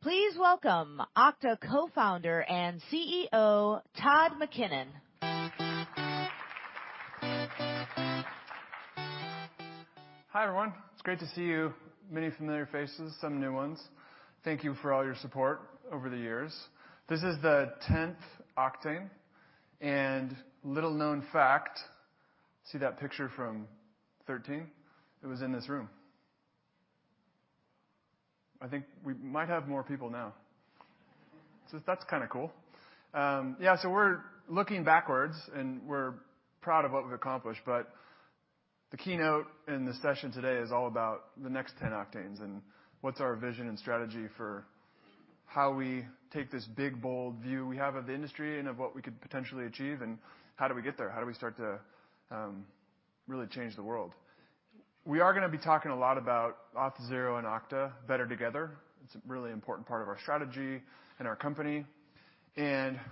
Please welcome Okta Co-founder and CEO, Todd McKinnon. Hi, everyone. It's great to see you. Many familiar faces, some new ones. Thank you for all your support over the years. This is the 10th Oktane. Little known fact, see that picture from 2013? It was in this room. I think we might have more people now. That's kinda cool. We're looking backwards, and we're proud of what we've accomplished, but the keynote and the session today is all about the next 10 Oktanes and what's our vision and strategy for how we take this big, bold view we have of the industry and of what we could potentially achieve and how do we get there. How do we start to really change the world? We are gonna be talking a lot about Auth0 and Okta, better together. It's a really important part of our strategy and our company.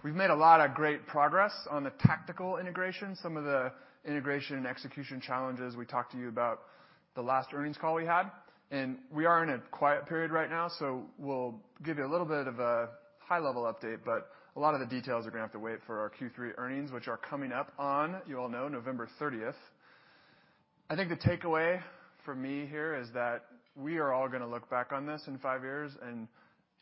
We've made a lot of great progress on the tactical integration, some of the integration and execution challenges we talked to you about the last earnings call we had. We are in a quiet period right now, so we'll give you a little bit of a high-level update, but a lot of the details are gonna have to wait for our Q3 earnings, which are coming up on, you all know, November30th. I think the takeaway for me here is that we are all gonna look back on this in five years and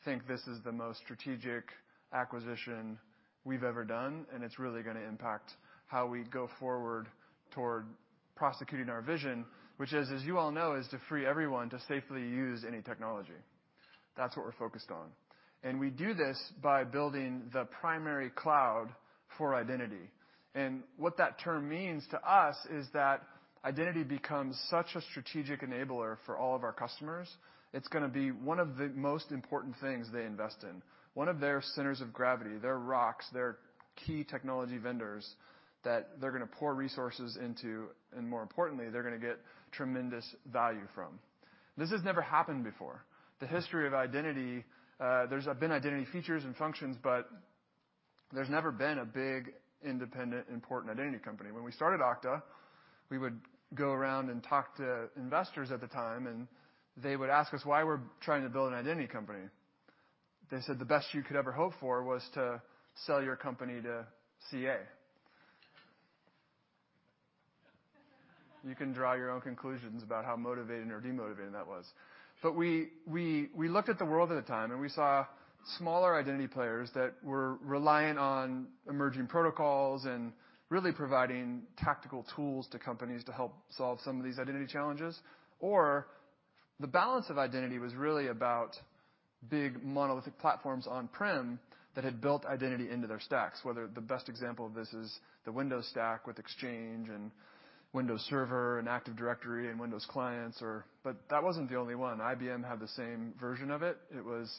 think this is the most strategic acquisition we've ever done, and it's really gonna impact how we go forward toward prosecuting our vision. Which is, as you all know, is to free everyone to safely use any technology. That's what we're focused on. We do this by building the primary cloud for identity. What that term means to us is that identity becomes such a strategic enabler for all of our customers. It's gonna be one of the most important things they invest in, one of their centers of gravity, their rocks, their key technology vendors that they're gonna pour resources into, and more importantly, they're gonna get tremendous value from. This has never happened before. The history of identity, there's been identity features and functions, but there's never been a big, independent, important identity company. When we started Okta, we would go around and talk to investors at the time, and they would ask us why we're trying to build an identity company. They said, "The best you could ever hope for was to sell your company to CA." You can draw your own conclusions about how motivating or demotivating that was. We looked at the world at the time, and we saw smaller identity players that were reliant on emerging protocols and really providing tactical tools to companies to help solve some of these identity challenges. The balance of identity was really about big monolithic platforms on-prem that had built identity into their stacks, whether the best example of this is the Windows stack with Exchange and Windows Server and Active Directory and Windows clients. That wasn't the only one. IBM had the same version of it. It was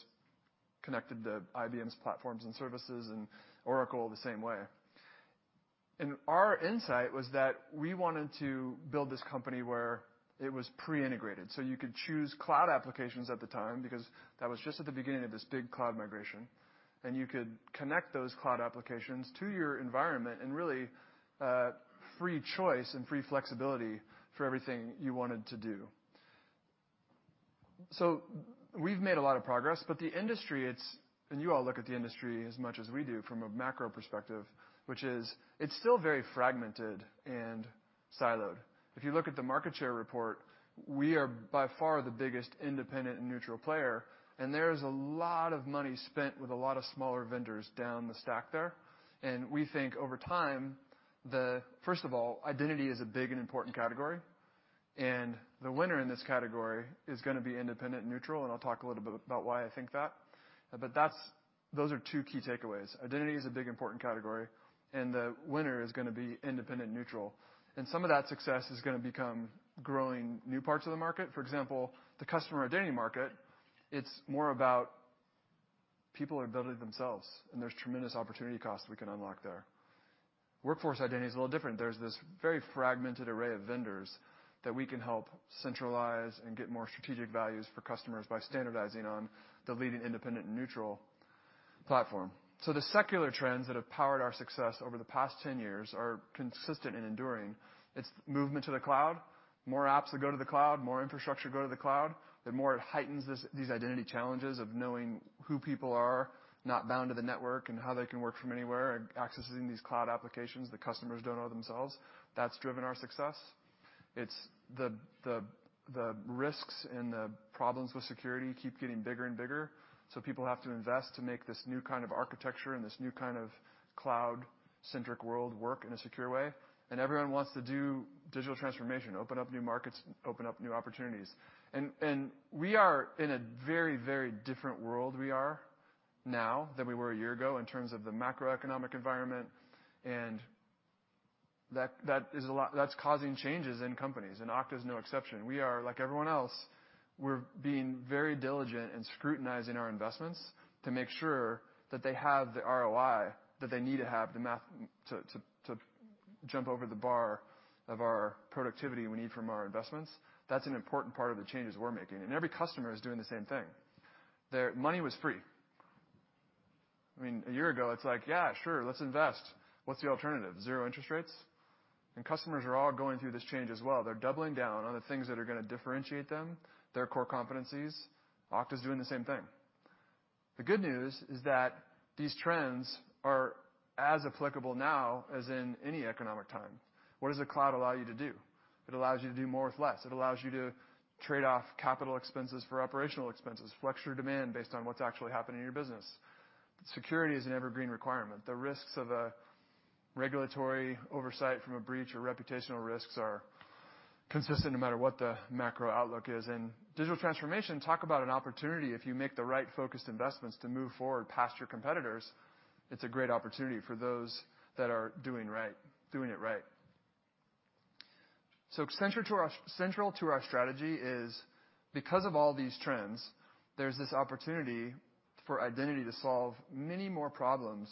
connected to IBM's platforms and services, and Oracle the same way. Our insight was that we wanted to build this company where it was pre-integrated, so you could choose cloud applications at the time because that was just at the beginning of this big cloud migration. You could connect those cloud applications to your environment and really free choice and free flexibility for everything you wanted to do. We've made a lot of progress, but the industry, it's still very fragmented and siloed. You all look at the industry as much as we do from a macro perspective, which is it's still very fragmented and siloed. If you look at the market share report, we are by far the biggest independent and neutral player, and there's a lot of money spent with a lot of smaller vendors down the stack there. We think over time, first of all, identity is a big and important category, and the winner in this category is gonna be independent and neutral, and I'll talk a little bit about why I think that. Those are two key takeaways. Identity is a big, important category, and the winner is gonna be independent, neutral. Some of that success is gonna come from growing new parts of the market. For example, the customer identity market, it's more about people are doubling themselves, and there's tremendous opportunities we can unlock there. Workforce identity is a little different. There's this very fragmented array of vendors that we can help centralize and get more strategic values for customers by standardizing on the leading independent and neutral platform. The secular trends that have powered our success over the past 10 years are consistent and enduring. It's movement to the cloud. More apps that go to the cloud, more infrastructure go to the cloud, the more it heightens these identity challenges of knowing who people are, not bound to the network and how they can work from anywhere. Accessing these cloud applications the customers don't know themselves. That's driven our success. It's the risks and the problems with security keep getting bigger and bigger, so people have to invest to make this new kind of architecture and this new kind of cloud-centric world work in a secure way. Everyone wants to do digital transformation, open up new markets, open up new opportunities. We are in a very, very different world, we are now than we were a year ago in terms of the macroeconomic environment, and that is a lot. That's causing changes in companies, and Okta is no exception. We are, like everyone else, we're being very diligent in scrutinizing our investments to make sure that they have the ROI that they need to have the math to jump over the bar of our productivity we need from our investments. That's an important part of the changes we're making, and every customer is doing the same thing. Their money was free. I mean, a year ago, it's like, "Yeah, sure. Let's invest." What's the alternative? Zero interest rates? Customers are all going through this change as well. They're doubling down on the things that are gonna differentiate them, their core competencies. Okta is doing the same thing. The good news is that these trends are as applicable now as in any economic time. What does a cloud allow you to do? It allows you to do more with less. It allows you to trade off capital expenses for operational expenses, flex your demand based on what's actually happening in your business. Security is an evergreen requirement. The risks of a regulatory oversight from a breach or reputational risks are consistent no matter what the macro outlook is. Digital transformation, talk about an opportunity. If you make the right focused investments to move forward past your competitors, it's a great opportunity for those that are doing right, doing it right. Central to our strategy is because of all these trends, there's this opportunity for identity to solve many more problems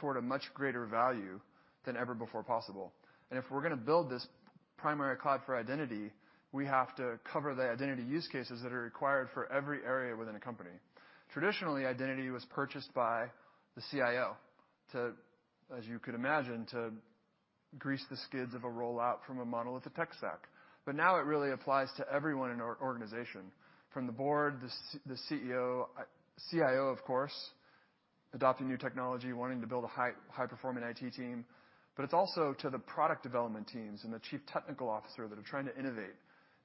toward a much greater value than ever before possible. If we're gonna build this primary cloud for identity, we have to cover the identity use cases that are required for every area within a company. Traditionally, identity was purchased by the CIO to, as you could imagine, to grease the skids of a rollout from a model with a tech stack. Now it really applies to everyone in our organization, from the board, the CEO, CIO, of course, adopting new technology, wanting to build a high-performing IT team, but it's also to the product development teams and the chief technical officer that are trying to innovate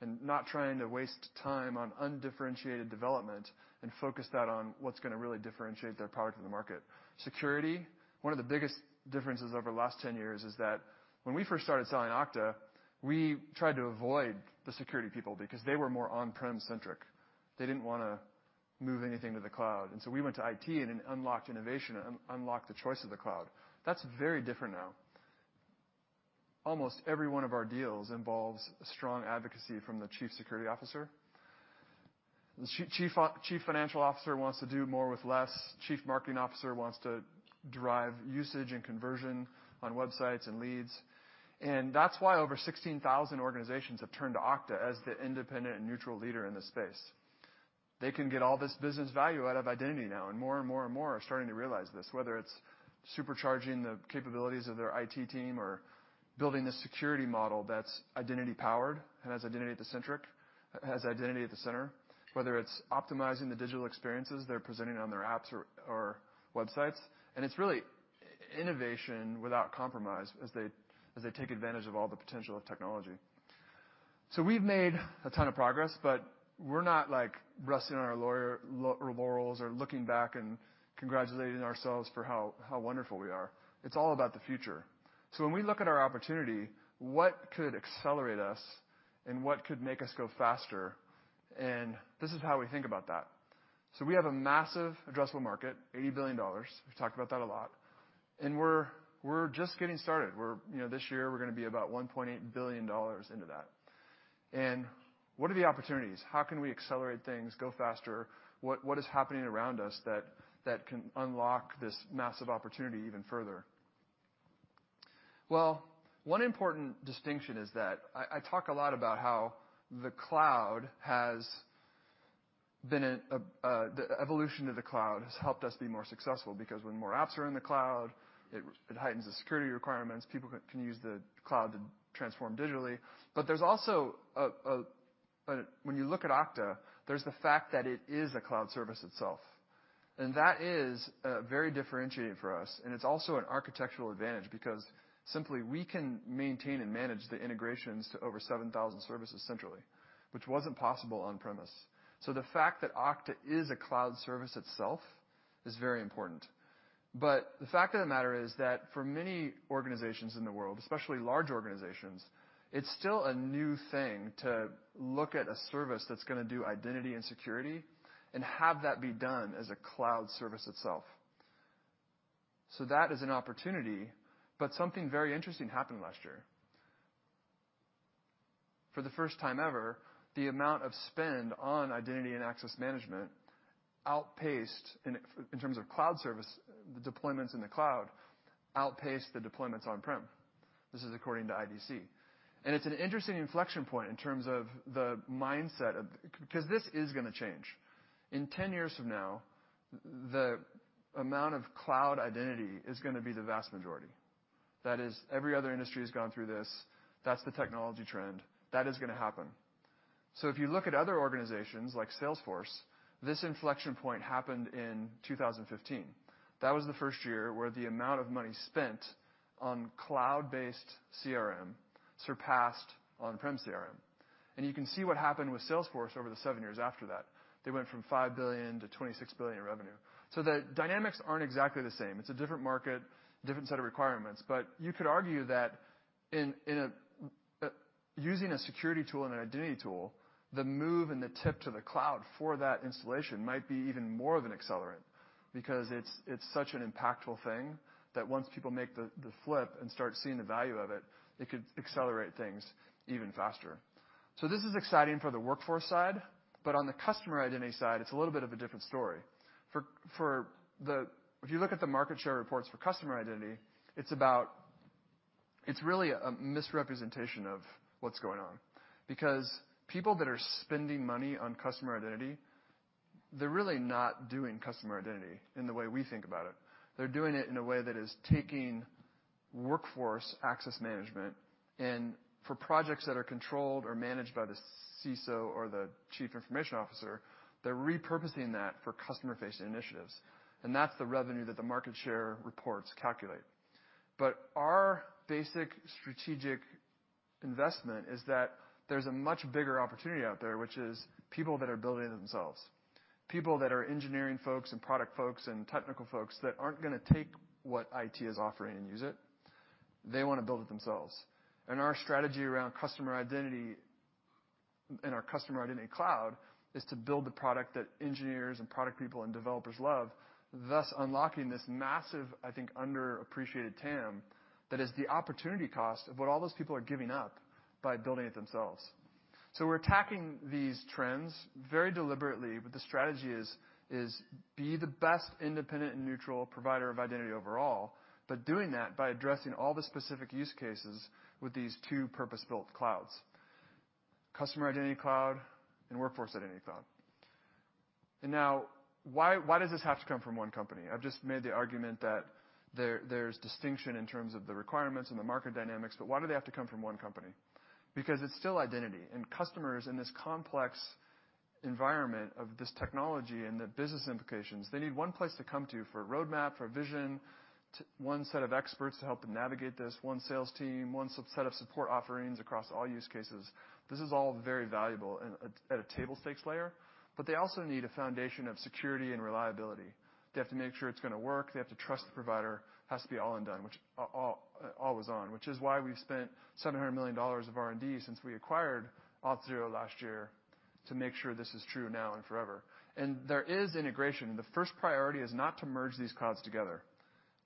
and not trying to waste time on undifferentiated development and focus that on what's gonna really differentiate their product in the market. Security, one of the biggest differences over the last 10 years is that when we first started selling Okta, we tried to avoid the security people because they were more on-prem centric. They didn't wanna move anything to the cloud. We went to IT and then unlocked innovation and unlocked the choice of the cloud. That's very different now. Almost every one of our deals involves strong advocacy from the Chief Security Officer. The Chief Financial Officer wants to do more with less. Chief Marketing Officer wants to derive usage and conversion on websites and leads. That's why over 16,000 organizations have turned to Okta as the independent and neutral leader in this space. They can get all this business value out of identity now, and more and more and more are starting to realize this, whether it's supercharging the capabilities of their IT team or building a security model that's identity-powered and has identity at the center, whether it's optimizing the digital experiences they're presenting on their apps or websites. It's really innovation without compromise as they take advantage of all the potential of technology. We've made a ton of progress, but we're not like resting our laurels or looking back and congratulating ourselves for how wonderful we are. It's all about the future. When we look at our opportunity, what could accelerate us and what could make us go faster? This is how we think about that. We have a massive addressable market, $80 billion. We've talked about that a lot. We're just getting started. You know, this year, we're gonna be about $1.8 billion into that. What are the opportunities? How can we accelerate things, go faster? What is happening around us that can unlock this massive opportunity even further? Well, one important distinction is that I talk a lot about how the evolution of the cloud has helped us be more successful because when more apps are in the cloud, it heightens the security requirements. People can use the cloud to transform digitally. There's also, when you look at Okta, the fact that it is a cloud service itself. That is very differentiating for us. It's also an architectural advantage because simply, we can maintain and manage the integrations to over 7,000 services centrally, which wasn't possible on-premise. The fact that Okta is a cloud service itself is very important. The fact of the matter is that for many organizations in the world, especially large organizations, it's still a new thing to look at a service that's gonna do identity and security and have that be done as a cloud service itself. That is an opportunity, but something very interesting happened last year. For the first time ever, the amount of spend on identity and access management outpaced in terms of cloud service, the deployments in the cloud, outpaced the deployments on-prem. This is according to IDC. It's an interesting inflection point in terms of the mindset. Because this is gonna change. In 10 years from now, the amount of cloud identity is gonna be the vast majority. That is, every other industry has gone through this. That's the technology trend. That is gonna happen. If you look at other organizations like Salesforce, this inflection point happened in 2015. That was the first year where the amount of money spent on cloud-based CRM surpassed on-prem CRM. You can see what happened with Salesforce over the seven years after that. They went from $5 billion-$26 billion in revenue. The dynamics aren't exactly the same. It's a different market, different set of requirements. You could argue that in a using a security tool and an identity tool, the move and the tip to the cloud for that installation might be even more of an accelerant because it's such an impactful thing that once people make the flip and start seeing the value of it could accelerate things even faster. This is exciting for the workforce side, but on the customer identity side, it's a little bit of a different story. If you look at the market share reports for customer identity, it's really a misrepresentation of what's going on because people that are spending money on customer identity, they're really not doing customer identity in the way we think about it. They're doing it in a way that is taking workforce access management and for projects that are controlled or managed by the CISO or the chief information officer, they're repurposing that for customer-facing initiatives. That's the revenue that the market share reports calculate. Our basic strategic investment is that there's a much bigger opportunity out there, which is people that are building it themselves. People that are engineering folks and product folks and technical folks that aren't gonna take what IT is offering and use it. They wanna build it themselves. Our strategy around customer identity and our Customer Identity Cloud is to build the product that engineers and product people and developers love, thus unlocking this massive, I think, underappreciated TAM that is the opportunity cost of what all those people are giving up by building it themselves. We're attacking these trends very deliberately. The strategy is to be the best independent and neutral provider of identity overall, but doing that by addressing all the specific use cases with these two purpose-built clouds, Customer Identity Cloud and Workforce Identity Cloud. Now why does this have to come from one company? I've just made the argument that there's distinction in terms of the requirements and the market dynamics, but why do they have to come from one company? Because it's still identity and customers in this complex environment of this technology and the business implications, they need one place to come to for a roadmap, for a vision, one set of experts to help them navigate this, one sales team, one subset of support offerings across all use cases. This is all very valuable and at a table stakes layer, but they also need a foundation of security and reliability. They have to make sure it's gonna work. They have to trust the provider. Which is why we've spent $700 million of R&D since we acquired Auth0 last year to make sure this is true now and forever. There is integration. The first priority is not to merge these clouds together.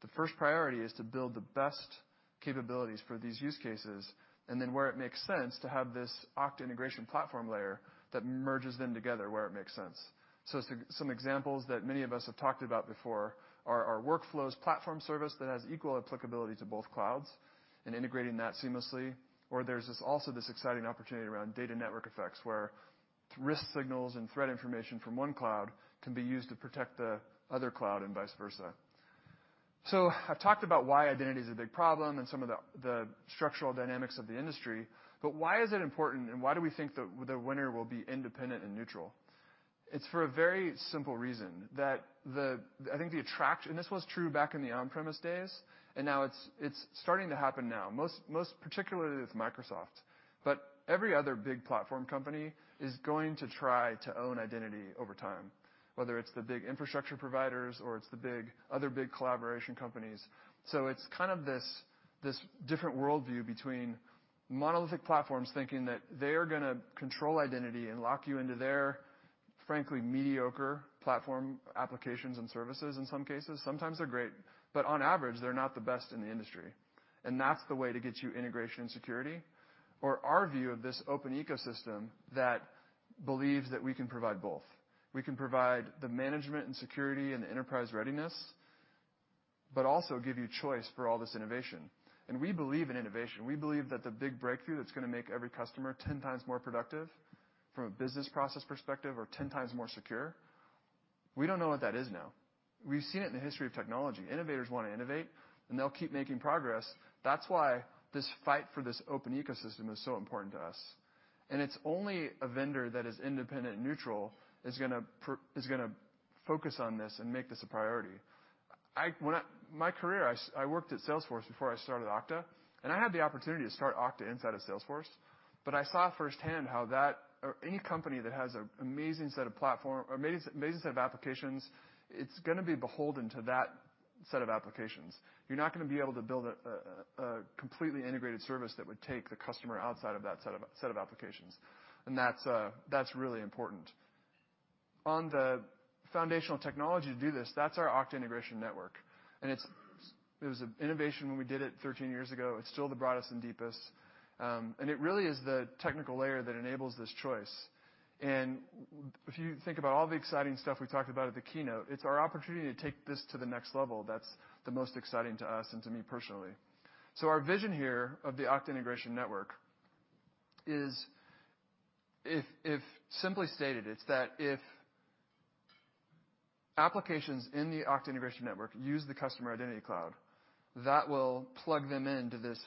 The first priority is to build the best capabilities for these use cases and then where it makes sense to have this Okta integration platform layer that merges them together where it makes sense. Some examples that many of us have talked about before are workflows platform service that has equal applicability to both clouds and integrating that seamlessly. Or there's this exciting opportunity around data network effects where risk signals and threat information from one cloud can be used to protect the other cloud and vice versa. I've talked about why identity is a big problem and some of the structural dynamics of the industry, but why is it important and why do we think the winner will be independent and neutral? It's for a very simple reason. The attraction and this was true back in the on-premise days, and now it's starting to happen, most particularly with Microsoft. Every other big platform company is going to try to own identity over time, whether it's the big infrastructure providers or it's the big other big collaboration companies. It's kind of this different worldview between monolithic platforms thinking that they're gonna control identity and lock you into their, frankly, mediocre platform applications and services in some cases. Sometimes they're great, but on average, they're not the best in the industry. That's the way to get your integration and security. Our view of this open ecosystem that believes that we can provide both. We can provide the management and security and the enterprise readiness, but also give you choice for all this innovation. We believe in innovation. We believe that the big breakthrough that's gonna make every customer ten times more productive from a business process perspective or ten times more secure, we don't know what that is now. We've seen it in the history of technology. Innovators wanna innovate, and they'll keep making progress. That's why this fight for this open ecosystem is so important to us. It's only a vendor that is independent and neutral is gonna focus on this and make this a priority. I In my career, I worked at Salesforce before I started Okta, and I had the opportunity to start Okta inside of Salesforce. I saw firsthand how that or any company that has an amazing set of applications is gonna be beholden to that set of applications. You're not gonna be able to build a completely integrated service that would take the customer outside of that set of applications. That's really important. On the foundational technology to do this, that's our Okta Integration Network. It was an innovation when we did it 13 years ago. It's still the broadest and deepest. It really is the technical layer that enables this choice. If you think about all the exciting stuff we talked about at the keynote, it's our opportunity to take this to the next level that's the most exciting to us and to me personally. Our vision here of the Okta Integration Network is, if simply stated, it's that if applications in the Okta Integration Network use the Customer Identity Cloud, that will plug them into this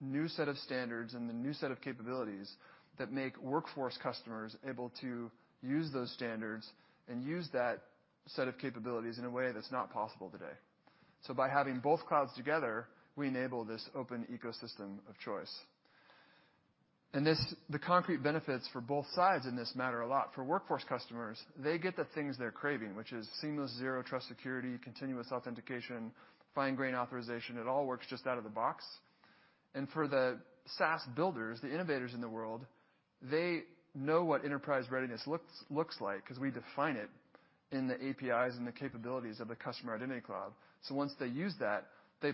new set of standards and the new set of capabilities that make workforce customers able to use those standards and use that set of capabilities in a way that's not possible today. By having both clouds together, we enable this open ecosystem of choice. This, the concrete benefits for both sides in this matter a lot. For workforce customers, they get the things they're craving, which is seamless Zero Trust security, continuous authentication, fine grain authorization. It all works just out of the box. For the SaaS builders, the innovators in the world, they know what enterprise readiness looks like 'cause we define it in the APIs and the capabilities of the Customer Identity Cloud. Once they use that, they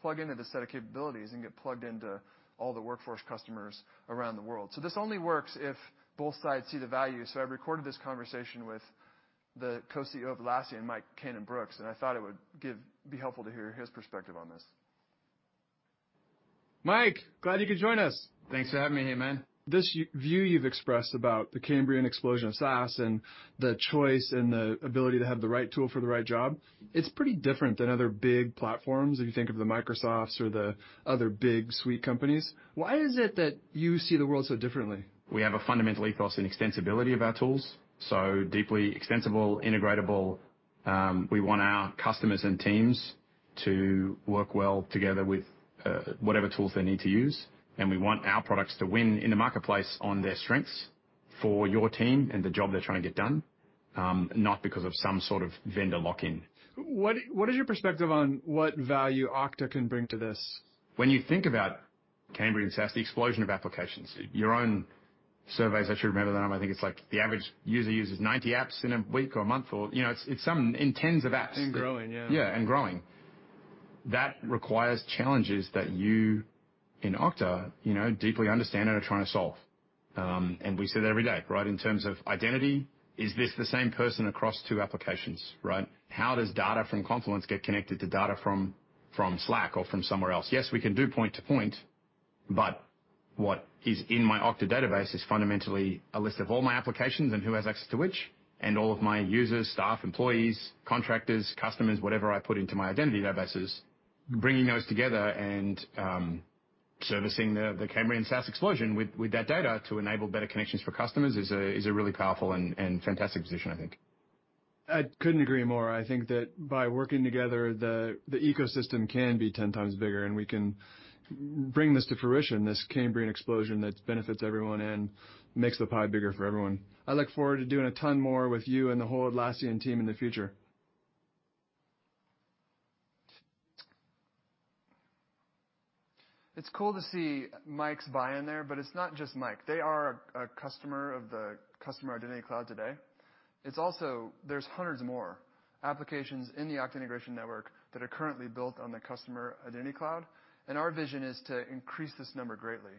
plug into the set of capabilities and get plugged into all the workforce customers around the world. This only works if both sides see the value. I've recorded this conversation with the co-CEO of Atlassian, Mike Cannon-Brookes, and I thought it would be helpful to hear his perspective on this. Mike, glad you could join us. Thanks for having me, Heyman. This view you've expressed about the Cambrian explosion of SaaS and the choice and the ability to have the right tool for the right job, it's pretty different than other big platforms if you think of the Microsofts or the other big suite companies. Why is it that you see the world so differently? We have a fundamental ethos and extensibility of our tools, so deeply extensible, integratable. We want our customers and teams to work well together with whatever tools they need to use, and we want our products to win in the marketplace on their strengths for your team and the job they're trying to get done, not because of some sort of vendor lock-in. What is your perspective on what value Okta can bring to this? When you think about Cambrian SaaS, the explosion of applications, your own surveys, I should remember the name. I think it's like the average user uses 90 apps in a week or a month or, you know, it's some in tens of apps. Growing, yeah. Yeah, growing. That requires challenges that you in Okta, you know, deeply understand and are trying to solve. We see it every day, right? In terms of identity, is this the same person across two applications, right? How does data from Confluence get connected to data from Slack or from somewhere else? Yes, we can do point to point, but what is in my Okta database is fundamentally a list of all my applications and who has access to which, and all of my users, staff, employees, contractors, customers, whatever I put into my identity databases, bringing those together and servicing the Cambrian SaaS explosion with that data to enable better connections for customers is a really powerful and fantastic position, I think. I couldn't agree more. I think that by working together, the ecosystem can be ten times bigger, and we can bring this to fruition, this Cambrian explosion that benefits everyone and makes the pie bigger for everyone. I look forward to doing a ton more with you and the whole Atlassian team in the future. It's cool to see Mike's buy-in there, but it's not just Mike. They are a customer of the Customer Identity Cloud today. It's also hundreds more applications in the Okta Integration Network that are currently built on the Customer Identity Cloud, and our vision is to increase this number greatly.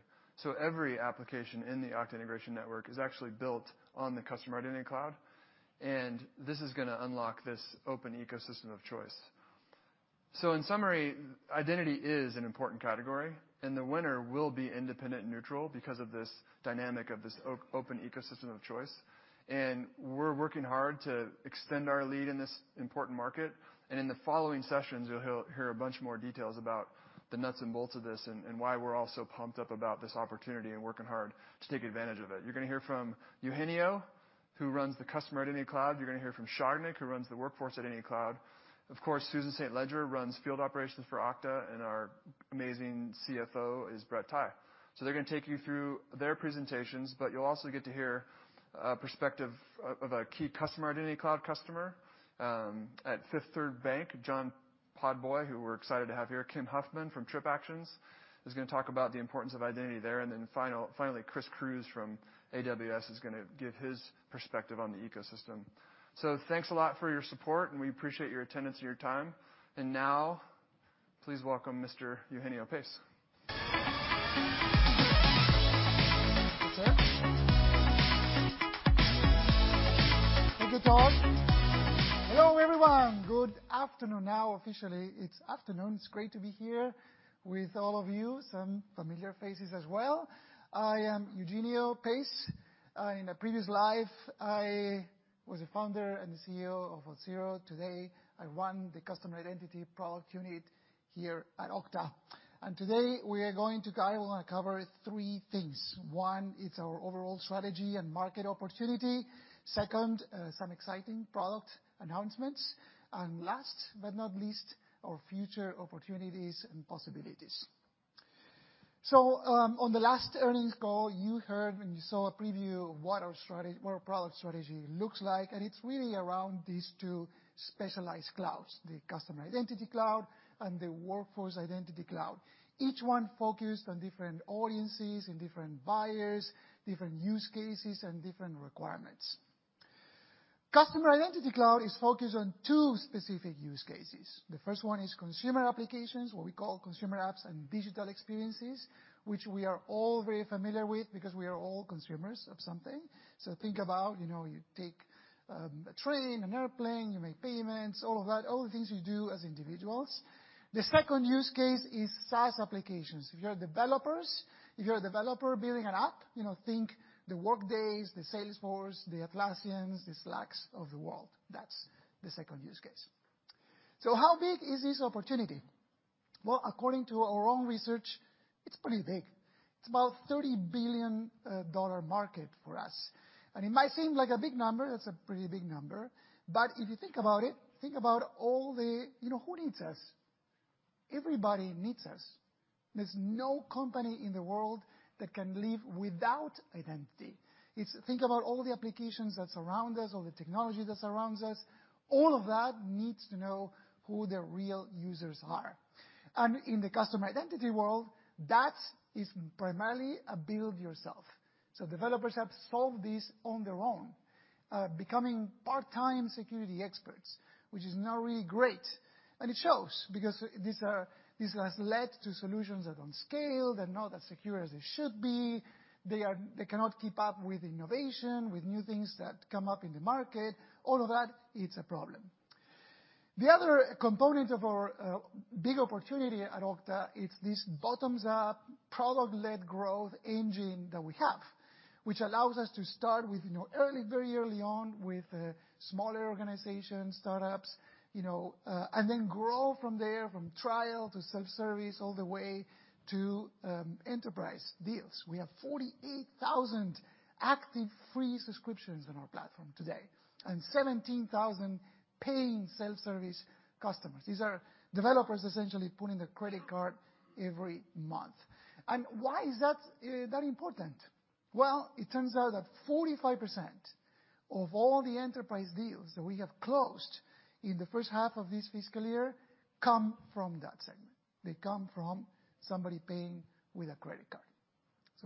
Every application in the Okta Integration Network is actually built on the Customer Identity Cloud, and this is gonna unlock this open ecosystem of choice. In summary, identity is an important category, and the winner will be independent and neutral because of this dynamic of this open ecosystem of choice. We're working hard to extend our lead in this important market. In the following sessions, you'll hear a bunch more details about the nuts and bolts of this and why we're all so pumped up about this opportunity and working hard to take advantage of it. You're gonna hear from Eugenio, who runs the Customer Identity Cloud. You're gonna hear from Sagnik, who runs the Workforce Identity Cloud. Of course, Susan St. Ledger runs field operations for Okta, and our amazing CFO is Brett Tighe. They're gonna take you through their presentations, but you'll also get to hear a perspective of a key Customer Identity Cloud customer at Fifth Third Bank, John Podboy, who we're excited to have here. Kim Huffman from TripActions is gonna talk about the importance of identity there. Finally, Chris Cruz from AWS is gonna give his perspective on the ecosystem. Thanks a lot for your support, and we appreciate your attendance and your time. Now, please welcome Mr. Eugenio Pace. Sir. Hello, everyone. Good afternoon. Now, officially, it's afternoon. It's great to be here with all of you, some familiar faces as well. I am Eugenio Pace. In a previous life, I was a founder and the CEO of Auth0. Today, I run the Customer Identity product unit here at Okta. Today, I wanna cover three things. One is our overall strategy and market opportunity. Second, some exciting product announcements. Last but not least, our future opportunities and possibilities. On the last earnings call, you heard when you saw a preview of what our product strategy looks like, and it's really around these two specialized clouds, the Customer Identity Cloud and the Workforce Identity Cloud. Each one focused on different audiences and different buyers, different use cases and different requirements. Customer Identity Cloud is focused on two specific use cases. The first one is consumer applications, what we call consumer apps and digital experiences, which we are all very familiar with because we are all consumers of something. Think about, you know, you take a train, an airplane, you make payments, all of that, all the things you do as individuals. The second use case is SaaS applications. If you're developers, if you're a developer building an app, you know, think the Workdays, the Salesforces, the Atlassians, the Slacks of the world. That's the second use case. How big is this opportunity? Well, according to our own research, it's pretty big. It's about $30 billion dollar market for us. It might seem like a big number, that's a pretty big number, but if you think about it, think about all the, you know, who needs us. Everybody needs us. There's no company in the world that can live without identity. It's think about all the applications that surround us or the technology that surrounds us. All of that needs to know who the real users are. In the customer identity world, that is primarily a build yourself. Developers have solved this on their own, becoming part-time security experts, which is not really great. It shows because this has led to solutions that don't scale. They're not as secure as they should be. They cannot keep up with innovation, with new things that come up in the market, all of that, it's a problem. The other component of our big opportunity at Okta is this bottoms-up product-led growth engine that we have, which allows us to start with, you know, very early on with smaller organizations, startups, you know, and then grow from there from trial to self-service all the way to enterprise deals. We have 48,000 active free subscriptions on our platform today, and 17,000 paying self-service customers. These are developers essentially putting the credit card every month. Why is that important? Well, it turns out that 45% of all the enterprise deals that we have closed in the first half of this fiscal year come from that segment. They come from somebody paying with a credit card.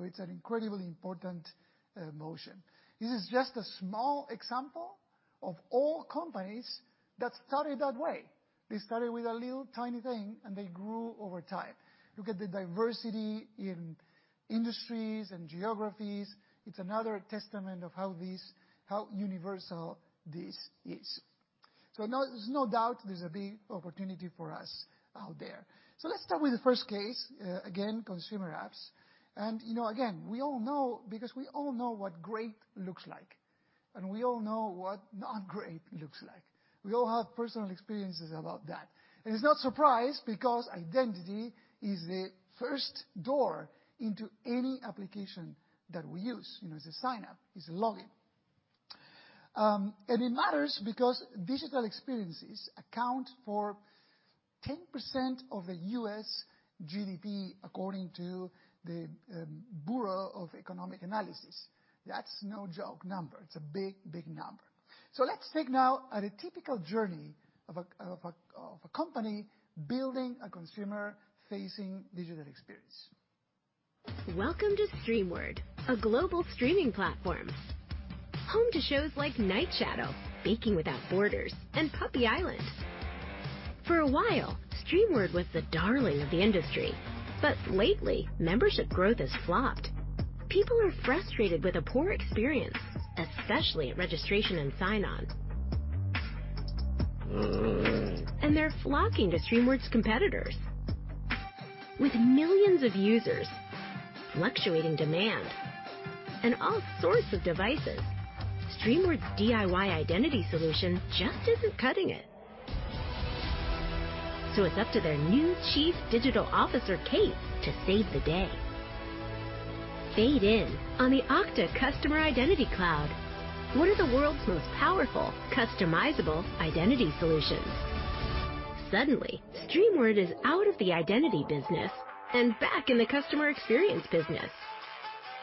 It's an incredibly important motion. This is just a small example of all companies that started that way. They started with a little tiny thing, and they grew over time. Look at the diversity in industries and geographies. It's another testament of how universal this is. Now there's no doubt there's a big opportunity for us out there. Let's start with the first case, again, consumer apps. You know, we all know what great looks like, and we all know what not great looks like. We all have personal experiences about that. It's no surprise because identity is the first door into any application that we use, you know, as a sign up, as a login. It matters because digital experiences account for 10% of the U.S. GDP according to the Bureau of Economic Analysis. That's no joke number. It's a big, big number. Let's take a look at a typical journey of a company building a consumer-facing digital experience. Welcome to Streamward, a global streaming platform. Home to shows like Night Shadow, Baking without Borders, and Puppy Island. For a while, Streamward was the darling of the industry, but lately, membership growth has flopped. People are frustrated with a poor experience, especially at registration and sign-on. They're flocking to Streamward's competitors. With millions of users, fluctuating demand, and all sorts of devices, Streamward's DIY identity solution just isn't cutting it. It's up to their new chief digital officer, Kate, to save the day. Fade in on the Okta Customer Identity Cloud, one of the world's most powerful, customizable identity solutions. Suddenly, Streamward is out of the identity business and back in the customer experience business.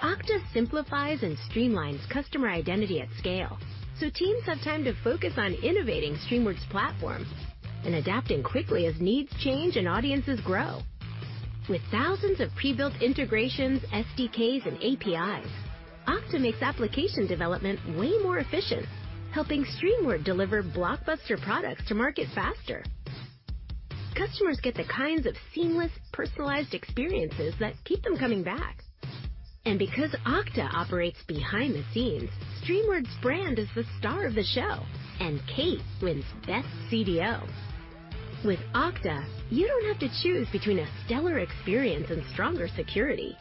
Okta simplifies and streamlines customer identity at scale, so teams have time to focus on innovating Streamward's platform and adapting quickly as needs change and audiences grow. With thousands of pre-built integrations, SDKs, and APIs, Okta makes application development way more efficient, helping Streamward deliver blockbuster products to market faster. Customers get the kinds of seamless, personalized experiences that keep them coming back. Because Okta operates behind the scenes, Streamward's brand is the star of the show, and Kate wins best CDO. With Okta, you don't have to choose between a stellar experience and stronger security.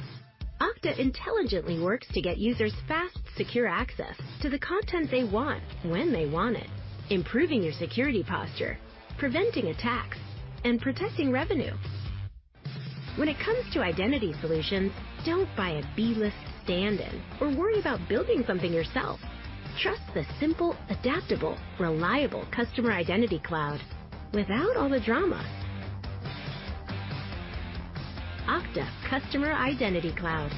Okta intelligently works to get users fast, secure access to the content they want, when they want it, improving your security posture, preventing attacks, and protecting revenue. When it comes to identity solutions, don't buy a B-list stand-in or worry about building something yourself. Trust the simple, adaptable, reliable Customer Identity Cloud without all the drama. Okta Customer Identity Cloud.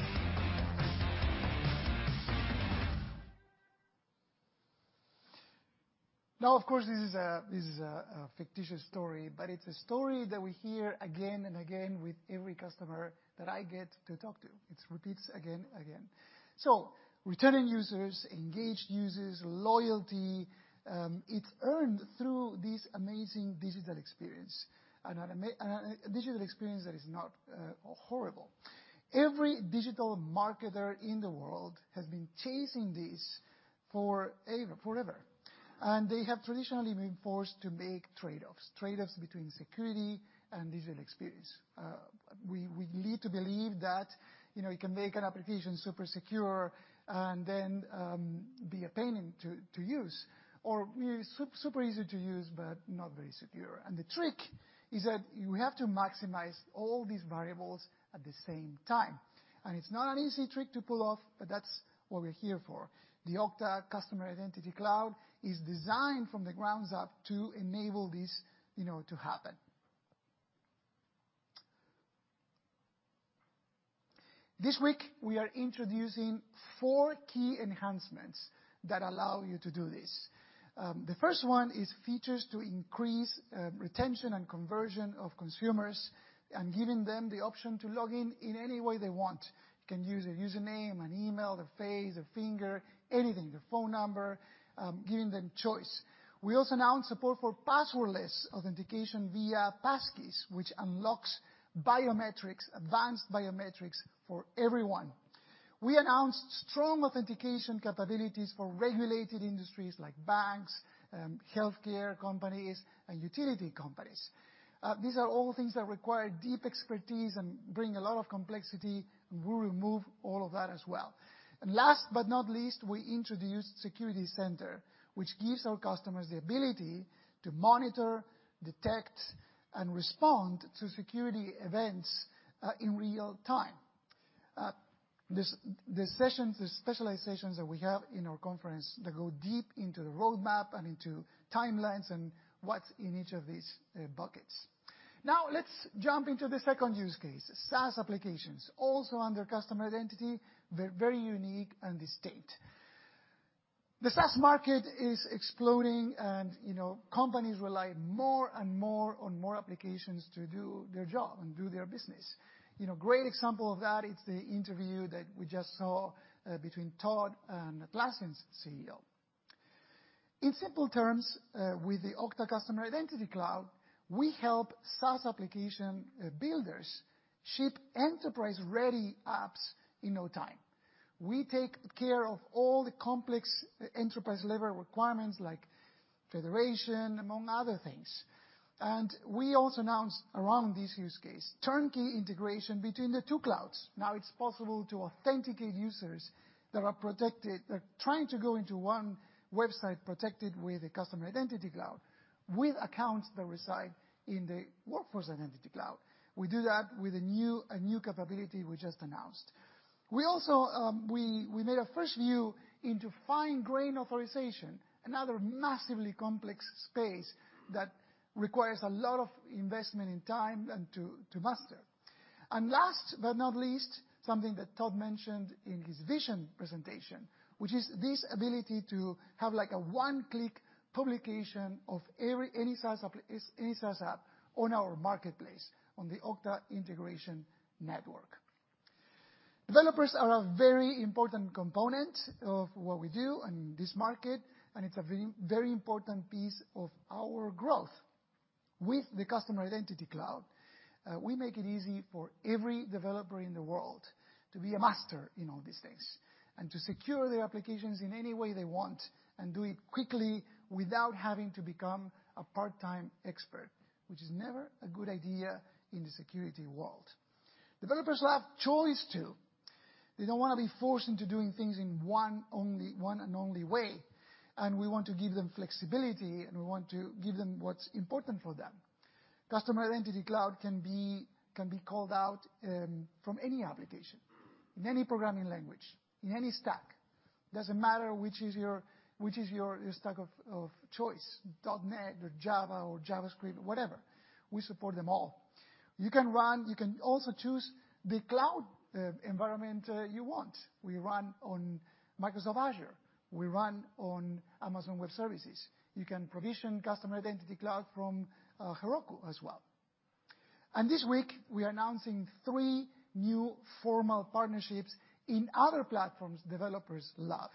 Now, of course, this is a fictitious story, but it's a story that we hear again and again with every customer that I get to talk to. It repeats again and again. Returning users, engaged users, loyalty, it's earned through this amazing digital experience. A digital experience that is not horrible. Every digital marketer in the world has been chasing this forever, and they have traditionally been forced to make trade-offs. Trade-offs between security and digital experience. We are led to believe that, you know, you can make an application super secure and then be a pain to use or super easy to use, but not very secure. The trick is that you have to maximize all these variables at the same time. It's not an easy trick to pull off, but that's what we're here for. The Okta Customer Identity Cloud is designed from the grounds up to enable this, you know, to happen. This week, we are introducing four key enhancements that allow you to do this. The first one is features to increase retention and conversion of consumers and giving them the option to log in in any way they want. You can use a username, an email, their face, a finger, anything, their phone number, giving them choice. We also announced support for passwordless authentication via passkeys, which unlocks biometrics, advanced biometrics for everyone. We announced strong authentication capabilities for regulated industries like banks, healthcare companies and utility companies. These are all things that require deep expertise and bring a lot of complexity. We remove all of that as well. Last but not least, we introduced Security Center, which gives our customers the ability to monitor, detect and respond to security events in real time. The sessions, the specializations that we have in our conference, they go deep into the roadmap and into timelines and what's in each of these buckets. Now, let's jump into the second use case, SaaS applications. Also under customer identity. They're very unique in the state. The SaaS market is exploding and, you know, companies rely more and more on more applications to do their job and do their business. You know, great example of that, it's the interview that we just saw between Todd and Atlassian's CEO. In simple terms, with the Okta Customer Identity Cloud, we help SaaS application builders ship enterprise-ready apps in no time. We take care of all the complex enterprise-level requirements like federation, among other things. We also announced around this use case turnkey integration between the two clouds. Now it's possible to authenticate users that are protected, that are trying to go into one website protected with a Customer Identity Cloud with accounts that reside in the Workforce Identity Cloud. We do that with a new capability we just announced. We also made a fresh view into fine-grained authorization, another massively complex space that requires a lot of investment and time and to master. Last but not least, something that Todd mentioned in his vision presentation, which is this ability to have like a one-click publication of any size app on our marketplace, on the Okta Integration Network. Developers are a very important component of what we do in this market, and it's a very, very important piece of our growth. With the Customer Identity Cloud, we make it easy for every developer in the world to be a master in all these things and to secure their applications in any way they want and do it quickly without having to become a part-time expert, which is never a good idea in the security world. Developers love choice too. They don't want to be forced into doing things in one and only way. We want to give them flexibility, and we want to give them what's important for them. Customer Identity Cloud can be called out from any application, in any programming language, in any stack. Doesn't matter which is your stack of choice, .NET or Java or JavaScript, whatever. We support them all. You can also choose the cloud environment you want. We run on Microsoft Azure. We run on Amazon Web Services. You can provision Customer Identity Cloud from Heroku as well. This week we're announcing three new formal partnerships in other platforms developers love.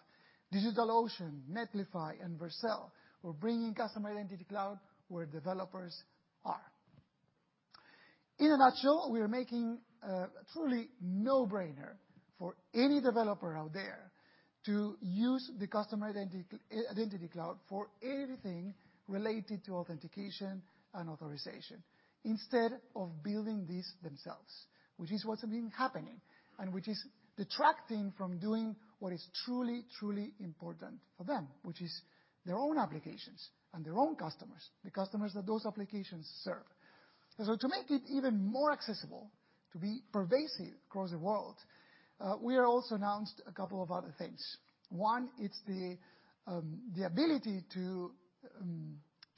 DigitalOcean, Netlify and Vercel. We're bringing Customer Identity Cloud where developers are. In a nutshell, we are making truly a no-brainer for any developer out there to use the Customer Identity Cloud for everything related to authentication and authorization instead of building these themselves, which is what's been happening and which is detracting from doing what is truly important for them, which is their own applications and their own customers, the customers that those applications serve. To make it even more accessible, to be pervasive across the world, we are also announcing a couple of other things. One, it's the ability to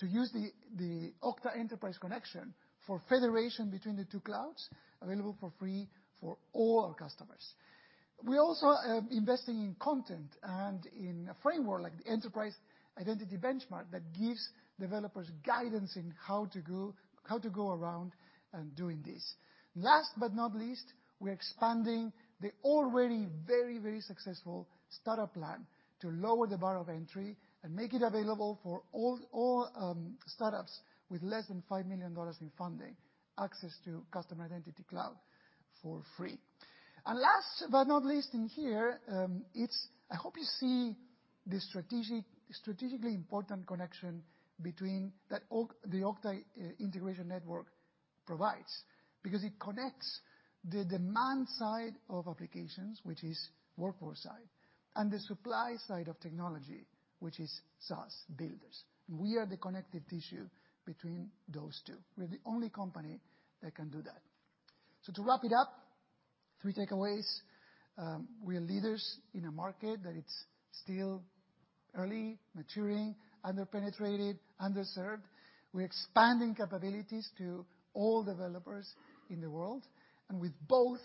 use the Okta Enterprise Connection for federation between the two clouds available for free for all our customers. We're also investing in content and in a framework like the Enterprise Identity Benchmark that gives developers guidance in how to go around doing this. Last but not least, we're expanding the already very successful startup plan to lower the bar of entry and make it available for all startups with less than $5 million in funding, access to Customer Identity Cloud for free. Last but not least in here, I hope you see the strategically important connection between that the Okta Integration Network provides, because it connects the demand side of applications, which is workforce side, and the supply side of technology, which is SaaS builders. We are the connective tissue between those two. We're the only company that can do that. To wrap it up, three takeaways. We are leaders in a market that is still early, maturing, underpenetrated, underserved. We're expanding capabilities to all developers in the world. With both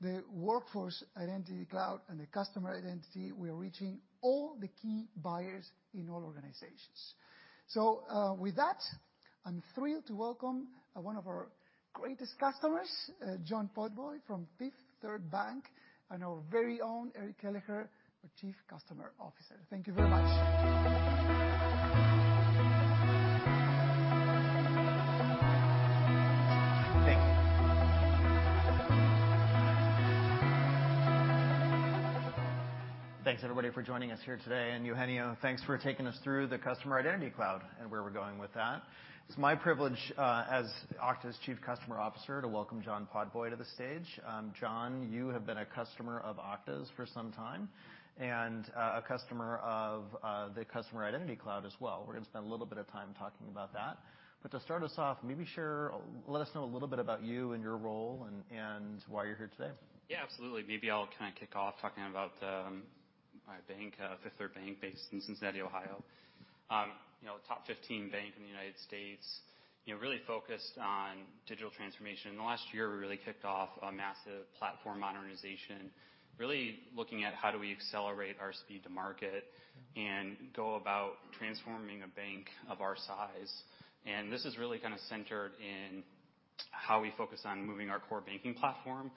the Workforce Identity Cloud and the Customer Identity, we are reaching all the key buyers in all organizations. With that, I'm thrilled to welcome one of our greatest customers, John Podboy from Fifth Third Bank, and our very own Eric Kelleher, our Chief Customer Officer. Thank you very much. Thanks, everybody, for joining us here today. Eugenio, thanks for taking us through the Customer Identity Cloud and where we're going with that. It's my privilege, as Okta's chief customer officer, to welcome John Podboy to the stage. John, you have been a customer of Okta's for some time and a customer of the Customer Identity Cloud as well. We're going to spend a little bit of time talking about that. To start us off, let us know a little bit about you and your role and why you're here today. Yeah, absolutely. Maybe I'll kind of kick off talking about my bank, Fifth Third Bank based in Cincinnati, Ohio. You know, top 15 bank in the United States. You know, really focused on digital transformation. In the last year, we really kicked off a massive platform modernization, really looking at how do we accelerate our speed to market and go about transforming a bank of our size. This is really kind of centered in how we focus on moving our core banking platform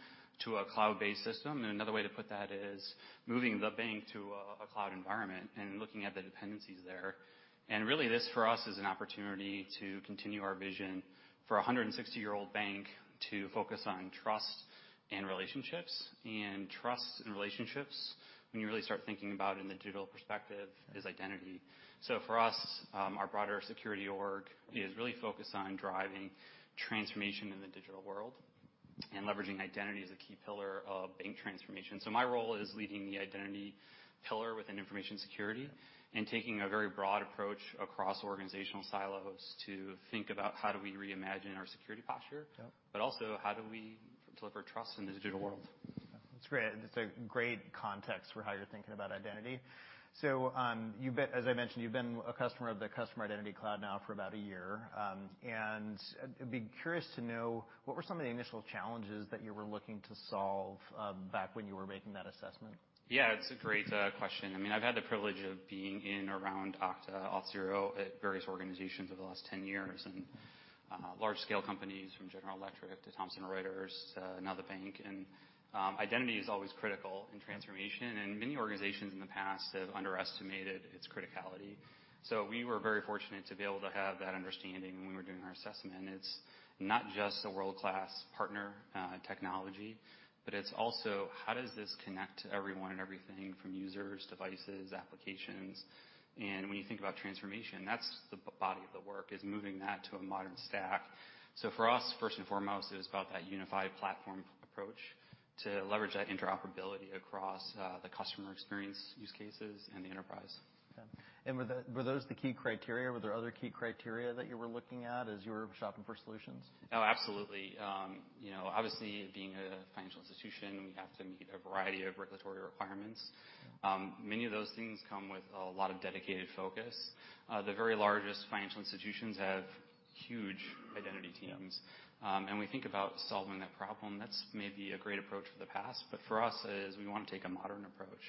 to a cloud-based system. Another way to put that is moving the bank to a cloud environment and looking at the dependencies there. Really this for us is an opportunity to continue our vision for a 160-year-old bank to focus on trust and relationships. Trust and relationships when you really start thinking about in the digital perspective is identity. For us, our broader security org is really focused on driving transformation in the digital world and leveraging identity as a key pillar of bank transformation. My role is leading the identity pillar within information security and taking a very broad approach across organizational silos to think about how do we reimagine our security posture. Yep. also how do we deliver trust in the digital world? That's great. It's a great context for how you're thinking about identity. As I mentioned, you've been a customer of the Customer Identity Cloud now for about a year. I'd be curious to know what were some of the initial challenges that you were looking to solve, back when you were making that assessment? Yeah, it's a great question. I mean, I've had the privilege of being in and around Okta Auth0 at various organizations over the last 10 years. Large-scale companies from General Electric to Thomson Reuters, now the bank. Identity is always critical in transformation, and many organizations in the past have underestimated its criticality. We were very fortunate to be able to have that understanding when we were doing our assessment. It's not just a world-class partner technology, but it's also how does this connect to everyone and everything from users, devices, applications. When you think about transformation, that's the body of the work, is moving that to a modern stack. For us, first and foremost, it was about that unified platform approach to leverage that interoperability across the customer experience use cases and the enterprise. Yeah. Were those the key criteria? Were there other key criteria that you were looking at as you were shopping for solutions? Oh, absolutely. You know, obviously being a financial institution, we have to meet a variety of regulatory requirements. Many of those things come with a lot of dedicated focus. The very largest financial institutions have huge identity teams. We think about solving that problem. That's maybe a great approach for the past, but for us, is we want to take a modern approach.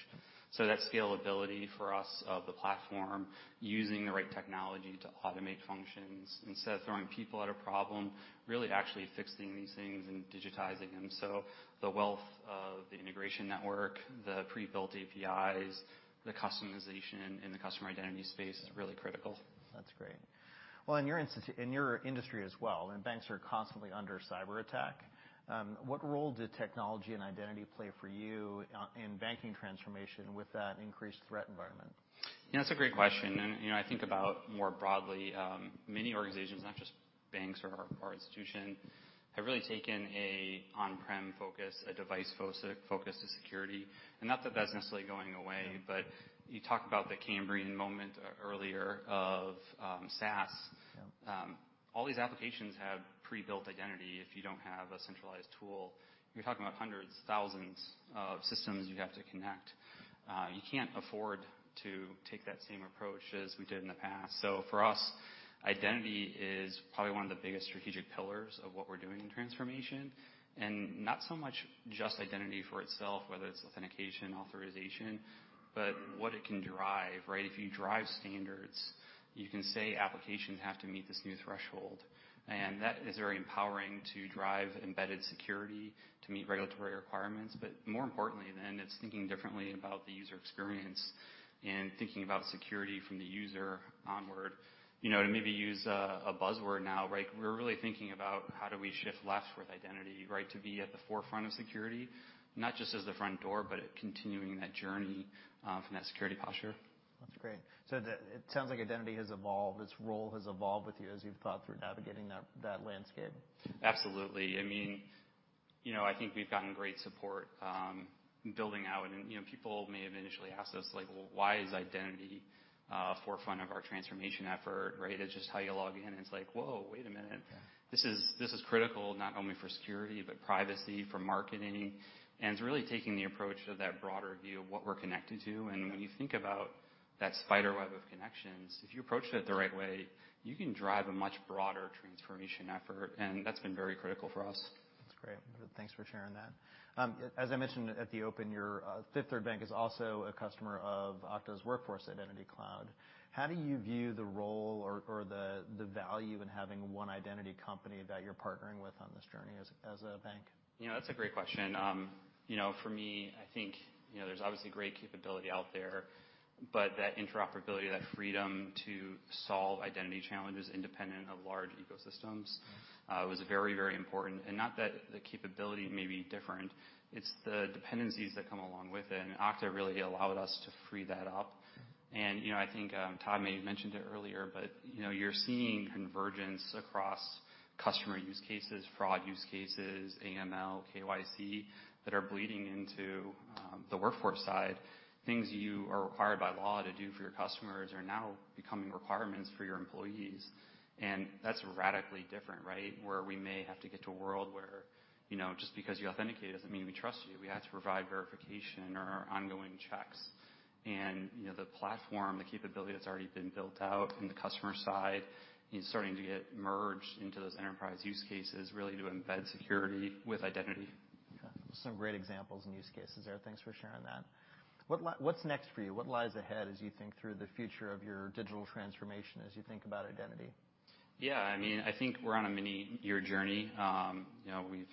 That scalability for us of the platform, using the right technology to automate functions instead of throwing people at a problem, really actually fixing these things and digitizing them. The wealth of the integration network, the pre-built APIs, the customization in the customer identity space is really critical. That's great. Well, in your industry as well, I mean, banks are constantly under cyberattack. What role did technology and identity play for you, in banking transformation with that increased threat environment? You know, that's a great question. You know, I think about more broadly, many organizations, not just banks or our institution, have really taken a on-prem focus, a device focus to security. Not that that's necessarily going away. Yeah. You talk about the Cambrian moment earlier of SaaS. Yeah. All these applications have pre-built identity if you don't have a centralized tool. You're talking about hundreds, thousands of systems you have to connect. You can't afford to take that same approach as we did in the past. For us, identity is probably one of the biggest strategic pillars of what we're doing in transformation. Not so much just identity for itself, whether it's authentication, authorization, but what it can drive, right? If you drive standards, you can say applications have to meet this new threshold. That is very empowering to drive embedded security to meet regulatory requirements. More importantly then, it's thinking differently about the user experience and thinking about security from the user onward. You know, to maybe use a buzzword now, right? We're really thinking about how do we shift left with identity, right? To be at the forefront of security, not just as the front door, but continuing that journey, from that security posture. That's great. It sounds like identity has evolved, its role has evolved with you as you've thought through navigating that landscape. Absolutely. I mean, you know, I think we've gotten great support in building out. You know, people may have initially asked us, like, "Well, why is identity forefront of our transformation effort?" Right? It's just how you log in. It's like, whoa, wait a minute. Yeah. This is critical not only for security, but privacy, for marketing. It's really taking the approach to that broader view of what we're connected to. Mm-hmm. When you think about that spider web of connections, if you approach it the right way, you can drive a much broader transformation effort, and that's been very critical for us. That's great. Thanks for sharing that. As I mentioned at the open, your Fifth Third Bank is also a customer of Okta's Workforce Identity Cloud. How do you view the role or the value in having one identity company that you're partnering with on this journey as a bank? You know, that's a great question. You know, for me, I think, you know, there's obviously great capability out there, but that interoperability, that freedom to solve identity challenges independent of large ecosystems, was very, very important. Not that the capability may be different. It's the dependencies that come along with it, and Okta really allowed us to free that up. You know, I think, Todd may have mentioned it earlier, but, you know, you're seeing convergence across customer use cases, fraud use cases, AML, KYC, that are bleeding into the workforce side. Things you are required by law to do for your customers are now becoming requirements for your employees, and that's radically different, right? Where we may have to get to a world where, you know, just because you authenticate doesn't mean we trust you. We have to provide verification or ongoing checks. You know, the platform, the capability that's already been built out in the customer side is starting to get merged into those enterprise use cases really to embed security with identity. Okay. Some great examples and use cases there. Thanks for sharing that. What's next for you? What lies ahead as you think through the future of your digital transformation as you think about identity? Yeah, I mean, I think we're on a many-year journey. You know, we've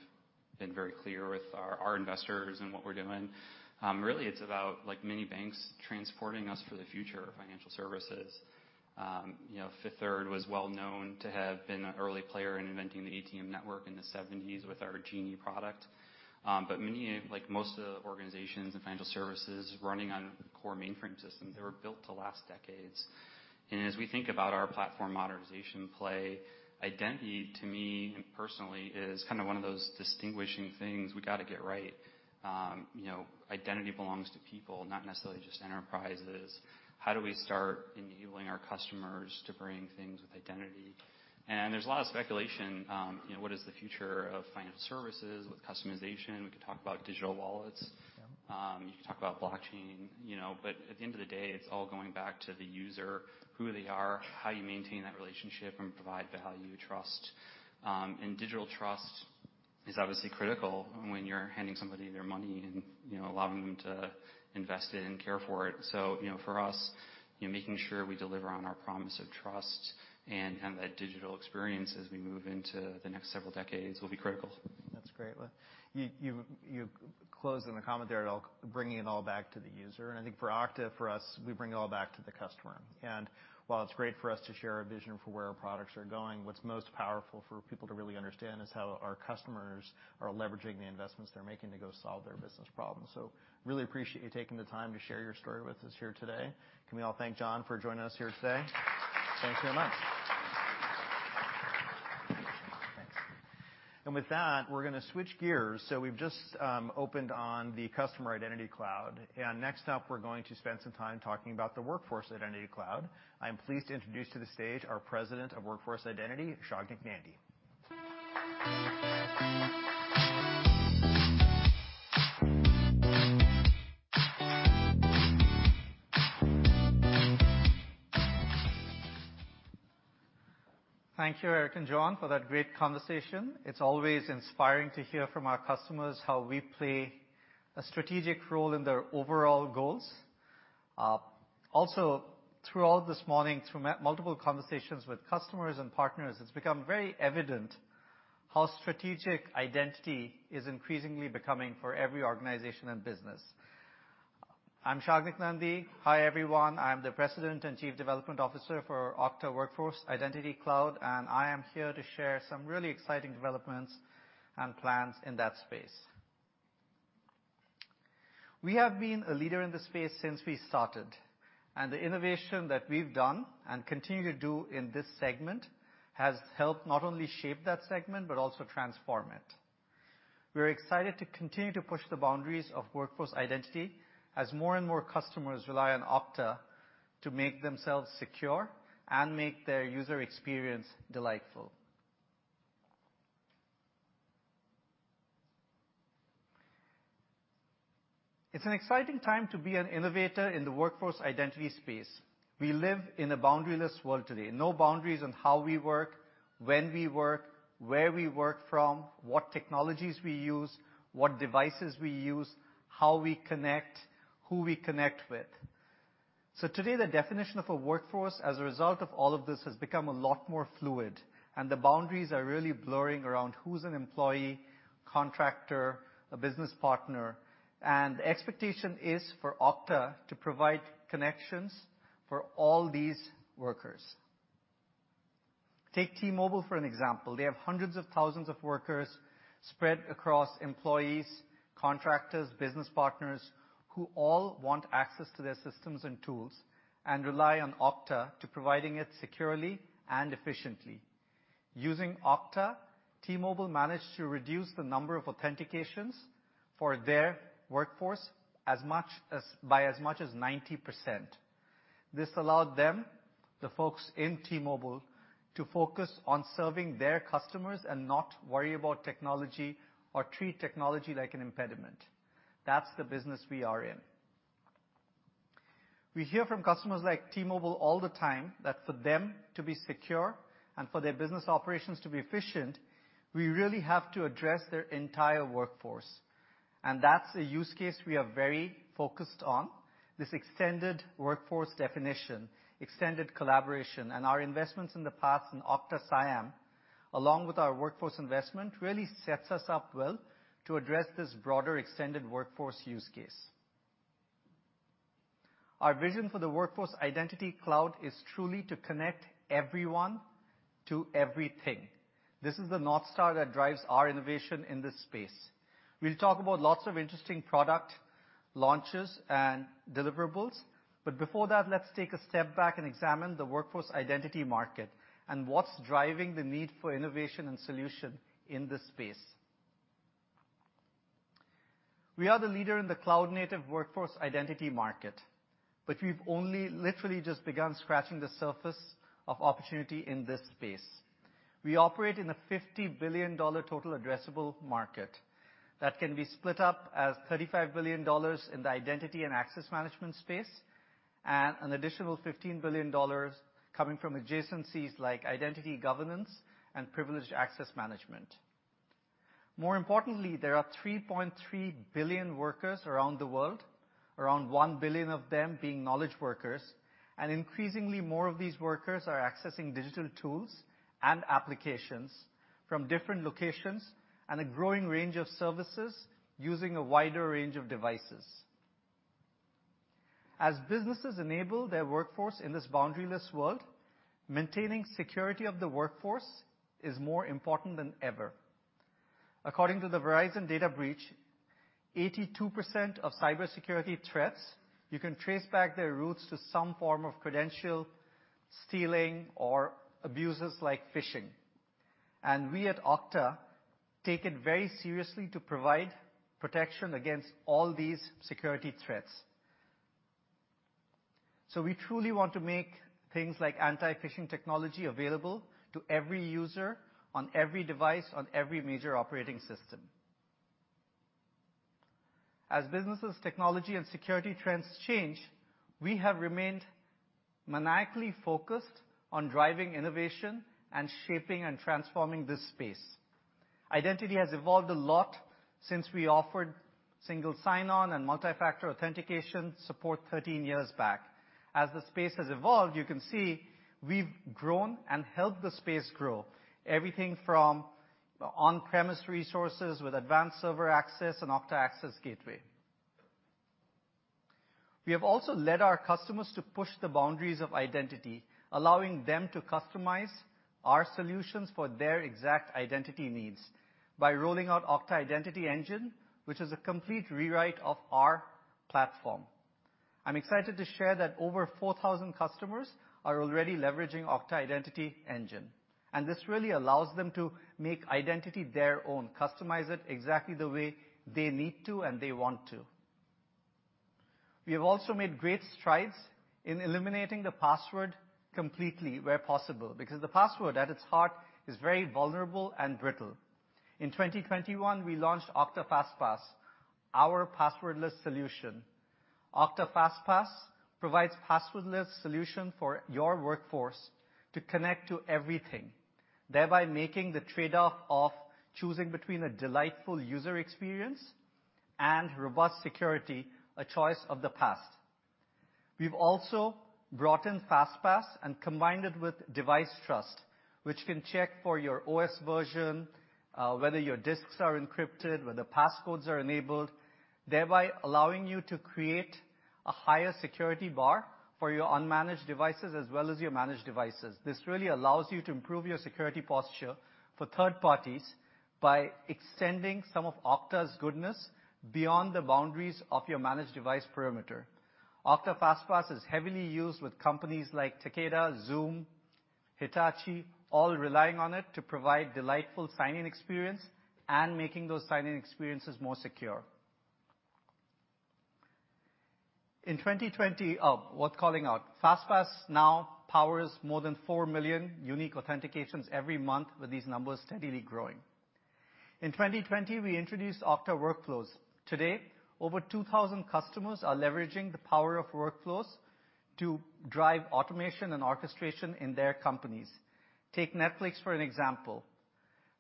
been very clear with our investors and what we're doing. Really it's about like many banks transforming us for the future of financial services. You know, Fifth Third was well known to have been an early player in inventing the ATM network in the 1970s with our Jeanie product. But many, like most of the organizations in financial services running on core mainframe systems, they were built to last decades. As we think about our platform modernization play, identity, to me personally, is kind of one of those distinguishing things we gotta get right. You know, identity belongs to people, not necessarily just enterprises. How do we start enabling our customers to bring things with identity? There's a lot of speculation, you know, what is the future of financial services with customization? We could talk about digital wallets. Yeah. You could talk about blockchain, you know. At the end of the day, it's all going back to the user, who they are, how you maintain that relationship and provide value, trust. Digital trust is obviously critical when you're handing somebody their money and, you know, allowing them to invest it and care for it. You know, for us, you know, making sure we deliver on our promise of trust and that digital experience as we move into the next several decades will be critical. That's great. Well, you closed in the commentary at all, bringing it all back to the user, and I think for Okta, for us, we bring it all back to the customer. While it's great for us to share our vision for where our products are going, what's most powerful for people to really understand is how our customers are leveraging the investments they're making to go solve their business problems. Really appreciate you taking the time to share your story with us here today. Can we all thank John for joining us here today? Thanks very much. Thanks. With that, we're gonna switch gears. We've just opened on the Customer Identity Cloud. Next up, we're going to spend some time talking about the Workforce Identity Cloud. I'm pleased to introduce to the stage our President of Workforce Identity, Sagnik Nandy. Thank you, Eric and John, for that great conversation. It's always inspiring to hear from our customers how we play a strategic role in their overall goals. Also throughout this morning, through multiple conversations with customers and partners, it's become very evident how strategic identity is increasingly becoming for every organization and business. I'm Sagnik Nandy. Hi, everyone. I'm the President of Technology and CTO for Okta Workforce Identity Cloud, and I am here to share some really exciting developments and plans in that space. We have been a leader in this space since we started, and the innovation that we've done and continue to do in this segment has helped not only shape that segment, but also transform it. We're excited to continue to push the boundaries of workforce identity as more and more customers rely on Okta to make themselves secure and make their user experience delightful. It's an exciting time to be an innovator in the workforce identity space. We live in a boundaryless world today. No boundaries on how we work, when we work, where we work from, what technologies we use, what devices we use, how we connect, who we connect with. So today, the definition of a workforce, as a result of all of this, has become a lot more fluid, and the boundaries are really blurring around who's an employee, contractor, a business partner. The expectation is for Okta to provide connections for all these workers. Take T-Mobile, for an example. They have hundreds of thousands of workers spread across employees, contractors, business partners, who all want access to their systems and tools and rely on Okta to provide it securely and efficiently. Using Okta, T-Mobile managed to reduce the number of authentications for their workforce by as much as 90%. This allowed them, the folks in T-Mobile, to focus on serving their customers and not worry about technology or treat technology like an impediment. That's the business we are in. We hear from customers like T-Mobile all the time that for them to be secure and for their business operations to be efficient, we really have to address their entire workforce. That's a use case we are very focused on, this extended workforce definition, extended collaboration. Our investments in the past in Okta SCIM, along with our workforce investment, really sets us up well to address this broader extended workforce use case. Our vision for the Workforce Identity Cloud is truly to connect everyone to everything. This is the North Star that drives our innovation in this space. We'll talk about lots of interesting product launches and deliverables. Before that, let's take a step back and examine the workforce identity market and what's driving the need for innovation and solution in this space. We are the leader in the cloud-native workforce identity market, but we've only literally just begun scratching the surface of opportunity in this space. We operate in a $50 billion total addressable market that can be split up as $35 billion in the identity and access management space and an additional $15 billion coming from adjacencies like identity governance and privileged access management. More importantly, there are 3.3 billion workers around the world, around 1 billion of them being knowledge workers. Increasingly more of these workers are accessing digital tools and applications from different locations and a growing range of services using a wider range of devices. As businesses enable their workforce in this boundaryless world, maintaining security of the workforce is more important than ever. According to the Verizon Data Breach, 82% of cybersecurity threats, you can trace back their roots to some form of credential stealing or abuses like phishing. We at Okta take it very seriously to provide protection against all these security threats. We truly want to make things like anti-phishing technology available to every user on every device on every major operating system. As businesses, technology, and security trends change, we have remained maniacally focused on driving innovation and shaping and transforming this space. Identity has evolved a lot since we offered single sign-on and multi-factor authentication support 13 years back. As the space has evolved, you can see we've grown and helped the space grow. Everything from on-premises resources with Okta Advanced Server Access and Okta Access Gateway. We have also led our customers to push the boundaries of identity, allowing them to customize our solutions for their exact identity needs by rolling out Okta Identity Engine, which is a complete rewrite of our platform. I'm excited to share that over 4,000 customers are already leveraging Okta Identity Engine, and this really allows them to make identity their own, customize it exactly the way they need to and they want to. We have also made great strides in eliminating the password completely where possible, because the password at its heart is very vulnerable and brittle. In 2021, we launched Okta FastPass, our passwordless solution. Okta FastPass provides passwordless solution for your workforce to connect to everything, thereby making the trade-off of choosing between a delightful user experience and robust security a choice of the past. We've also brought in FastPass and combined it with Device Trust, which can check for your OS version, whether your disks are encrypted, whether passcodes are enabled, thereby allowing you to create a higher security bar for your unmanaged devices as well as your managed devices. This really allows you to improve your security posture for third parties by extending some of Okta's goodness beyond the boundaries of your managed device perimeter. Okta FastPass is heavily used with companies like Takeda, Zoom, Hitachi, all relying on it to provide delightful sign-in experience and making those sign-in experiences more secure. Oh, worth calling out. FastPass now powers more than 4 million unique authentications every month, with these numbers steadily growing. In 2020, we introduced Okta Workflows. Today, over 2,000 customers are leveraging the power of Workflows to drive automation and orchestration in their companies. Take Netflix, for an example.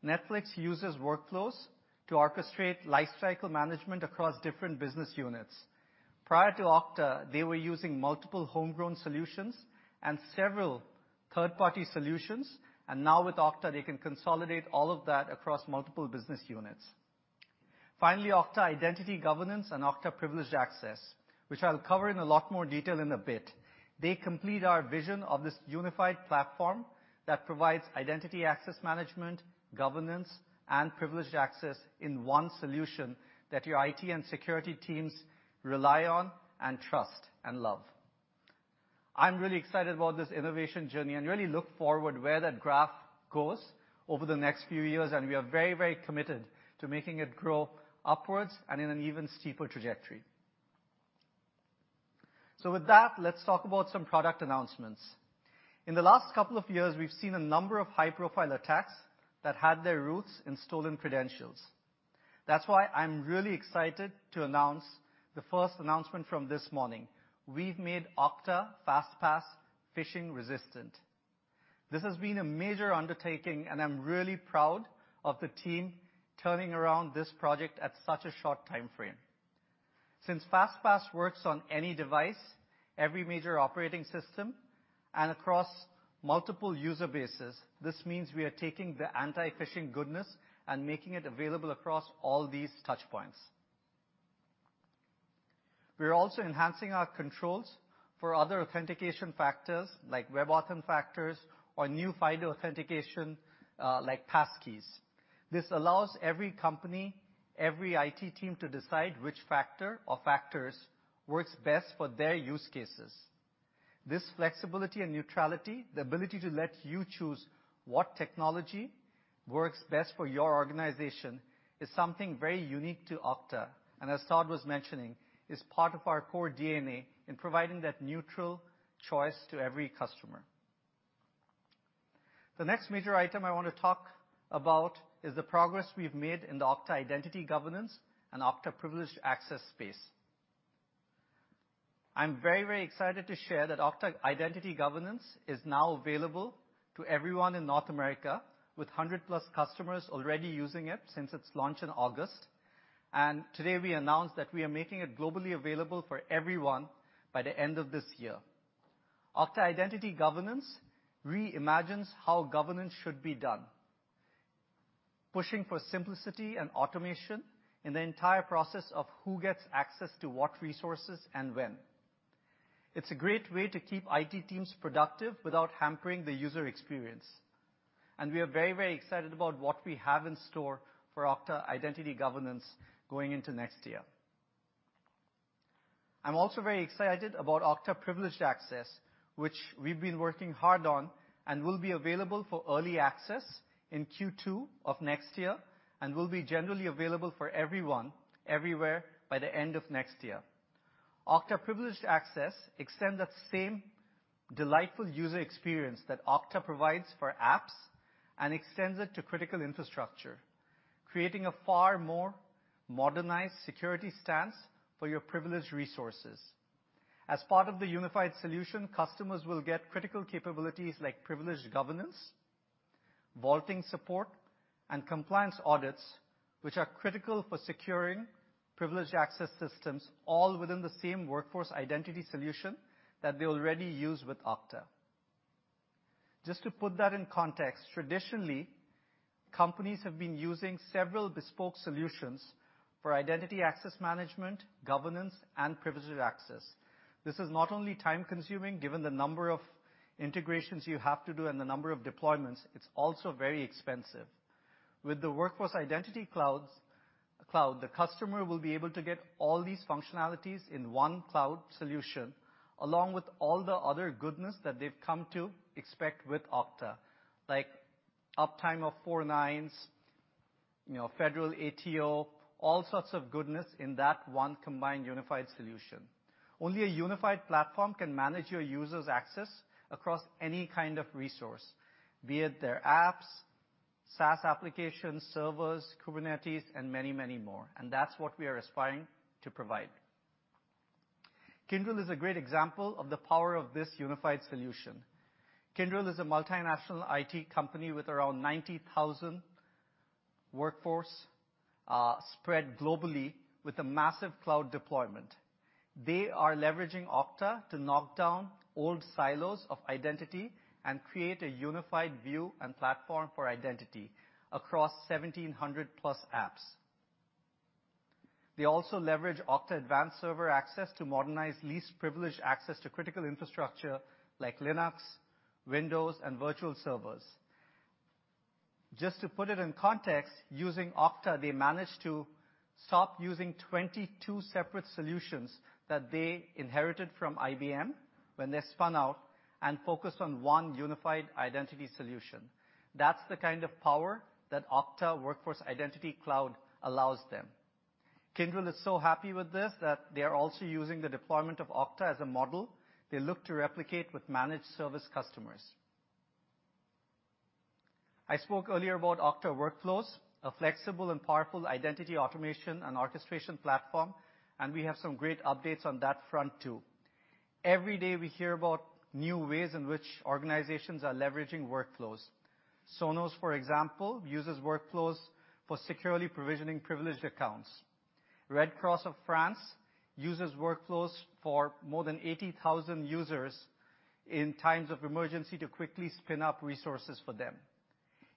Netflix uses Workflows to orchestrate lifecycle management across different business units. Prior to Okta, they were using multiple homegrown solutions and several third-party solutions, and now with Okta, they can consolidate all of that across multiple business units. Finally, Okta Identity Governance and Okta Privileged Access, which I'll cover in a lot more detail in a bit. They complete our vision of this unified platform that provides identity access management, governance, and privileged access in one solution that your IT and security teams rely on and trust and love. I'm really excited about this innovation journey and really look forward where that graph goes over the next few years, and we are very, very committed to making it grow upwards and in an even steeper trajectory. With that, let's talk about some product announcements. In the last couple of years, we've seen a number of high-profile attacks that had their roots in stolen credentials. That's why I'm really excited to announce the first announcement from this morning. We've made Okta FastPass phishing-resistant. This has been a major undertaking, and I'm really proud of the team turning around this project at such a short timeframe. Since FastPass works on any device, every major operating system, and across multiple user bases, this means we are taking the anti-phishing goodness and making it available across all these touchpoints. We are also enhancing our controls for other authentication factors like WebAuthn factors or new FIDO authentication, like passkeys. This allows every company, every IT team to decide which factor or factors works best for their use cases. This flexibility and neutrality, the ability to let you choose what technology works best for your organization, is something very unique to Okta, and as Todd was mentioning, is part of our core DNA in providing that neutral choice to every customer. The next major item I want to talk about is the progress we've made in the Okta Identity Governance and Okta Privileged Access space. I'm very, very excited to share that Okta Identity Governance is now available to everyone in North America with 100-plus customers already using it since its launch in August. Today, we announce that we are making it globally available for everyone by the end of this year. Okta Identity Governance reimagines how governance should be done, pushing for simplicity and automation in the entire process of who gets access to what resources and when. It's a great way to keep IT teams productive without hampering the user experience. We are very, very excited about what we have in store for Okta Identity Governance going into next year. I'm also very excited about Okta Privileged Access, which we've been working hard on, and will be available for early access in Q2 of next year, and will be generally available for everyone, everywhere by the end of next year. Okta Privileged Access extend that same delightful user experience that Okta provides for apps and extends it to critical infrastructure, creating a far more modernized security stance for your privileged resources. As part of the unified solution, customers will get critical capabilities like privileged governance, vaulting support, and compliance audits, which are critical for securing privileged access systems all within the same workforce identity solution that they already use with Okta. Just to put that in context, traditionally, companies have been using several bespoke solutions for identity access management, governance, and privileged access. This is not only time-consuming, given the number of integrations you have to do and the number of deployments, it's also very expensive. With the Workforce Identity Cloud, the customer will be able to get all these functionalities in one cloud solution, along with all the other goodness that they've come to expect with Okta, like uptime of four nines, you know, federal ATO, all sorts of goodness in that one combined unified solution. Only a unified platform can manage your users' access across any kind of resource, be it their apps, SaaS applications, servers, Kubernetes, and many, many more. That's what we are aspiring to provide. Kyndryl is a great example of the power of this unified solution. Kyndryl is a multinational IT company with around 90,000 workforce, spread globally with a massive cloud deployment. They are leveraging Okta to knock down old silos of identity and create a unified view and platform for identity across 1,700+ apps. They also leverage Okta Advanced Server Access to modernize least privileged access to critical infrastructure like Linux, Windows, and virtual servers. Just to put it in context, using Okta, they managed to stop using 22 separate solutions that they inherited from IBM when they spun out and focused on one unified identity solution. That's the kind of power that Okta Workforce Identity Cloud allows them. Kyndryl is so happy with this that they are also using the deployment of Okta as a model they look to replicate with managed service customers. I spoke earlier about Okta Workflows, a flexible and powerful identity automation and orchestration platform, and we have some great updates on that front too. Every day, we hear about new ways in which organizations are leveraging Workflows. Sonos, for example, uses Workflows for securely provisioning privileged accounts. French Red Cross uses Workflows for more than 80,000 users in times of emergency to quickly spin up resources for them.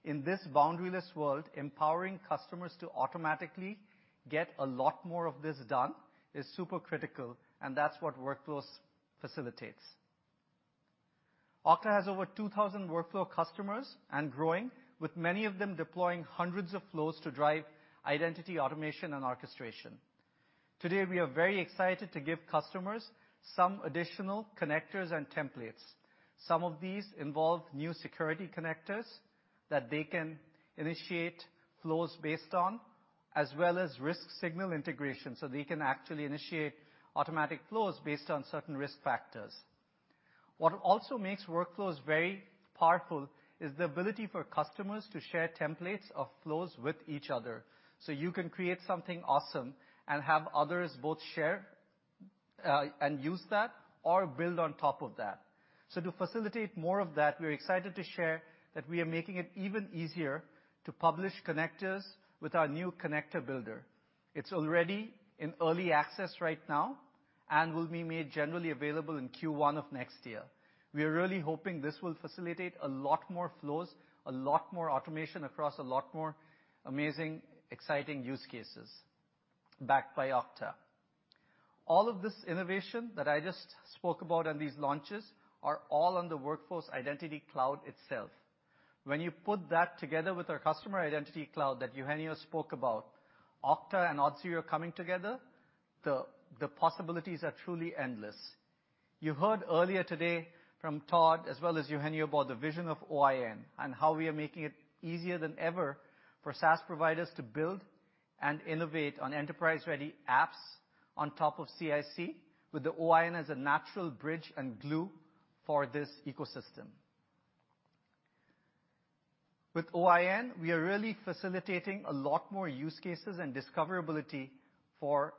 In this boundary-less world, empowering customers to automatically get a lot more of this done is super critical, and that's what Workflows facilitates. Okta has over 2,000 Workflow customers and growing, with many of them deploying hundreds of flows to drive identity automation and orchestration. Today, we are very excited to give customers some additional connectors and templates. Some of these involve new security connectors that they can initiate flows based on, as well as risk signal integration, so they can actually initiate automatic flows based on certain risk factors. What also makes workflows very powerful is the ability for customers to share templates of flows with each other, so you can create something awesome and have others both share and use that or build on top of that. To facilitate more of that, we're excited to share that we are making it even easier to publish connectors with our new connector builder. It's already in early access right now and will be made generally available in Q1 of next year. We are really hoping this will facilitate a lot more flows, a lot more automation across a lot more amazing, exciting use cases backed by Okta. All of this innovation that I just spoke about and these launches are all on the Workforce Identity Cloud itself. When you put that together with our Customer Identity Cloud that Eugenio spoke about, Okta and Auth0 coming together, the possibilities are truly endless. You heard earlier today from Todd as well as Eugenio about the vision of OIN and how we are making it easier than ever for SaaS providers to build and innovate on enterprise-ready apps on top of CIC with the OIN as a natural bridge and glue for this ecosystem. With OIN, we are really facilitating a lot more use cases and discoverability for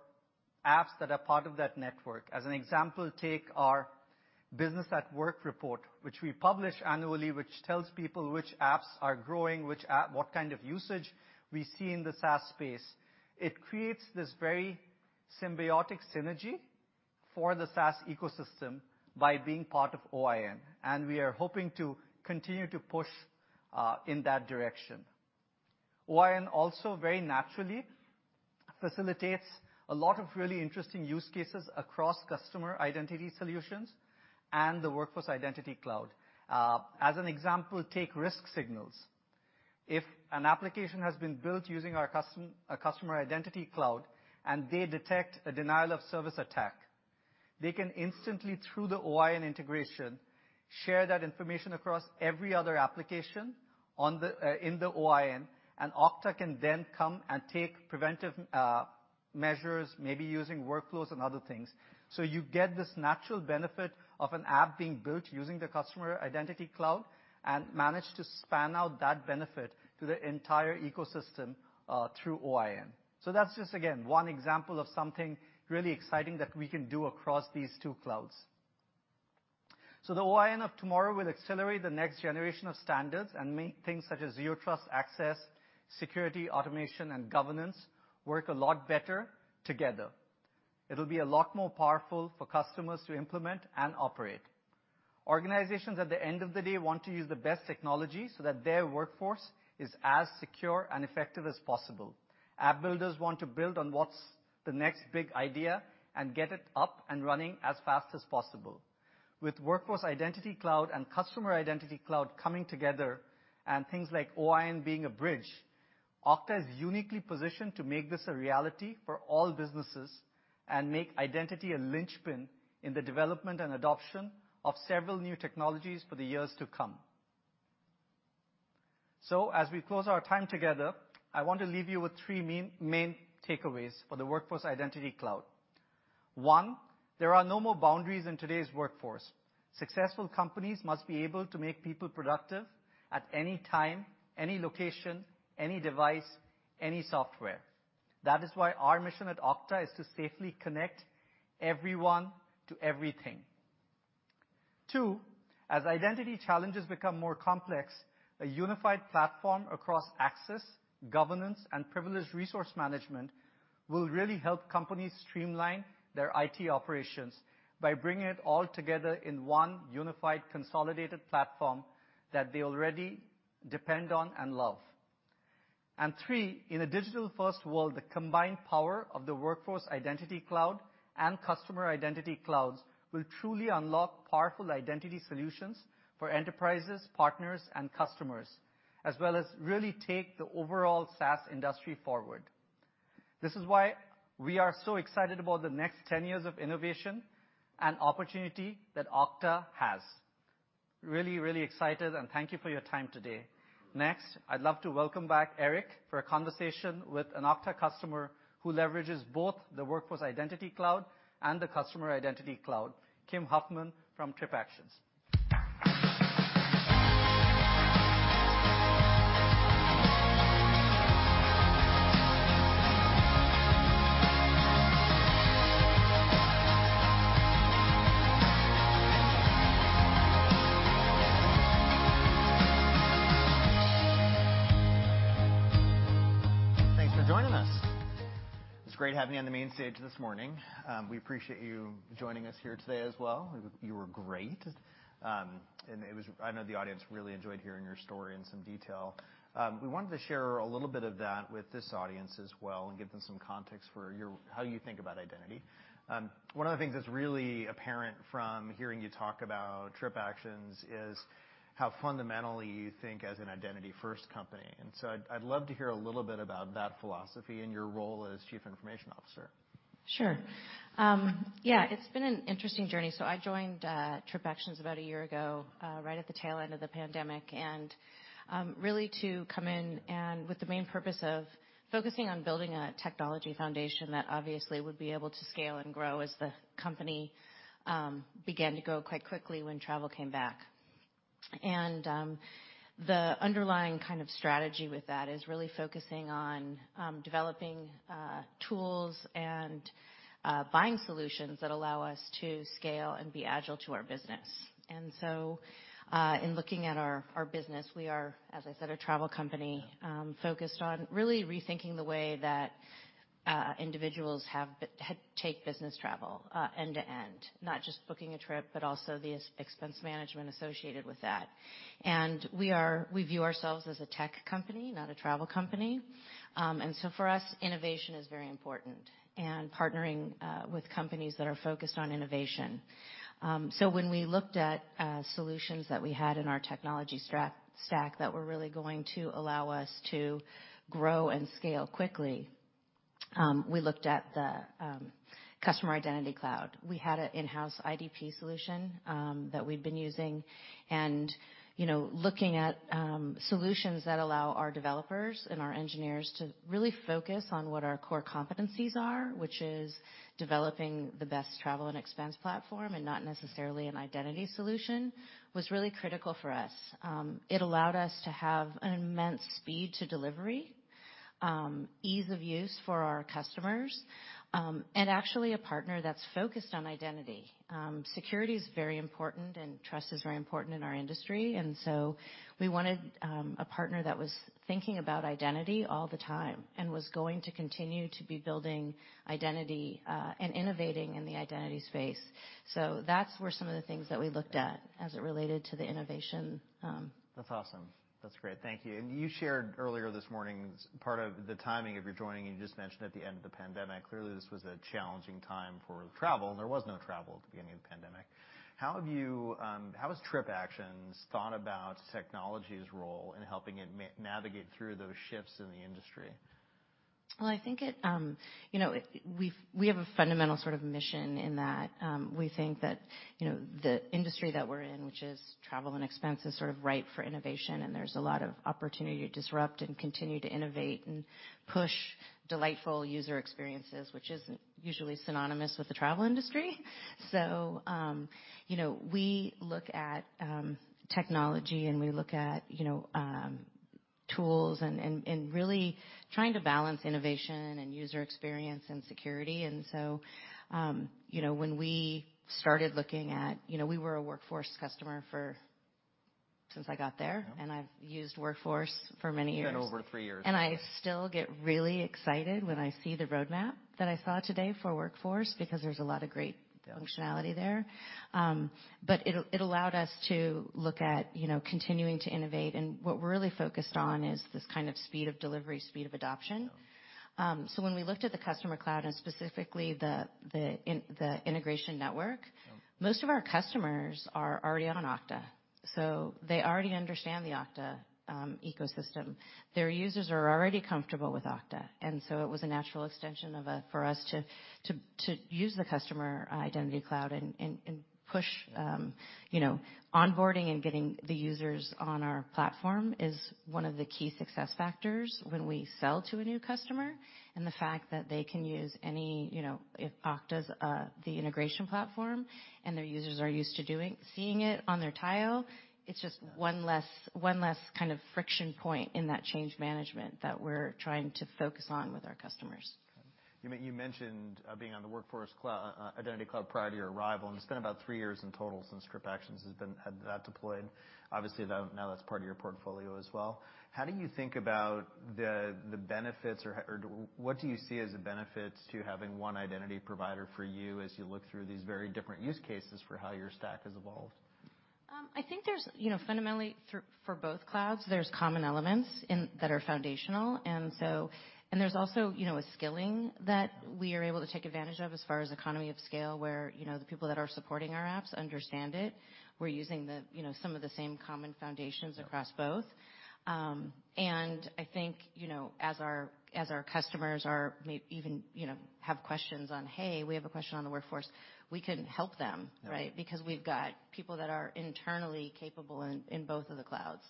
apps that are part of that network. As an example, take our Businesses at Work report, which we publish annually, which tells people which apps are growing, what kind of usage we see in the SaaS space. It creates this very symbiotic synergy for the SaaS ecosystem by being part of OIN, and we are hoping to continue to push in that direction. OIN also very naturally facilitates a lot of really interesting use cases across customer identity solutions and the Workforce Identity Cloud. As an example, take risk signals. If an application has been built using our Customer Identity Cloud and they detect a denial-of-service attack, they can instantly, through the OIN integration, share that information across every other application in the OIN, and Okta can then come and take preventive measures, maybe using workflows and other things. You get this natural benefit of an app being built using the Customer Identity Cloud and manage to span out that benefit to the entire ecosystem through OIN. That's just, again, one example of something really exciting that we can do across these two clouds. The OIN of tomorrow will accelerate the next generation of standards and make things such as Zero Trust access, security, automation, and governance work a lot better together. It'll be a lot more powerful for customers to implement and operate. Organizations at the end of the day want to use the best technology so that their workforce is as secure and effective as possible. App builders want to build on what's the next big idea and get it up and running as fast as possible. With Workforce Identity Cloud and Customer Identity Cloud coming together and things like OIN being a bridge, Okta is uniquely positioned to make this a reality for all businesses and make identity a linchpin in the development and adoption of several new technologies for the years to come. As we close our time together, I want to leave you with three main takeaways for the Workforce Identity Cloud. One, there are no more boundaries in today's workforce. Successful companies must be able to make people productive at any time, any location, any device, any software. That is why our mission at Okta is to safely connect everyone to everything. Two, as identity challenges become more complex, a unified platform across access, governance, and privileged resource management will really help companies streamline their IT operations by bringing it all together in one unified, consolidated platform that they already depend on and love. Three, in a digital-first world, the combined power of the Workforce Identity Cloud and Customer Identity Clouds will truly unlock powerful identity solutions for enterprises, partners, and customers, as well as really take the overall SaaS industry forward. This is why we are so excited about the next 10 years of innovation and opportunity that Okta has. Really, really excited, and thank you for your time today. Next, I'd love to welcome back Eric for a conversation with an Okta customer who leverages both the Workforce Identity Cloud and the Customer Identity Cloud, Kim Huffman from TripActions. Thanks for joining us. It was great having you on the main stage this morning. We appreciate you joining us here today as well. You were great. I know the audience really enjoyed hearing your story in some detail. We wanted to share a little bit of that with this audience as well and give them some context for how you think about identity. One of the things that's really apparent from hearing you talk about TripActions is how fundamentally you think as an identity-first company. I'd love to hear a little bit about that philosophy and your role as Chief Information Officer. Sure. Yeah, it's been an interesting journey. I joined TripActions about a year ago, right at the tail end of the pandemic, and really to come in and with the main purpose of focusing on building a technology foundation that obviously would be able to scale and grow as the company began to grow quite quickly when travel came back. The underlying kind of strategy with that is really focusing on developing tools and buying solutions that allow us to scale and be agile to our business. In looking at our business, we are, as I said, a travel company focused on really rethinking the way that individuals take business travel end to end, not just booking a trip, but also the expense management associated with that. We view ourselves as a tech company, not a travel company. For us, innovation is very important and partnering with companies that are focused on innovation. When we looked at solutions that we had in our technology stack that were really going to allow us to grow and scale quickly, we looked at the Customer Identity Cloud. We had an in-house IDP solution that we'd been using and, you know, looking at solutions that allow our developers and our engineers to really focus on what our core competencies are, which is developing the best travel and expense platform and not necessarily an identity solution, was really critical for us. It allowed us to have an immense speed to delivery, ease of use for our customers, and actually a partner that's focused on identity. Security is very important and trust is very important in our industry, and so we wanted a partner that was thinking about identity all the time and was going to continue to be building identity and innovating in the identity space. That's where some of the things that we looked at as it related to the innovation. That's awesome. That's great. Thank you. You shared earlier this morning part of the timing of your joining, and you just mentioned at the end of the pandemic. Clearly, this was a challenging time for travel. There was no travel at the beginning of the pandemic. How have you, how has TripActions thought about technology's role in helping it navigate through those shifts in the industry? Well, I think you know we have a fundamental sort of mission in that. We think that, you know, the industry that we're in, which is travel and expense, is sort of ripe for innovation, and there's a lot of opportunity to disrupt and continue to innovate and push delightful user experiences, which isn't usually synonymous with the travel industry. You know, we look at technology, and we look at, you know, tools and really trying to balance innovation and user experience and security. You know, when we started looking at, you know, we were a Workforce customer since I got there. Yeah. I've used Workforce for many years. Been over three years. I still get really excited when I see the roadmap that I saw today for Workforce, because there's a lot of great functionality there. It allowed us to look at, you know, continuing to innovate. What we're really focused on is this kind of speed of delivery, speed of adoption. Yeah. When we looked at the Customer Identity Cloud and specifically the Okta Integration Network. Yeah. Most of our customers are already on Okta, so they already understand the Okta ecosystem. Their users are already comfortable with Okta, and so it was a natural extension for us to use the Customer Identity Cloud and push, you know, onboarding and getting the users on our platform is one of the key success factors when we sell to a new customer. The fact that they can use any, you know, if Okta's the integration platform and their users are used to seeing it on their tile, it's just one less kind of friction point in that change management that we're trying to focus on with our customers. You mentioned being on the Workforce Identity Cloud prior to your arrival, and it's been about three years in total since TripActions had that deployed. Obviously, that now that's part of your portfolio as well. How do you think about the benefits or what do you see as the benefits to having one identity provider for you as you look through these very different use cases for how your stack has evolved? I think there's, you know, fundamentally for both clouds, there's common elements in that are foundational. There's also, you know, a scaling that we are able to take advantage of as far as economy of scale, where, you know, the people that are supporting our apps understand it. We're using the, you know, some of the same common foundations across both. I think, you know, as our customers are maybe even, you know, have questions on, "Hey, we have a question on the Workforce," we can help them, right? Because we've got people that are internally capable in both of the clouds.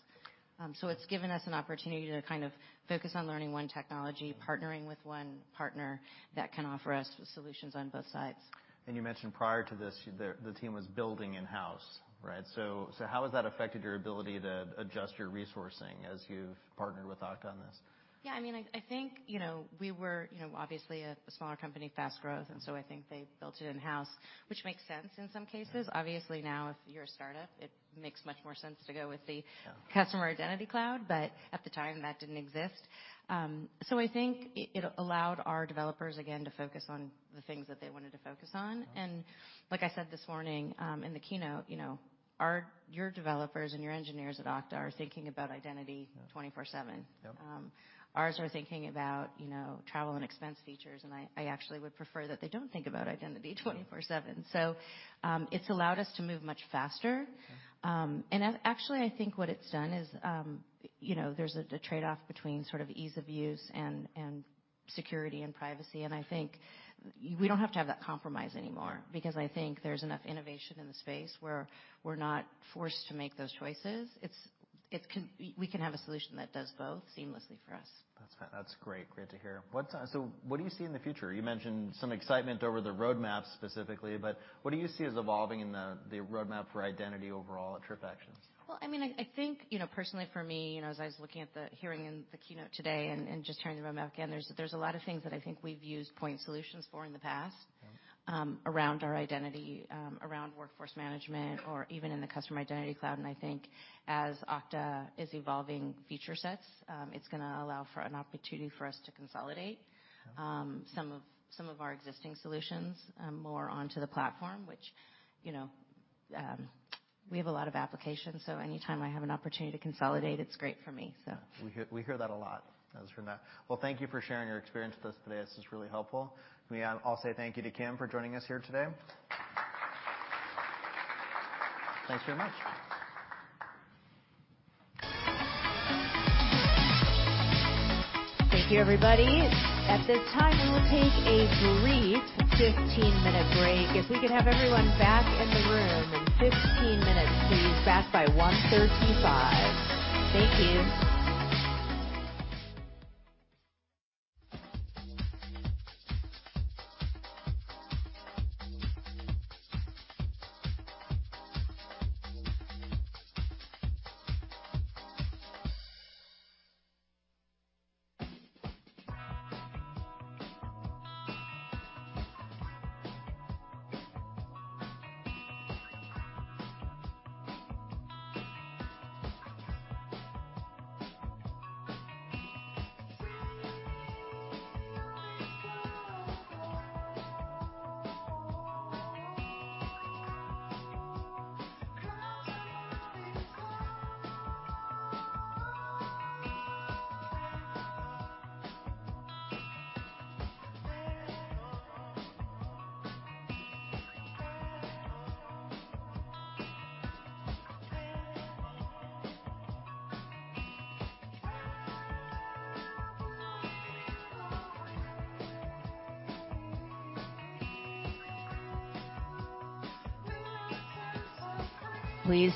It's given us an opportunity to kind of focus on learning one technology, partnering with one partner that can offer us solutions on both sides. You mentioned prior to this, the team was building in-house, right? How has that affected your ability to adjust your resourcing as you've partnered with Okta on this? Yeah, I mean, I think, you know, we were, you know, obviously a smaller company, fast growth, and so I think they built it in-house, which makes sense in some cases. Obviously, now, if you're a start-up, it makes much more sense to go with the Customer Identity Cloud, but at the time, that didn't exist. I think it allowed our developers, again, to focus on the things that they wanted to focus on. Like I said this morning, in the keynote, you know, your developers and your engineers at Okta are thinking about identity 24/7. Yep. Ours are thinking about, you know, travel and expense features, and I actually would prefer that they don't think about identity 24/7. It's allowed us to move much faster. Actually, I think what it's done is, you know, there's a trade-off between sort of ease of use and security and privacy. I think we don't have to have that compromise anymore because I think there's enough innovation in the space where we're not forced to make those choices. We can have a solution that does both seamlessly for us. That's great. Great to hear. What, so what do you see in the future? You mentioned some excitement over the roadmap specifically, but what do you see as evolving in the roadmap for identity overall at TripActions? Well, I mean, I think, you know, personally for me, you know, as I was looking at the hearing in the keynote today and just hearing about Mac again, there's a lot of things that I think we've used point solutions for in the past. Mm-hmm. around our identity, around workforce management or even in the Customer Identity Cloud. I think as Okta is evolving feature sets, it's gonna allow for an opportunity for us to consolidate- Yeah. Some of our existing solutions move onto the platform, which, you know, we have a lot of applications, so anytime I have an opportunity to consolidate, it's great for me, so. We hear that a lot as from that. Well, thank you for sharing your experience with us today. This is really helpful. Let me also thank you to Kim for joining us here today. Thanks very much. Thank you, everybody. At this time, we'll take a brief 15-minute break. If we could have everyone back in the room in 15 minutes, please. Back by 1:35. Thank you.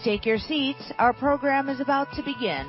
Please take your seats. Our program is about to begin.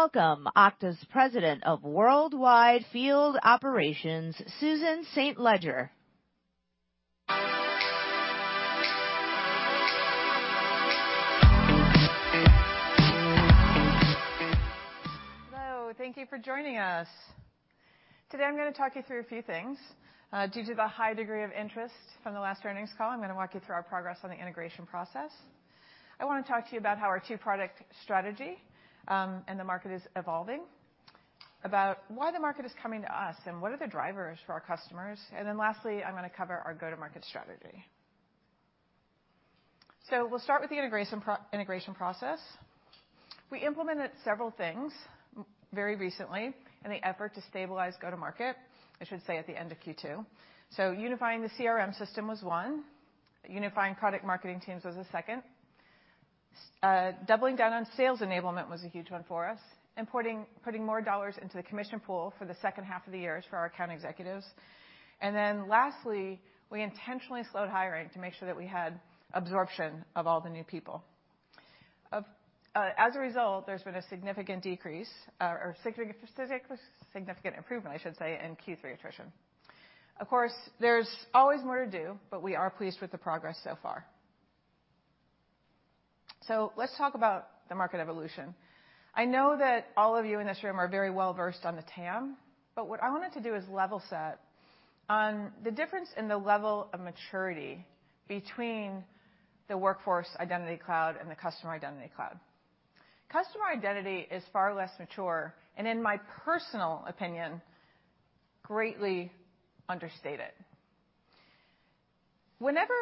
Please welcome Okta's President of Worldwide Field Operations, Susan St. Ledger. Hello. Thank you for joining us. Today, I'm gonna talk you through a few things. Due to the high degree of interest from the last earnings call, I'm gonna walk you through our progress on the integration process. I wanna talk to you about how our two-product strategy and the market is evolving, about why the market is coming to us, and what are the drivers for our customers. Lastly, I'm gonna cover our go-to-market strategy. We'll start with the integration process. We implemented several things very recently in the effort to stabilize go-to-market, I should say, at the end of Q2. Unifying the CRM system was one, unifying product marketing teams was a second. Doubling down on sales enablement was a huge one for us and putting more dollars into the commission pool for the second half of the year for our account executives. Lastly, we intentionally slowed hiring to make sure that we had absorption of all the new people. Of, as a result, there's been a significant decrease, or a significant improvement, I should say, in Q3 attrition. Of course, there's always more to do, but we are pleased with the progress so far. Let's talk about the market evolution. I know that all of you in this room are very well-versed on the TAM, but what I wanted to do is level set on the difference in the level of maturity between the Workforce Identity Cloud and the Customer Identity Cloud. Customer identity is far less mature, and in my personal opinion, greatly understated. Whenever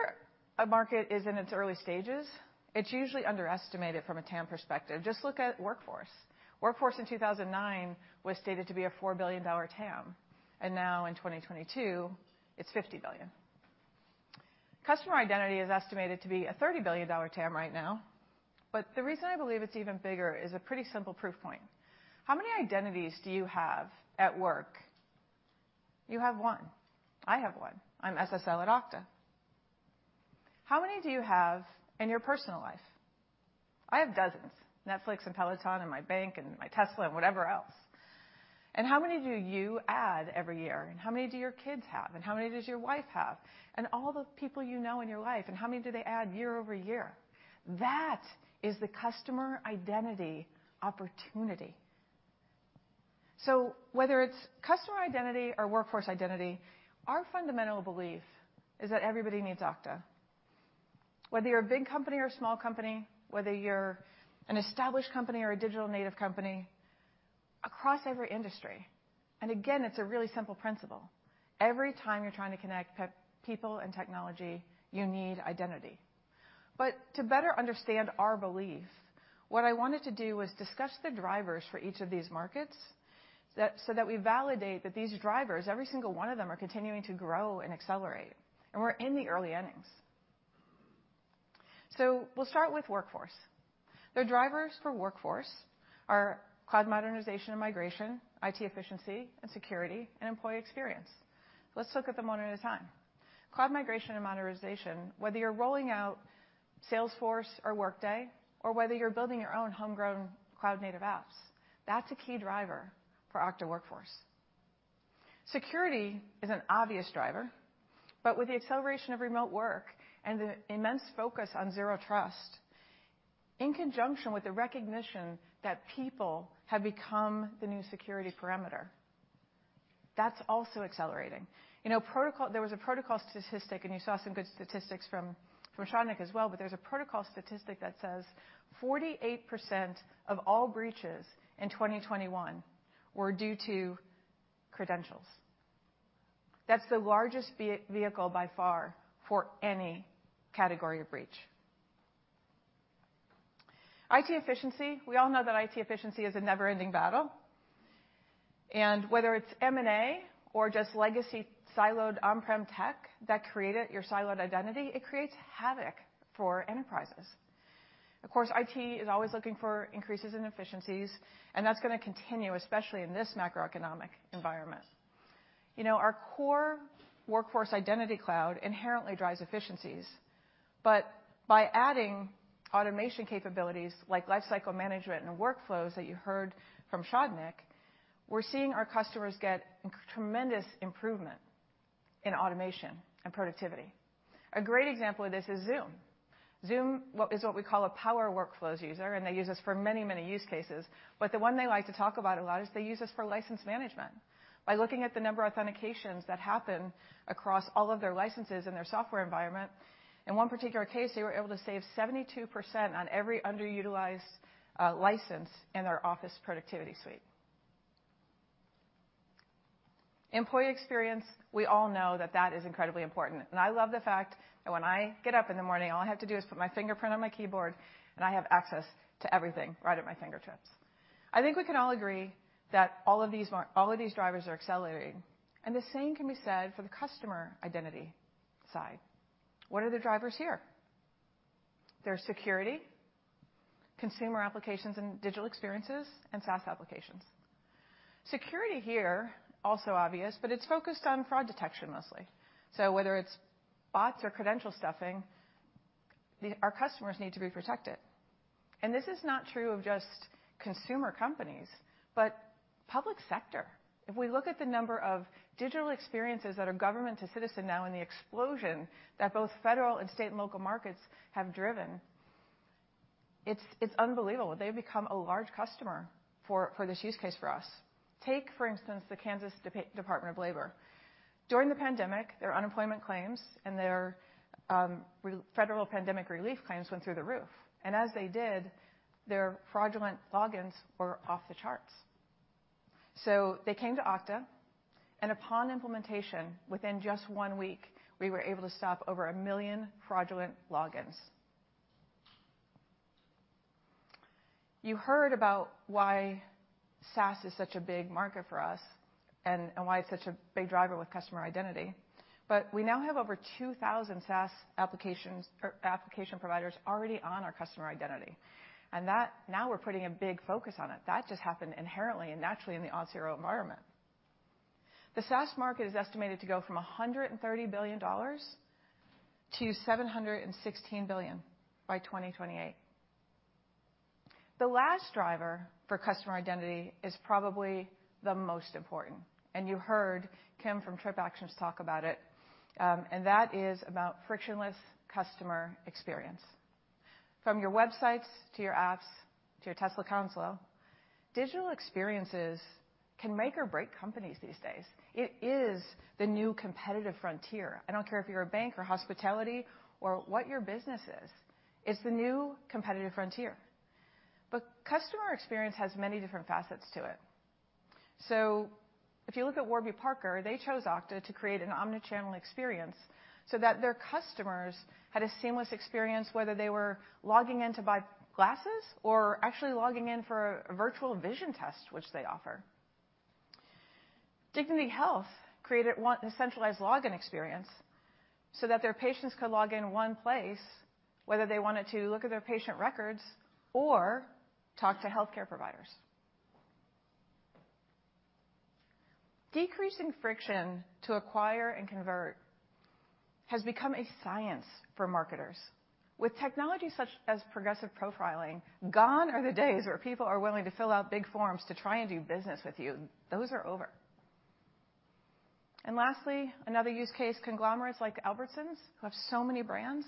a market is in its early stages, it's usually underestimated from a TAM perspective. Just look at Workforce. Workforce in 2009 was stated to be a $4 billion TAM, and now in 2022, it's $50 billion. Customer identity is estimated to be a $30 billion TAM right now, but the reason I believe it's even bigger is a pretty simple proof point. How many identities do you have at work? You have one. I have one. I'm SSL at Okta. How many do you have in your personal life? I have dozens. Netflix and Peloton and my bank and my Tesla and whatever else. How many do you add every year? How many do your kids have? How many does your wife have? All the people you know in your life, and how many do they add year over year? That is the customer identity opportunity. Whether it's customer identity or workforce identity, our fundamental belief is that everybody needs Okta. Whether you're a big company or a small company, whether you're an established company or a digital native company, across every industry. Again, it's a really simple principle. Every time you're trying to connect people and technology, you need identity. To better understand our belief, what I wanted to do was discuss the drivers for each of these markets so that we validate that these drivers, every single one of them, are continuing to grow and accelerate, and we're in the early innings. We'll start with workforce. The drivers for workforce are cloud modernization and migration, IT efficiency and security, and employee experience. Let's look at them one at a time. Cloud migration and modernization, whether you're rolling out Salesforce or Workday, or whether you're building your own homegrown cloud-native apps, that's a key driver for Okta Workforce. Security is an obvious driver, but with the acceleration of remote work and the immense focus on Zero Trust, in conjunction with the recognition that people have become the new security perimeter, that's also accelerating. You know, there was a protocol statistic, and you saw some good statistics from Sagnik Nandy as well, but there's a protocol statistic that says 48% of all breaches in 2021 were due to credentials. That's the largest vehicle by far for any category of breach. IT efficiency. We all know that IT efficiency is a never-ending battle. Whether it's M&A or just legacy siloed on-prem tech that created your siloed identity, it creates havoc for enterprises. Of course, IT is always looking for increases in efficiencies, and that's gonna continue, especially in this macroeconomic environment. You know, our core Workforce Identity Cloud inherently drives efficiencies, but by adding automation capabilities like Lifecycle Management and the Workflows that you heard from Sagnik Nandy, we're seeing our customers get tremendous improvement in automation and productivity. A great example of this is Zoom. Zoom is what we call a power Workflows user, and they use us for many, many use cases. The one they like to talk about a lot is they use us for license management. By looking at the number of authentications that happen across all of their licenses in their software environment. In one particular case, they were able to save 72% on every underutilized license in their office productivity suite. Employee experience, we all know that is incredibly important. I love the fact that when I get up in the morning, all I have to do is put my fingerprint on my keyboard, and I have access to everything right at my fingertips. I think we can all agree that all of these drivers are accelerating, and the same can be said for the customer identity side. What are the drivers here? They're security, consumer applications and digital experiences, and SaaS applications. Security here, also obvious, but it's focused on fraud detection mostly. Whether it's bots or credential stuffing, our customers need to be protected. This is not true of just consumer companies, but public sector. If we look at the number of digital experiences that are government to citizen now and the explosion that both federal and state and local markets have driven, it's unbelievable. They've become a large customer for this use case for us. Take, for instance, the Kansas Department of Labor. During the pandemic, their unemployment claims and their federal pandemic relief claims went through the roof. As they did, their fraudulent logins were off the charts. They came to Okta, and upon implementation, within just one week, we were able to stop over 1 million fraudulent logins. You heard about why SaaS is such a big market for us and why it's such a big driver with customer identity. We now have over 2,000 SaaS applications or application providers already on our customer identity, and that now we're putting a big focus on it. That just happened inherently and naturally in the Auth0 environment. The SaaS market is estimated to go from $130 billion-$716 billion by 2028. The last driver for customer identity is probably the most important, and you heard Kim from TripActions talk about it, and that is about frictionless customer experience. From your websites to your apps to your Tesla console, digital experiences can make or break companies these days. It is the new competitive frontier. I don't care if you're a bank or hospitality or what your business is, it's the new competitive frontier. But customer experience has many different facets to it. If you look at Warby Parker, they chose Okta to create an omnichannel experience so that their customers had a seamless experience, whether they were logging in to buy glasses or actually logging in for a virtual vision test, which they offer. Dignity Health created one, a centralized login experience so that their patients could log in one place, whether they wanted to look at their patient records or talk to healthcare providers. Decreasing friction to acquire and convert has become a science for marketers. With technology such as progressive profiling, gone are the days where people are willing to fill out big forms to try and do business with you. Those are over. Lastly, another use case, conglomerates like Albertsons, who have so many brands,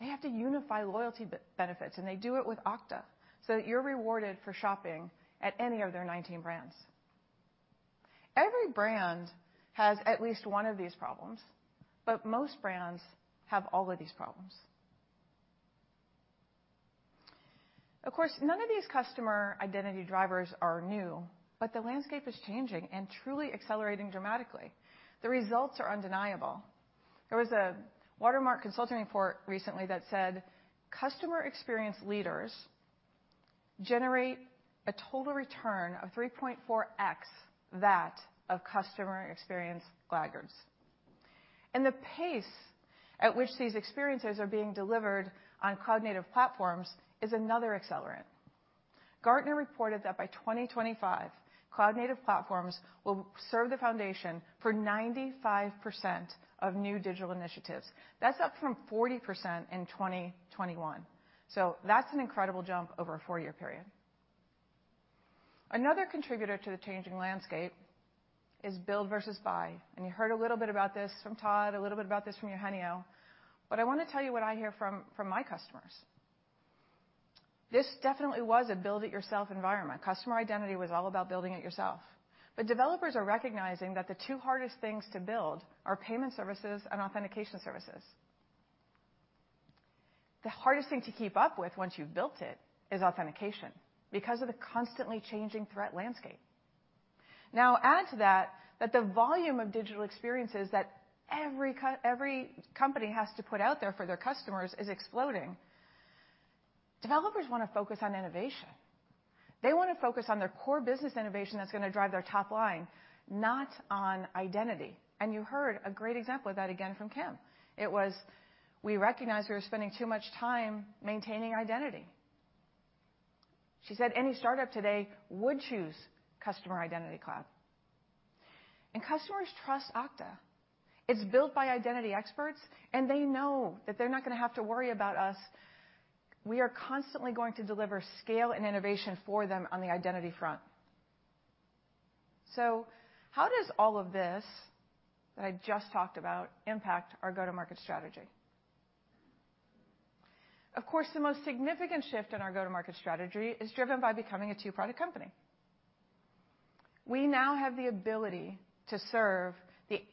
they have to unify loyalty benefits, and they do it with Okta, so that you're rewarded for shopping at any of their 19 brands. Every brand has at least one of these problems, but most brands have all of these problems. Of course, none of these customer identity drivers are new, but the landscape is changing and truly accelerating dramatically. The results are undeniable. There was a Watermark Consulting report recently that said customer experience leaders generate a total return of 3.4x that of customer experience laggards. The pace at which these experiences are being delivered on cloud-native platforms is another accelerant. Gartner reported that by 2025, cloud-native platforms will serve the foundation for 95% of new digital initiatives. That's up from 40% in 2021. That's an incredible jump over a four-year period. Another contributor to the changing landscape is build versus buy. You heard a little bit about this from Todd, a little bit about this from Eugenio, but I wanna tell you what I hear from my customers. This definitely was a build it yourself environment. Customer identity was all about building it yourself. Developers are recognizing that the two hardest things to build are payment services and authentication services. The hardest thing to keep up with once you've built it is authentication because of the constantly changing threat landscape. Now add to that the volume of digital experiences that every every company has to put out there for their customers is exploding. Developers wanna focus on innovation. They wanna focus on their core business innovation that's gonna drive their top line, not on identity. You heard a great example of that again from Kim. It was, we recognize we were spending too much time maintaining identity. She said any startup today would choose Customer Identity Cloud. Customers trust Okta. It's built by identity experts, and they know that they're not gonna have to worry about us. We are constantly going to deliver scale and innovation for them on the identity front. So how does all of this that I just talked about impact our go-to-market strategy? Of course, the most significant shift in our go-to-market strategy is driven by becoming a two-product company. We now have the ability to serve the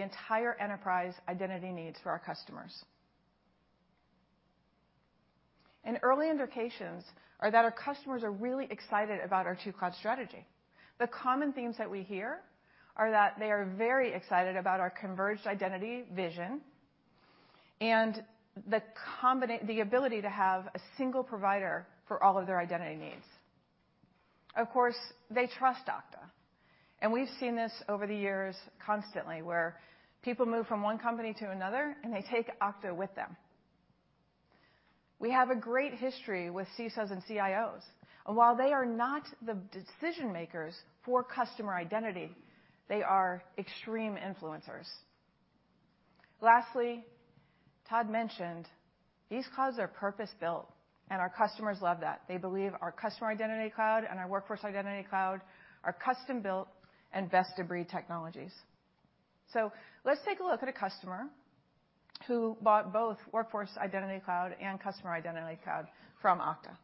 entire enterprise identity needs for our customers. Early indications are that our customers are really excited about our two cloud strategy. The common themes that we hear are that they are very excited about our converged identity vision and the ability to have a single provider for all of their identity needs. Of course, they trust Okta, and we've seen this over the years constantly, where people move from one company to another, and they take Okta with them. We have a great history with CISOs and CIOs, and while they are not the decision-makers for customer identity, they are extreme influencers. Lastly, Todd mentioned these clouds are purpose-built, and our customers love that. They believe our Customer Identity Cloud and our Workforce Identity Cloud are custom-built and best-of-breed technologies. Let's take a look at a customer who bought both Workforce Identity Cloud and Customer Identity Cloud from Okta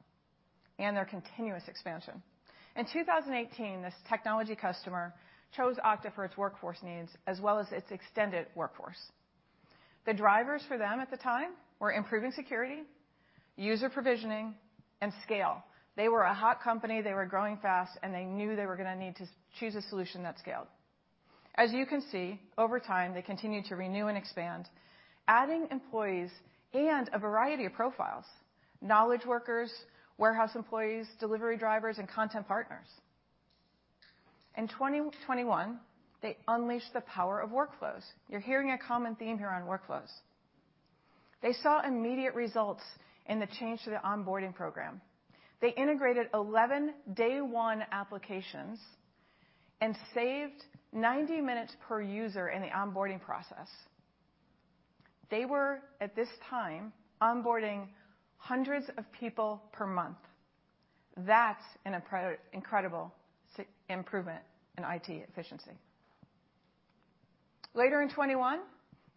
and their continuous expansion. In 2018, this technology customer chose Okta for its workforce needs as well as its extended workforce. The drivers for them at the time were improving security, user provisioning, and scale. They were a hot company, they were growing fast, and they knew they were gonna need to choose a solution that scaled. As you can see, over time, they continued to renew and expand, adding employees and a variety of profiles, knowledge workers, warehouse employees, delivery drivers, and content partners. In 2021, they unleashed the power of workflows. You're hearing a common theme here on workflows. They saw immediate results in the change to the onboarding program. They integrated 11 day-one applications and saved 90 minutes per user in the onboarding process. They were, at this time, onboarding hundreds of people per month. That's an incredible improvement in IT efficiency. Later in 2021,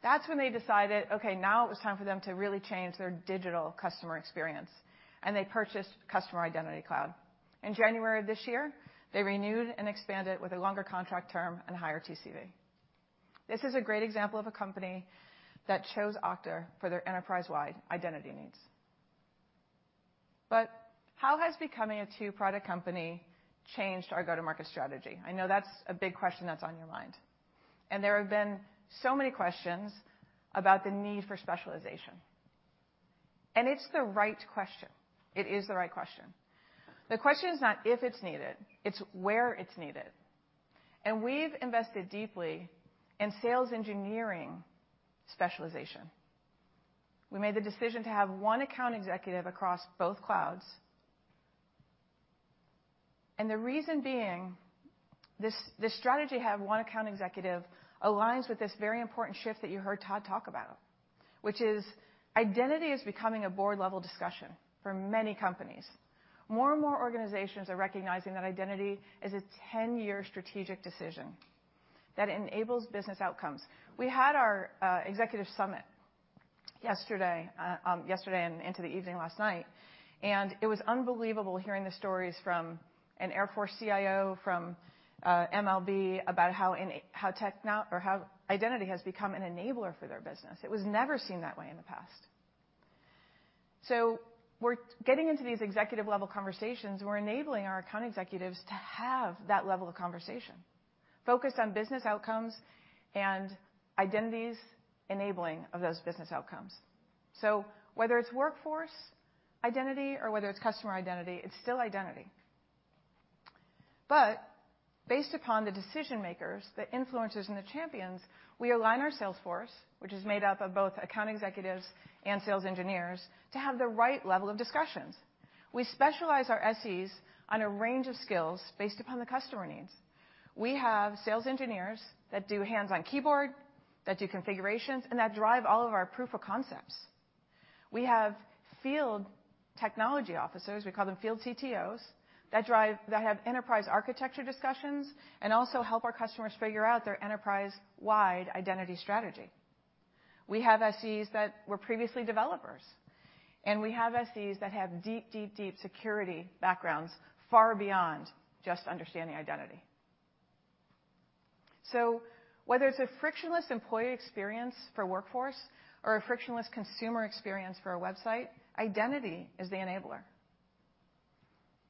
that's when they decided, okay, now it was time for them to really change their digital customer experience, and they purchased Customer Identity Cloud. In January of this year, they renewed and expanded with a longer contract term and higher TCV. This is a great example of a company that chose Okta for their enterprise-wide identity needs. How has becoming a two-product company changed our go-to-market strategy? I know that's a big question that's on your mind, and there have been so many questions about the need for specialization. It's the right question. It is the right question. The question is not if it's needed, it's where it's needed. We've invested deeply in sales engineering specialization. We made the decision to have one account executive across both clouds. The reason being this strategy to have one account executive aligns with this very important shift that you heard Todd talk about, which is identity is becoming a board-level discussion for many companies. More and more organizations are recognizing that identity is a ten-year strategic decision that enables business outcomes. We had our executive summit yesterday and into the evening last night, and it was unbelievable hearing the stories from an Air Force CIO, from MLB about how identity has become an enabler for their business. It was never seen that way in the past. We're getting into these executive-level conversations. We're enabling our account executives to have that level of conversation focused on business outcomes and identities enabling of those business outcomes. Whether it's workforce identity or whether it's customer identity, it's still identity. Based upon the decision-makers, the influencers and the champions, we align our sales force, which is made up of both account executives and sales engineers to have the right level of discussions. We specialize our SEs on a range of skills based upon the customer needs. We have sales engineers that do hands-on keyboard, that do configurations, and that drive all of our proof of concepts. We have field technology officers, we call them field CTOs, that have enterprise architecture discussions and also help our customers figure out their enterprise-wide identity strategy. We have SEs that were previously developers, and we have SEs that have deep, deep, deep security backgrounds, far beyond just understanding identity. Whether it's a frictionless employee experience for workforce or a frictionless consumer experience for a website, identity is the enabler.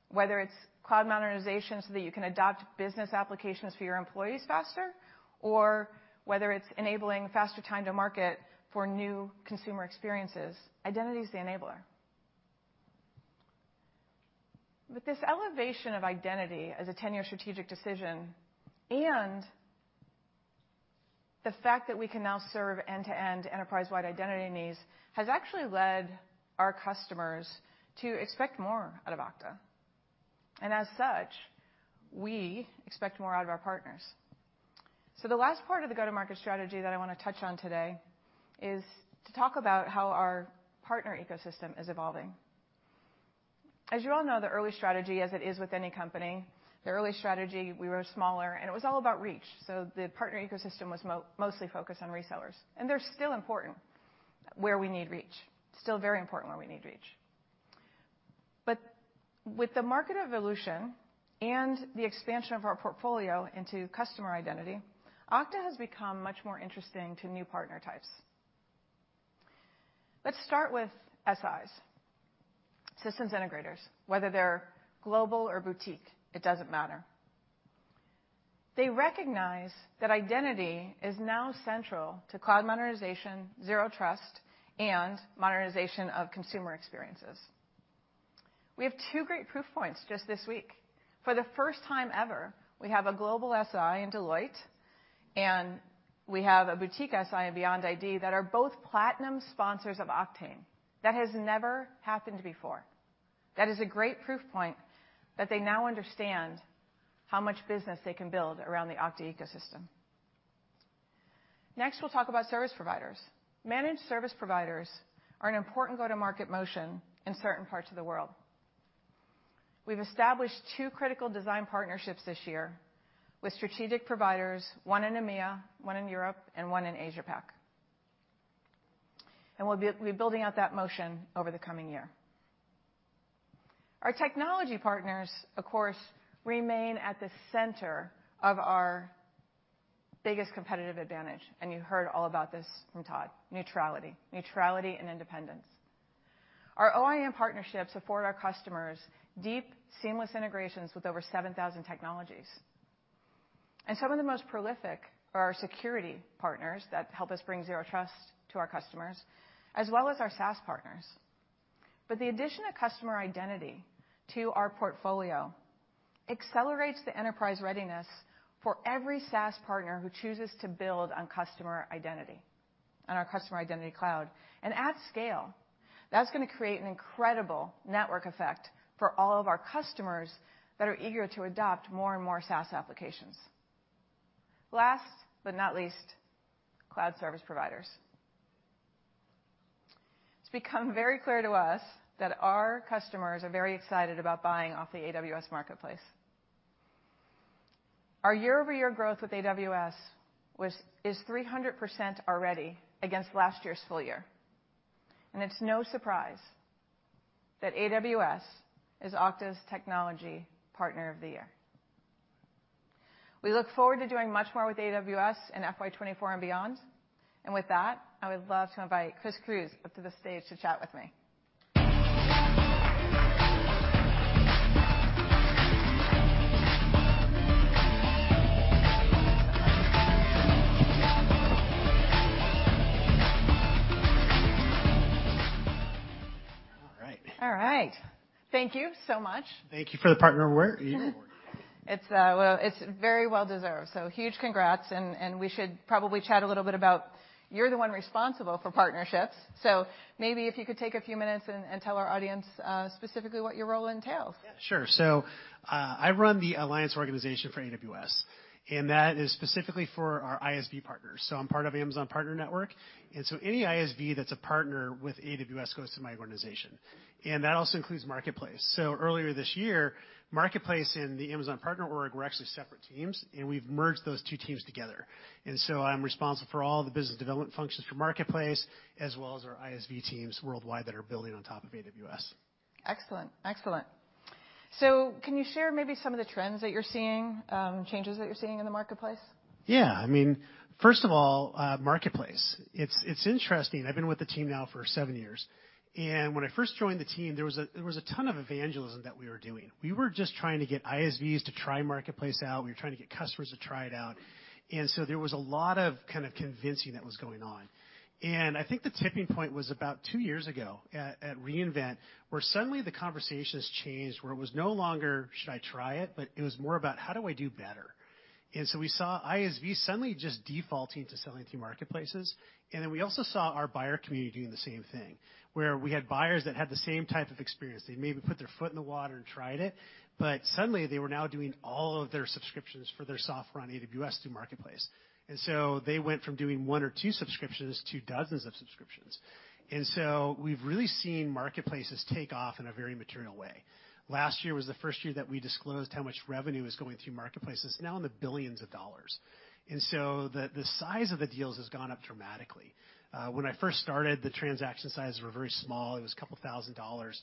Whether it's cloud modernization so that you can adopt business applications for your employees faster or whether it's enabling faster time to market for new consumer experiences, identity is the enabler. This elevation of identity as a ten-year strategic decision and the fact that we can now serve end-to-end enterprise-wide identity needs has actually led our customers to expect more out of Okta. As such, we expect more out of our partners. The last part of the go-to-market strategy that I want to touch on today is to talk about how our partner ecosystem is evolving. As you all know, the early strategy as it is with any company, we were smaller, and it was all about reach. The partner ecosystem was mostly focused on resellers, and they're still important where we need reach. Still very important where we need reach. With the market evolution and the expansion of our portfolio into customer identity, Okta has become much more interesting to new partner types. Let's start with SIs, systems integrators. Whether they're global or boutique, it doesn't matter. They recognize that identity is now central to cloud modernization, Zero Trust, and modernization of consumer experiences. We have two great proof points just this week. For the first time ever, we have a global SI in Deloitte, and we have a boutique SI in BeyondID that are both platinum sponsors of Oktane. That has never happened before. That is a great proof point that they now understand how much business they can build around the Okta ecosystem. Next, we'll talk about service providers. Managed service providers are an important go-to-market motion in certain parts of the world. We've established two critical design partnerships this year with strategic providers, one in EMEA, one in Europe, and one in Asia-Pac. We'll be building out that motion over the coming year. Our technology partners, of course, remain at the center of our biggest competitive advantage, and you heard all about this from Todd. Neutrality. Neutrality and independence. Our OEM partnerships afford our customers deep, seamless integrations with over 7,000 technologies. Some of the most prolific are our security partners that help us bring Zero Trust to our customers, as well as our SaaS partners. The addition of customer identity to our portfolio accelerates the enterprise readiness for every SaaS partner who chooses to build on customer identity, on our Customer Identity Cloud. At scale, that's gonna create an incredible network effect for all of our customers that are eager to adopt more and more SaaS applications. Last but not least, cloud service providers. It's become very clear to us that our customers are very excited about buying off the AWS Marketplace. Our year-over-year growth with AWS is 300% already against last year's full year. It's no surprise that AWS is Okta's technology partner of the year. We look forward to doing much more with AWS in FY 2024 and beyond. With that, I would love to invite Chris Grusz up to the stage to chat with me. All right. All right. Thank you so much. Thank you for the partner award. You were wonderful. Well, it's very well deserved. Huge congrats, and we should probably chat a little bit about you're the one responsible for partnerships. Maybe if you could take a few minutes and tell our audience specifically what your role entails. Yeah. Sure. I run the alliance organization for AWS, and that is specifically for our ISV partners. I'm part of Amazon Partner Network. Any ISV that's a partner with AWS goes to my organization, and that also includes Marketplace. Earlier this year, Marketplace and the Amazon Partner org were actually separate teams, and we've merged those two teams together. I'm responsible for all the business development functions for Marketplace as well as our ISV teams worldwide that are building on top of AWS. Excellent. Can you share maybe some of the trends that you're seeing, changes that you're seeing in the Marketplace? Yeah. I mean, first of all, Marketplace, it's interesting. I've been with the team now for seven years, and when I first joined the team, there was a ton of evangelism that we were doing. We were just trying to get ISVs to try Marketplace out. We were trying to get customers to try it out. So there was a lot of kind of convincing that was going on. I think the tipping point was about two years ago at re:Invent, where suddenly the conversation has changed, where it was no longer, "Should I try it?" But it was more about, "How do I do better?" We saw ISV suddenly just defaulting to selling through Marketplaces. We also saw our buyer community doing the same thing, where we had buyers that had the same type of experience. They maybe put their foot in the water and tried it, but suddenly they were now doing all of their subscriptions for their software on AWS through Marketplace. They went from doing one or two subscriptions to dozens of subscriptions. We've really seen Marketplaces take off in a very material way. Last year was the first year that we disclosed how much revenue was going through Marketplace. It's now in the $ billions. The size of the deals has gone up dramatically. When I first started, the transaction sizes were very small. It was $2,000.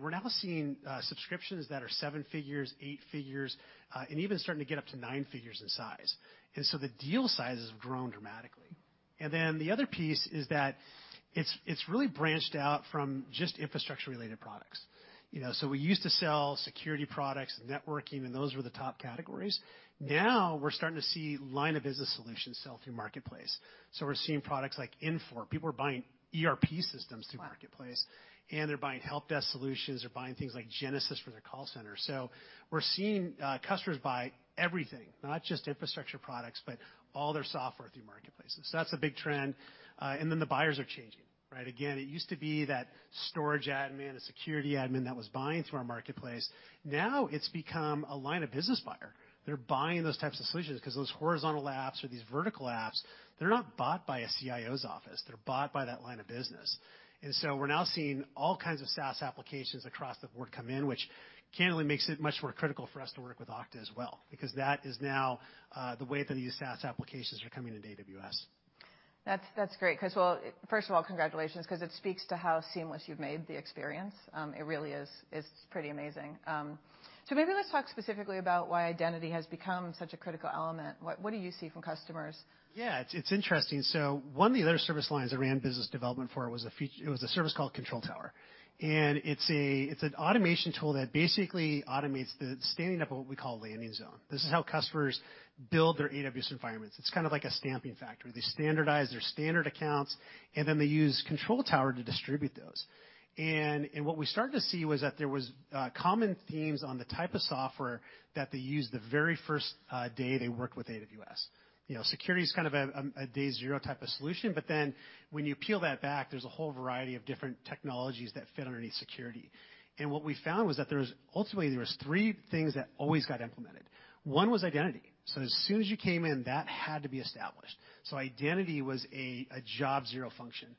We're now seeing subscriptions that are seven figures, eight figures, and even starting to get up to nine figures in size. The deal size has grown dramatically. The other piece is that it's really branched out from just infrastructure-related products. You know, so we used to sell security products and networking, and those were the top categories. Now we're starting to see line of business solutions sell through Marketplace. We're seeing products like Infor. People are buying ERP systems through Marketplace. Wow. They're buying help desk solutions. They're buying things like Genesys for their call center. We're seeing customers buy everything, not just infrastructure products, but all their software through Marketplace. That's a big trend. Then the buyers are changing, right? Again, it used to be that storage admin, a security admin that was buying through our Marketplace. Now it's become a line of business buyer. They're buying those types of solutions because those horizontal apps or these vertical apps, they're not bought by a CIO's office. They're bought by that line of business. We're now seeing all kinds of SaaS applications across the board come in, which candidly makes it much more critical for us to work with Okta as well, because that is now the way that these SaaS applications are coming into AWS. That's great 'cause, well, first of all, congratulations 'cause it speaks to how seamless you've made the experience. It really is. It's pretty amazing. Maybe let's talk specifically about why identity has become such a critical element. What do you see from customers? Yeah. It's interesting. One of the other service lines I ran business development for was it was a service called Control Tower, and it's an automation tool that basically automates the standing up of what we call a landing zone. This is how customers build their AWS environments. It's kind of like a stamping factory. They standardize their standard accounts, and then they use Control Tower to distribute those. What we started to see was that there was common themes on the type of software that they used the very first day they worked with AWS. You know, security is kind of a day zero type of solution, but then when you peel that back, there's a whole variety of different technologies that fit underneath security. What we found was that there was ultimately three things that always got implemented. One was identity. As soon as you came in, that had to be established, so identity was a job zero function.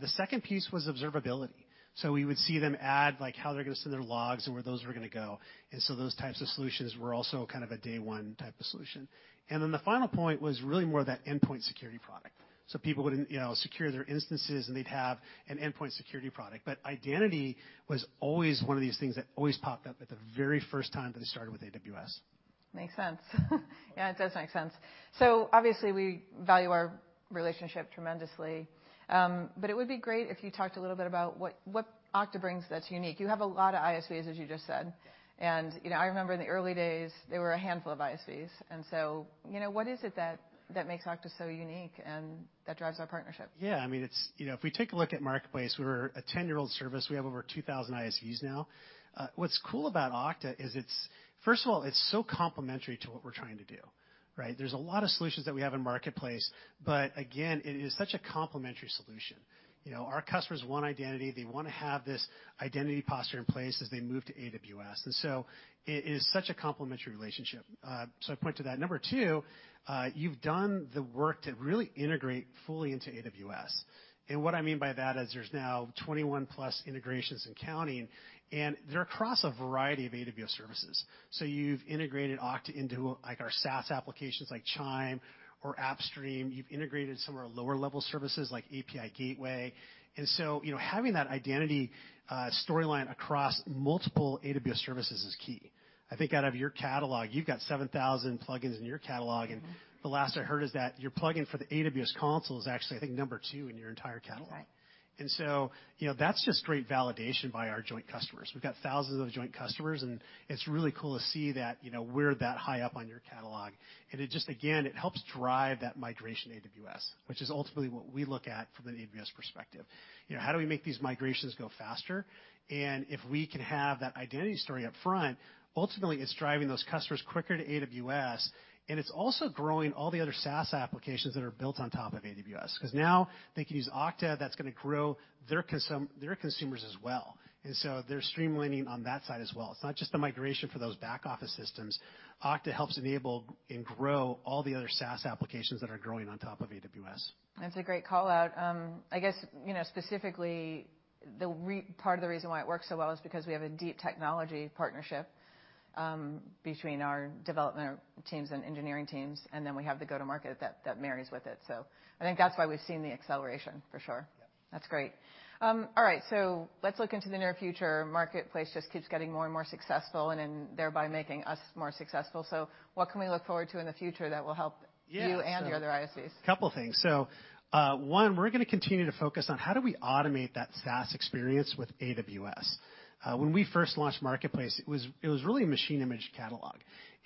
The second piece was observability. We would see them add, like how they're gonna send their logs and where those were gonna go. Those types of solutions were also kind of a day one type of solution. The final point was really more that endpoint security product. People wouldn't, you know, secure their instances, and they'd have an endpoint security product. Identity was always one of these things that always popped up at the very first time that they started with AWS. Makes sense. Yeah, it does make sense. Obviously, we value our relationship tremendously. It would be great if you talked a little bit about what Okta brings that's unique. You have a lot of ISVs, as you just said, and you know, I remember in the early days, there were a handful of ISVs. You know, what is it that makes Okta so unique and that drives our partnership? Yeah. I mean, it's you know, if we take a look at Marketplace, we're a 10-year-old service. We have over 2,000 ISVs now. What's cool about Okta is it's first of all, it's so complementary to what we're trying to do, right? There's a lot of solutions that we have in Marketplace, but again, it is such a complementary solution. You know, our customers want identity. They wanna have this identity posture in place as they move to AWS. It is such a complementary relationship. I point to that. Number two, you've done the work to really integrate fully into AWS. What I mean by that is there's now 21 plus integrations and counting, and they're across a variety of AWS services. You've integrated Okta into, like, our SaaS applications like Chime or AppStream. You've integrated some of our lower-level services like API Gateway. You know, having that identity storyline across multiple AWS services is key. I think out of your catalog, you've got 7,000 plugins in your catalog, and Mm-hmm. The last I heard is that your plugin for the AWS console is actually, I think, number two in your entire catalog. Right. You know, that's just great validation by our joint customers. We've got thousands of joint customers, and it's really cool to see that, you know, we're that high up on your catalog, and it just, again, it helps drive that migration to AWS, which is ultimately what we look at from an AWS perspective. You know, how do we make these migrations go faster? If we can have that identity story up front, ultimately it's driving those customers quicker to AWS, and it's also growing all the other SaaS applications that are built on top of AWS. 'Cause now they can use Okta, that's gonna grow their consumers as well. They're streamlining on that side as well. It's not just the migration for those back office systems. Okta helps enable and grow all the other SaaS applications that are growing on top of AWS. That's a great call-out. I guess, you know, specifically the part of the reason why it works so well is because we have a deep technology partnership between our development teams and engineering teams, and then we have the go-to-market that marries with it. I think that's why we've seen the acceleration, for sure. Yeah. That's great. All right, so let's look into the near future. Marketplace just keeps getting more and more successful and then thereby making us more successful. What can we look forward to in the future that will help. Yeah you and the other ISVs? A couple things. One, we're gonna continue to focus on how do we automate that SaaS experience with AWS. When we first launched Marketplace, it was really a machine image catalog.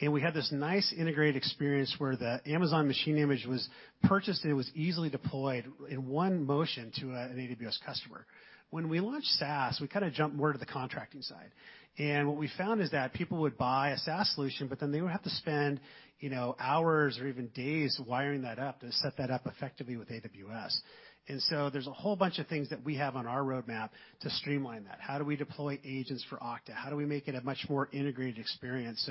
We had this nice integrated experience where the Amazon machine image was purchased, and it was easily deployed in one motion to an AWS customer. When we launched SaaS, we kinda jumped more to the contracting side. What we found is that people would buy a SaaS solution, but then they would have to spend, you know, hours or even days wiring that up to set that up effectively with AWS. There's a whole bunch of things that we have on our roadmap to streamline that. How do we deploy agents for Okta? How do we make it a much more integrated experience?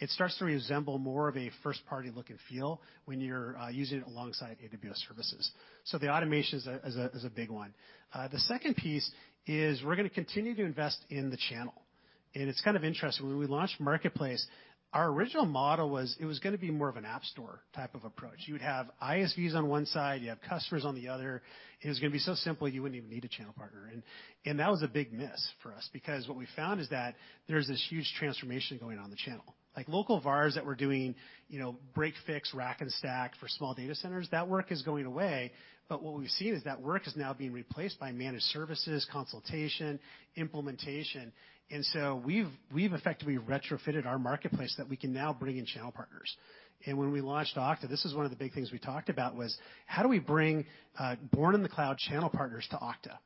It starts to resemble more of a first-party look and feel when you're using it alongside AWS services. The automation is a big one. The second piece is we're gonna continue to invest in the channel. It's kind of interesting. When we launched Marketplace, our original model was gonna be more of an app store type of approach. You would have ISVs on one side, you have customers on the other. It was gonna be so simple, you wouldn't even need a channel partner. That was a big miss for us because what we found is that there's this huge transformation going on in the channel. Like, local VARs that were doing, you know, break, fix, rack and stack for small data centers, that work is going away. What we've seen is that work is now being replaced by managed services, consultation, implementation. We've effectively retrofitted our marketplace that we can now bring in channel partners. When we launched Okta, this is one of the big things we talked about, was how do we bring born in the cloud channel partners to Okta?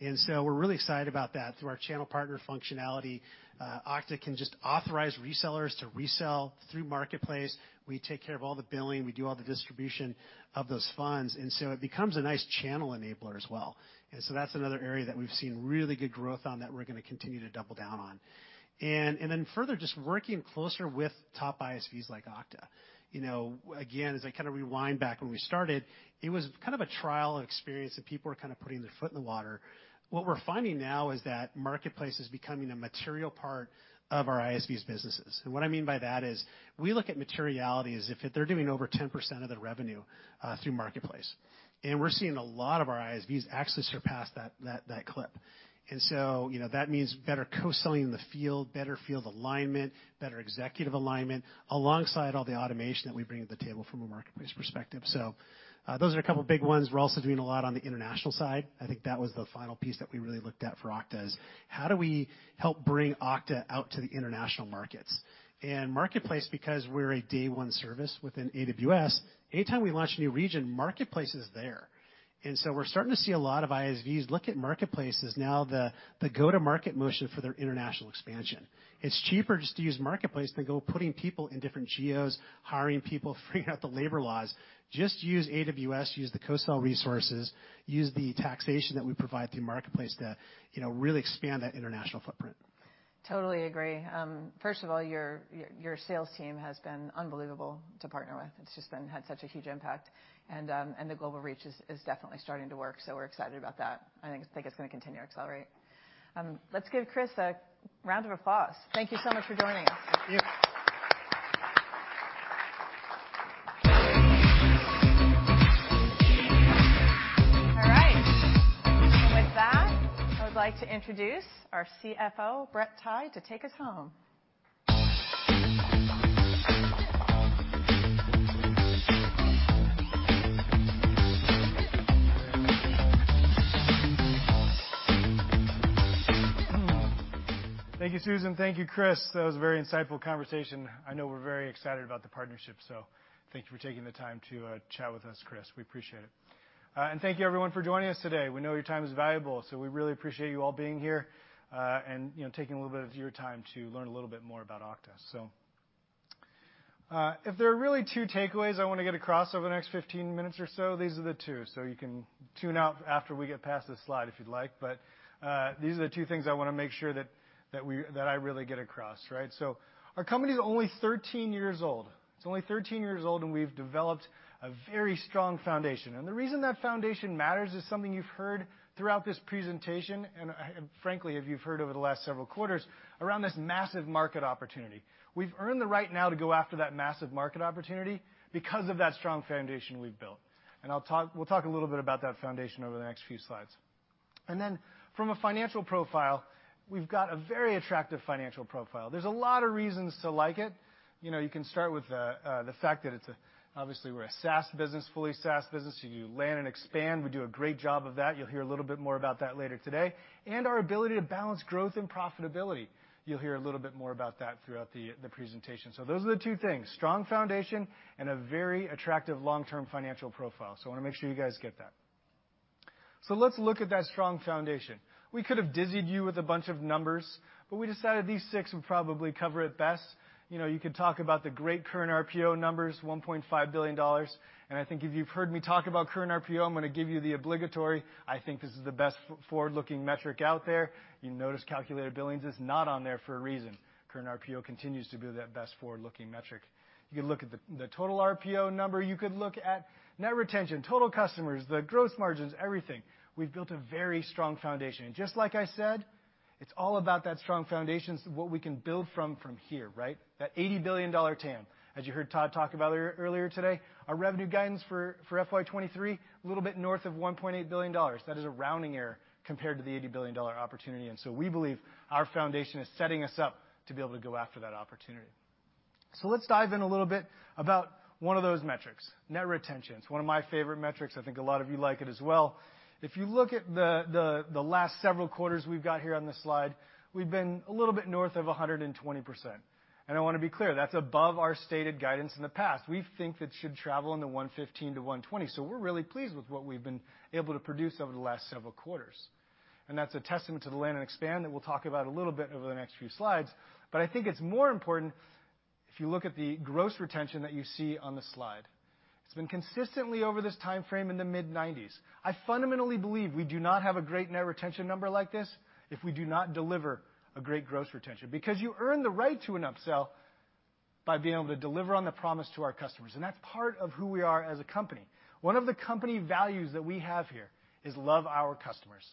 Yeah. We're really excited about that. Through our channel partner functionality, Okta can just authorize resellers to resell through Marketplace. We take care of all the billing. We do all the distribution of those funds, and so it becomes a nice channel enabler as well. That's another area that we've seen really good growth on that we're gonna continue to double down on. Then further, just working closer with top ISVs like Okta. You know, again, as I kinda rewind back when we started, it was kind of a trial and experience that people were kinda putting their foot in the water. What we're finding now is that Marketplace is becoming a material part of our ISV's businesses. What I mean by that is we look at materiality as if they're doing over 10% of their revenue through Marketplace. We're seeing a lot of our ISVs actually surpass that clip. You know, that means better co-selling in the field, better field alignment, better executive alignment, alongside all the automation that we bring to the table from a Marketplace perspective. Those are a couple big ones. We're also doing a lot on the international side. I think that was the final piece that we really looked at for Okta, is how do we help bring Okta out to the international markets? Marketplace, because we're a day-one service within AWS, anytime we launch a new region, Marketplace is there. We're starting to see a lot of ISVs look at Marketplace as now the go-to-market motion for their international expansion. It's cheaper just to use Marketplace than go putting people in different geos, hiring people, figuring out the labor laws. Just use AWS, use the co-sell resources, use the integrations that we provide through Marketplace to, you know, really expand that international footprint. Totally agree. First of all, your sales team has been unbelievable to partner with. It's just been had such a huge impact. The global reach is definitely starting to work, so we're excited about that. I think it's gonna continue to accelerate. Let's give Chris a round of applause. Thank you so much for joining. Thank you. All right. With that, I would like to introduce our CFO, Brett Tighe, to take us home. Thank you, Susan. Thank you, Chris. That was a very insightful conversation. I know we're very excited about the partnership, so thank you for taking the time to chat with us, Chris. We appreciate it. Thank you everyone for joining us today. We know your time is valuable, so we really appreciate you all being here, and, you know, taking a little bit of your time to learn a little bit more about Okta. If there are really two takeaways I wanna get across over the next 15 minutes or so, these are the two. You can tune out after we get past this slide if you'd like, but these are the two things I wanna make sure that I really get across, right? Our company's only 13 years old. It's only 13 years old, and we've developed a very strong foundation. The reason that foundation matters is something you've heard throughout this presentation, and, frankly, as you've heard over the last several quarters, around this massive market opportunity. We've earned the right now to go after that massive market opportunity because of that strong foundation we've built. I'll talk, we'll talk a little bit about that foundation over the next few slides. Then from a financial profile, we've got a very attractive financial profile. There's a lot of reasons to like it. You know, you can start with the fact that it's obviously we're a SaaS business, fully SaaS business, so you land and expand. We do a great job of that. You'll hear a little bit more about that later today. Our ability to balance growth and profitability. You'll hear a little bit more about that throughout the presentation. Those are the two things, strong foundation and a very attractive long-term financial profile. I wanna make sure you guys get that. Let's look at that strong foundation. We could have dizzied you with a bunch of numbers, but we decided these six would probably cover it best. You know, you could talk about the great current RPO numbers, $1.5 billion. I think if you've heard me talk about current RPO, I'm gonna give you the obligatory, "I think this is the best forward-looking metric out there." You notice calculated billings is not on there for a reason. Current RPO continues to be that best forward-looking metric. You can look at the total RPO number, you could look at net retention, total customers, the gross margins, everything. We've built a very strong foundation. Just like I said, it's all about that strong foundation, so what we can build from here, right? That $80 billion TAM. As you heard Todd talk about earlier today, our revenue guidance for FY 2023, a little bit north of $1.8 billion. That is a rounding error compared to the $80 billion opportunity. We believe our foundation is setting us up to be able to go after that opportunity. Let's dive in a little bit about one of those metrics, net retention. It's one of my favorite metrics. I think a lot of you like it as well. If you look at the last several quarters we've got here on this slide, we've been a little bit north of 120%. I wanna be clear, that's above our stated guidance in the past. We think that it should travel in the 115-120, so we're really pleased with what we've been able to produce over the last several quarters. That's a testament to the land and expand that we'll talk about a little bit over the next few slides. I think it's more important if you look at the gross retention that you see on the slide. It's been consistently, over this timeframe, in the mid-90s. I fundamentally believe we do not have a great net retention number like this if we do not deliver a great gross retention. Because you earn the right to an upsell by being able to deliver on the promise to our customers, and that's part of who we are as a company. One of the company values that we have here is love our customers.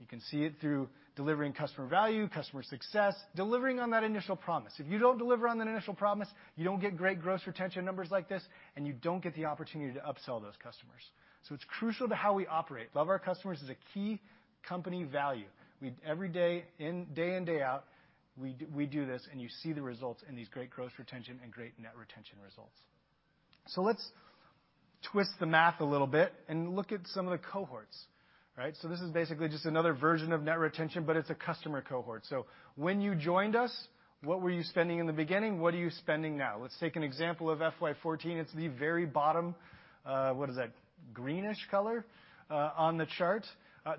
You can see it through delivering customer value, customer success, delivering on that initial promise. If you don't deliver on that initial promise, you don't get great gross retention numbers like this, and you don't get the opportunity to upsell those customers. It's crucial to how we operate. Love our customers is a key company value. Every day in, day out, we do this, and you see the results in these great gross retention and great net retention results. Let's twist the math a little bit and look at some of the cohorts, right? This is basically just another version of net retention, but it's a customer cohort. When you joined us, what were you spending in the beginning? What are you spending now? Let's take an example of FY 2014. It's the very bottom, what is that, greenish color, on the chart.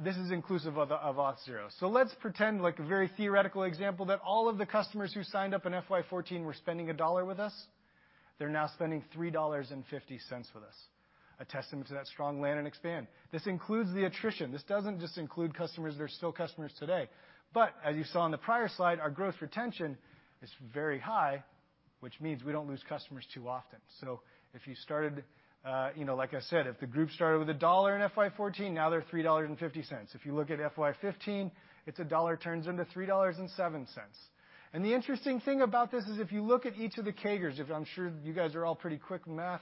This is inclusive of Auth0. Let's pretend, like a very theoretical example, that all of the customers who signed up in FY 2014 were spending $1 with us. They're now spending $3.50 with us, a testament to that strong land and expand. This includes the attrition. This doesn't just include customers that are still customers today. As you saw on the prior slide, our gross retention is very high, which means we don't lose customers too often. If you started, you know, like I said, if the group started with $1 in FY 2014, now they're $3.50. If you look at FY 2015, it's $1 turns into $3.07. The interesting thing about this is if you look at each of the CAGRs, I'm sure you guys are all pretty quick with math,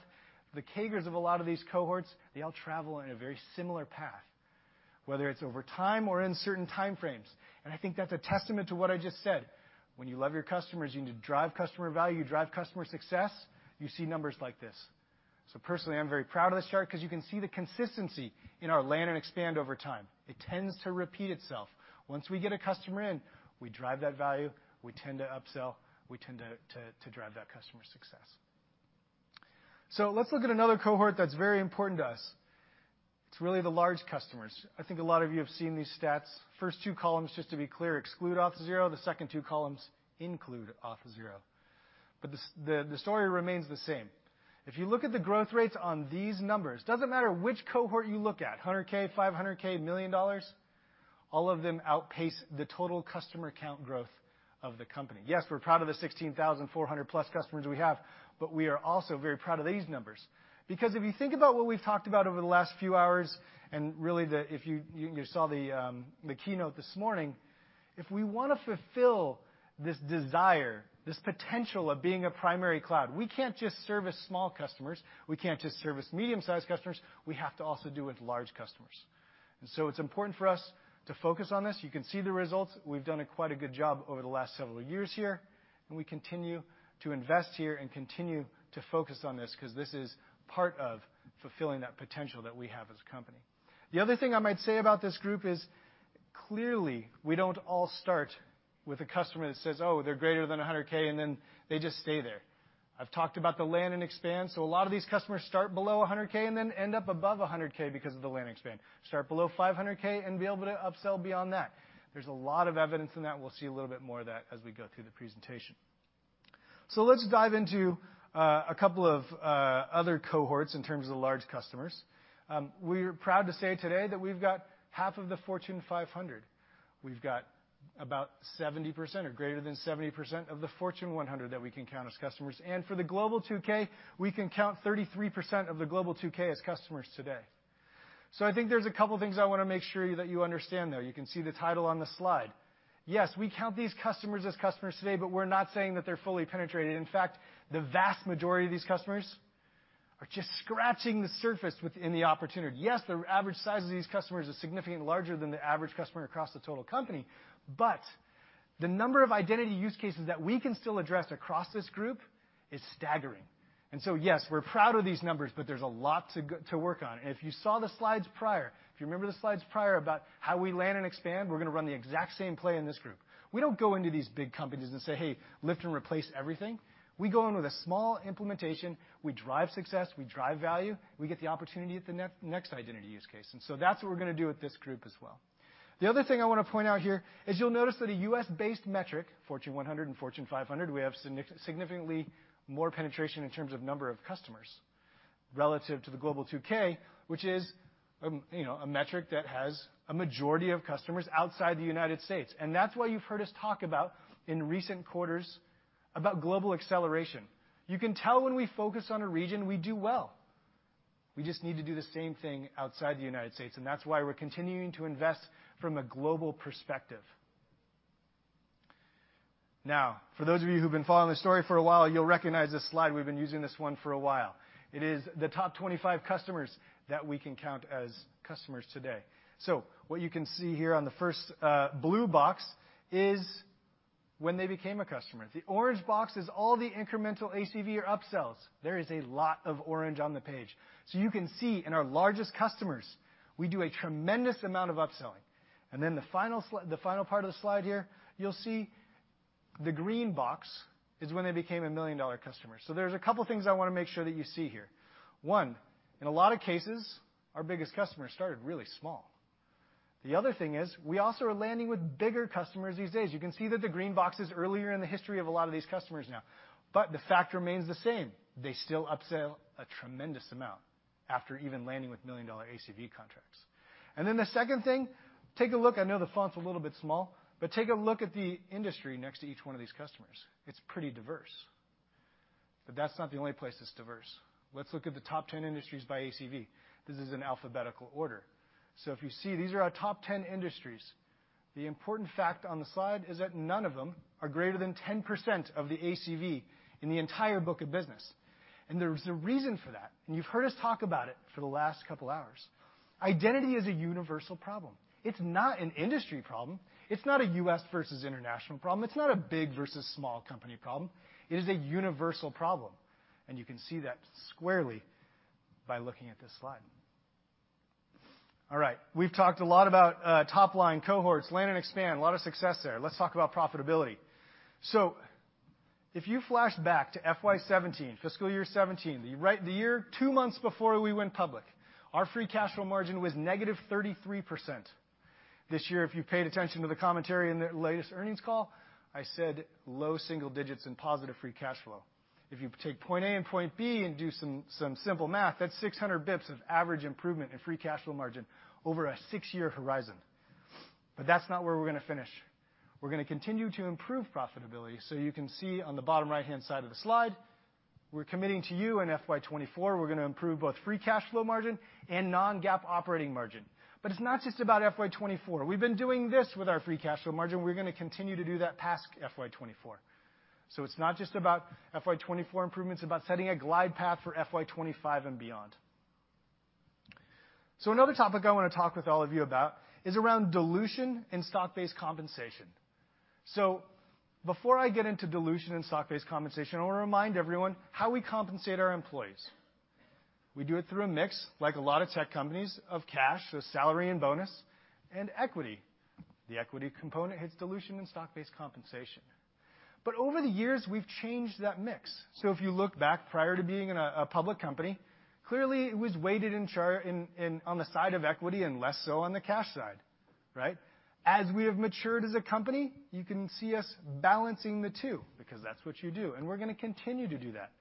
the CAGRs of a lot of these cohorts, they all travel in a very similar path, whether it's over time or in certain time frames. I think that's a testament to what I just said. When you love your customers, you drive customer value, you drive customer success, you see numbers like this. Personally, I'm very proud of this chart 'cause you can see the consistency in our land and expand over time. It tends to repeat itself. Once we get a customer in, we drive that value, we tend to upsell, we tend to drive that customer success. Let's look at another cohort that's very important to us. It's really the large customers. I think a lot of you have seen these stats. First two columns, just to be clear, exclude Auth0. The second two columns include Auth0. But the story remains the same. If you look at the growth rates on these numbers, doesn't matter which cohort you look at, 100K, 500K, $1 million, all of them outpace the total customer count growth of the company. Yes, we're proud of the 16,400+ customers we have, but we are also very proud of these numbers. Because if you think about what we've talked about over the last few hours, and really, if you saw the keynote this morning, if we wanna fulfill this desire, this potential of being a primary cloud, we can't just service small customers, we can't just service medium-sized customers, we have to also do with large customers. It's important for us to focus on this. You can see the results. We've done quite a good job over the last several years here, and we continue to invest here and continue to focus on this 'cause this is part of fulfilling that potential that we have as a company. The other thing I might say about this group is, clearly, we don't all start with a customer that says, "Oh, they're greater than 100K," and then they just stay there. I've talked about the land and expand. A lot of these customers start below 100K and then end up above 100K because of the land and expand. Start below 500K and be able to upsell beyond that. There's a lot of evidence in that, and we'll see a little bit more of that as we go through the presentation. Let's dive into a couple of other cohorts in terms of the large customers. We're proud to say today that we've got half of the Fortune 500. We've got about 70% or greater than 70% of the Fortune 100 that we can count as customers. For the Global 2000, we can count 33% of the Global 2000 as customers today. I think there's a couple things I wanna make sure that you understand, though. You can see the title on the slide. Yes, we count these customers as customers today, but we're not saying that they're fully penetrated. In fact, the vast majority of these customers are just scratching the surface within the opportunity. Yes, the average size of these customers is significantly larger than the average customer across the total company, but the number of identity use cases that we can still address across this group is staggering. Yes, we're proud of these numbers, but there's a lot to work on. If you saw the slides prior, if you remember the slides prior about how we land and expand, we're gonna run the exact same play in this group. We don't go into these big companies and say, "Hey, lift and replace everything." We go in with a small implementation. We drive success, we drive value, we get the opportunity at the next identity use case. That's what we're gonna do with this group as well. The other thing I wanna point out here is you'll notice that a US-based metric, Fortune 100 and Fortune 500, we have significantly more penetration in terms of number of customers relative to the Global 2000, which is a metric that has a majority of customers outside the United States. That's why you've heard us talk about in recent quarters about global acceleration. You can tell when we focus on a region, we do well. We just need to do the same thing outside the United States, and that's why we're continuing to invest from a global perspective. Now, for those of you who've been following this story for a while, you'll recognize this slide. We've been using this one for a while. It is the top 25 customers that we can count as customers today. What you can see here on the first blue box is when they became a customer. The orange box is all the incremental ACV or upsells. There is a lot of orange on the page. You can see in our largest customers, we do a tremendous amount of upselling. The final part of the slide here, you'll see the green box is when they became a million-dollar customer. There's a couple things I wanna make sure that you see here. One, in a lot of cases, our biggest customers started really small. The other thing is, we also are landing with bigger customers these days. You can see that the green box is earlier in the history of a lot of these customers now. The fact remains the same. They still upsell a tremendous amount after even landing with million-dollar ACV contracts. Then the second thing, take a look. I know the font's a little bit small, but take a look at the industry next to each one of these customers. It's pretty diverse. That's not the only place that's diverse. Let's look at the top 10 industries by ACV. This is in alphabetical order. If you see, these are our top 10 industries. The important fact on the slide is that none of them are greater than 10% of the ACV in the entire book of business. There's a reason for that, and you've heard us talk about it for the last couple hours. Identity is a universal problem. It's not an industry problem. It's not a U.S. versus international problem. It's not a big versus small company problem. It is a universal problem, and you can see that squarely by looking at this slide. All right. We've talked a lot about top line cohorts, land and expand, a lot of success there. Let's talk about profitability. If you flash back to FY 2017, fiscal year 2017, the year two months before we went public, our free cash flow margin was negative 33%. This year, if you paid attention to the commentary in the latest earnings call, I said low single digits% and positive free cash flow. If you take point A and point B and do some simple math, that's 600 basis points of average improvement in free cash flow margin over a six-year horizon. That's not where we're gonna finish. We're gonna continue to improve profitability. You can see on the bottom right-hand side of the slide, we're committing to you in FY 2024, we're gonna improve both free cash flow margin and non-GAAP operating margin. It's not just about FY 2024. We've been doing this with our free cash flow margin. We're gonna continue to do that past FY 2024. It's not just about FY 2024 improvements, about setting a glide path for FY 2025 and beyond. Another topic I wanna talk with all of you about is around dilution and stock-based compensation. Before I get into dilution and stock-based compensation, I wanna remind everyone how we compensate our employees. We do it through a mix, like a lot of tech companies, of cash, so salary and bonus, and equity. The equity component hits dilution and stock-based compensation. Over the years, we've changed that mix. If you look back prior to being in a public company, clearly it was weighted on the side of equity and less so on the cash side, right? As we have matured as a company, you can see us balancing the two because that's what you do, and we're gonna continue to do that.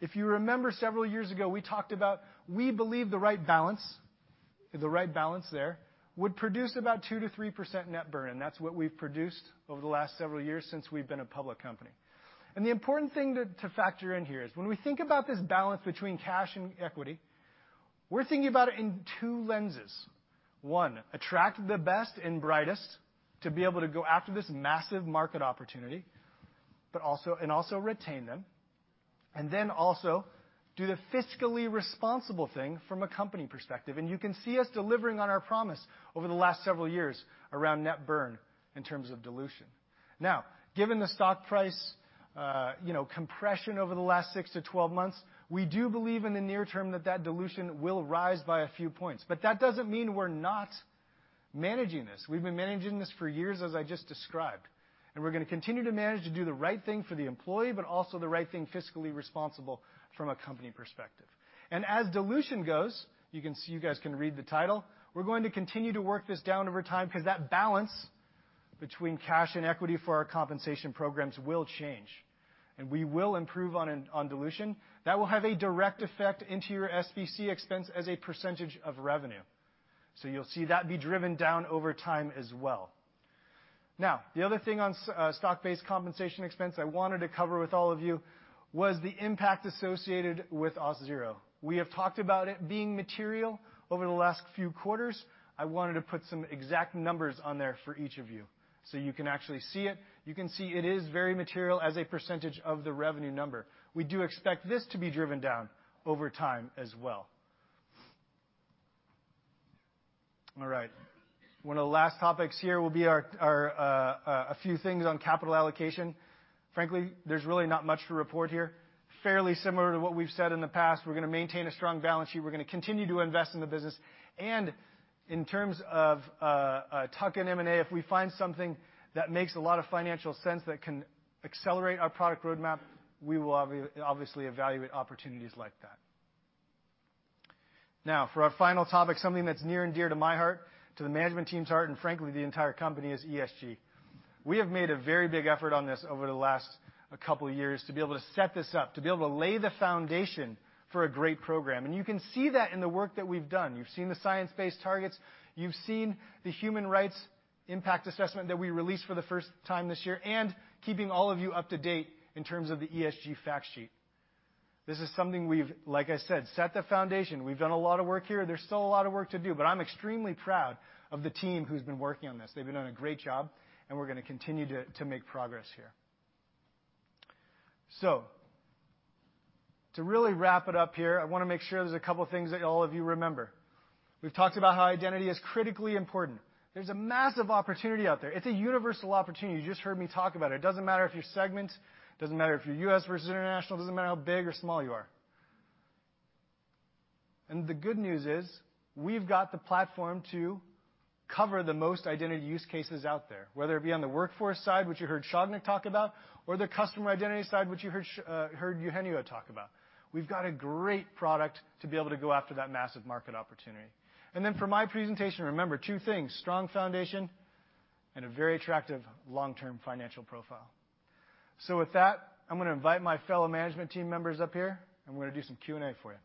If you remember several years ago, we talked about we believe the right balance there would produce about 2%-3% net burn, and that's what we've produced over the last several years since we've been a public company. The important thing to factor in here is when we think about this balance between cash and equity, we're thinking about it in two lenses. One, attract the best and brightest to be able to go after this massive market opportunity, but also retain them. Then also do the fiscally responsible thing from a company perspective. You can see us delivering on our promise over the last several years around net burn in terms of dilution. Now, given the stock price, you know, compression over the last 6-12 months, we do believe in the near term that dilution will rise by a few points. That doesn't mean we're not managing this. We've been managing this for years, as I just described. We're gonna continue to manage to do the right thing for the employee, but also the right thing fiscally responsible from a company perspective. As dilution goes, you can see, you guys can read the title, we're going to continue to work this down over time because that balance between cash and equity for our compensation programs will change, and we will improve on dilution. That will have a direct effect on your SBC expense as a percentage of revenue. You'll see that be driven down over time as well. Now, the other thing on stock-based compensation expense I wanted to cover with all of you was the impact associated with Auth0. We have talked about it being material over the last few quarters. I wanted to put some exact numbers on there for each of you so you can actually see it. You can see it is very material as a percentage of the revenue number. We do expect this to be driven down over time as well. All right. One of the last topics here will be our a few things on capital allocation. Frankly, there's really not much to report here. Fairly similar to what we've said in the past, we're gonna maintain a strong balance sheet. We're gonna continue to invest in the business. In terms of tuck-in M&A, if we find something that makes a lot of financial sense that can accelerate our product roadmap, we will obviously evaluate opportunities like that. Now, for our final topic, something that's near and dear to my heart, to the management team's heart, and frankly, the entire company is ESG. We have made a very big effort on this over the last couple years to be able to set this up, to be able to lay the foundation for a great program. You can see that in the work that we've done. You've seen the science-based targets. You've seen the human rights impact assessment that we released for the first time this year and keeping all of you up to date in terms of the ESG fact sheet. This is something we've, like I said, set the foundation. We've done a lot of work here. There's still a lot of work to do, but I'm extremely proud of the team who's been working on this. They've been doing a great job, and we're gonna continue to make progress here. To really wrap it up here, I wanna make sure there's a couple things that all of you remember. We've talked about how identity is critically important. There's a massive opportunity out there. It's a universal opportunity. You just heard me talk about it. It doesn't matter if your segment, doesn't matter if you're U.S. versus international, doesn't matter how big or small you are. The good news is, we've got the platform to cover the most identity use cases out there, whether it be on the workforce side, which you heard Sagnik talk about, or the customer identity side, which you heard Eugenio talk about. We've got a great product to be able to go after that massive market opportunity. For my presentation, remember two things, strong foundation and a very attractive long-term financial profile. With that, I'm gonna invite my fellow management team members up here, and we're gonna do some Q&A for you.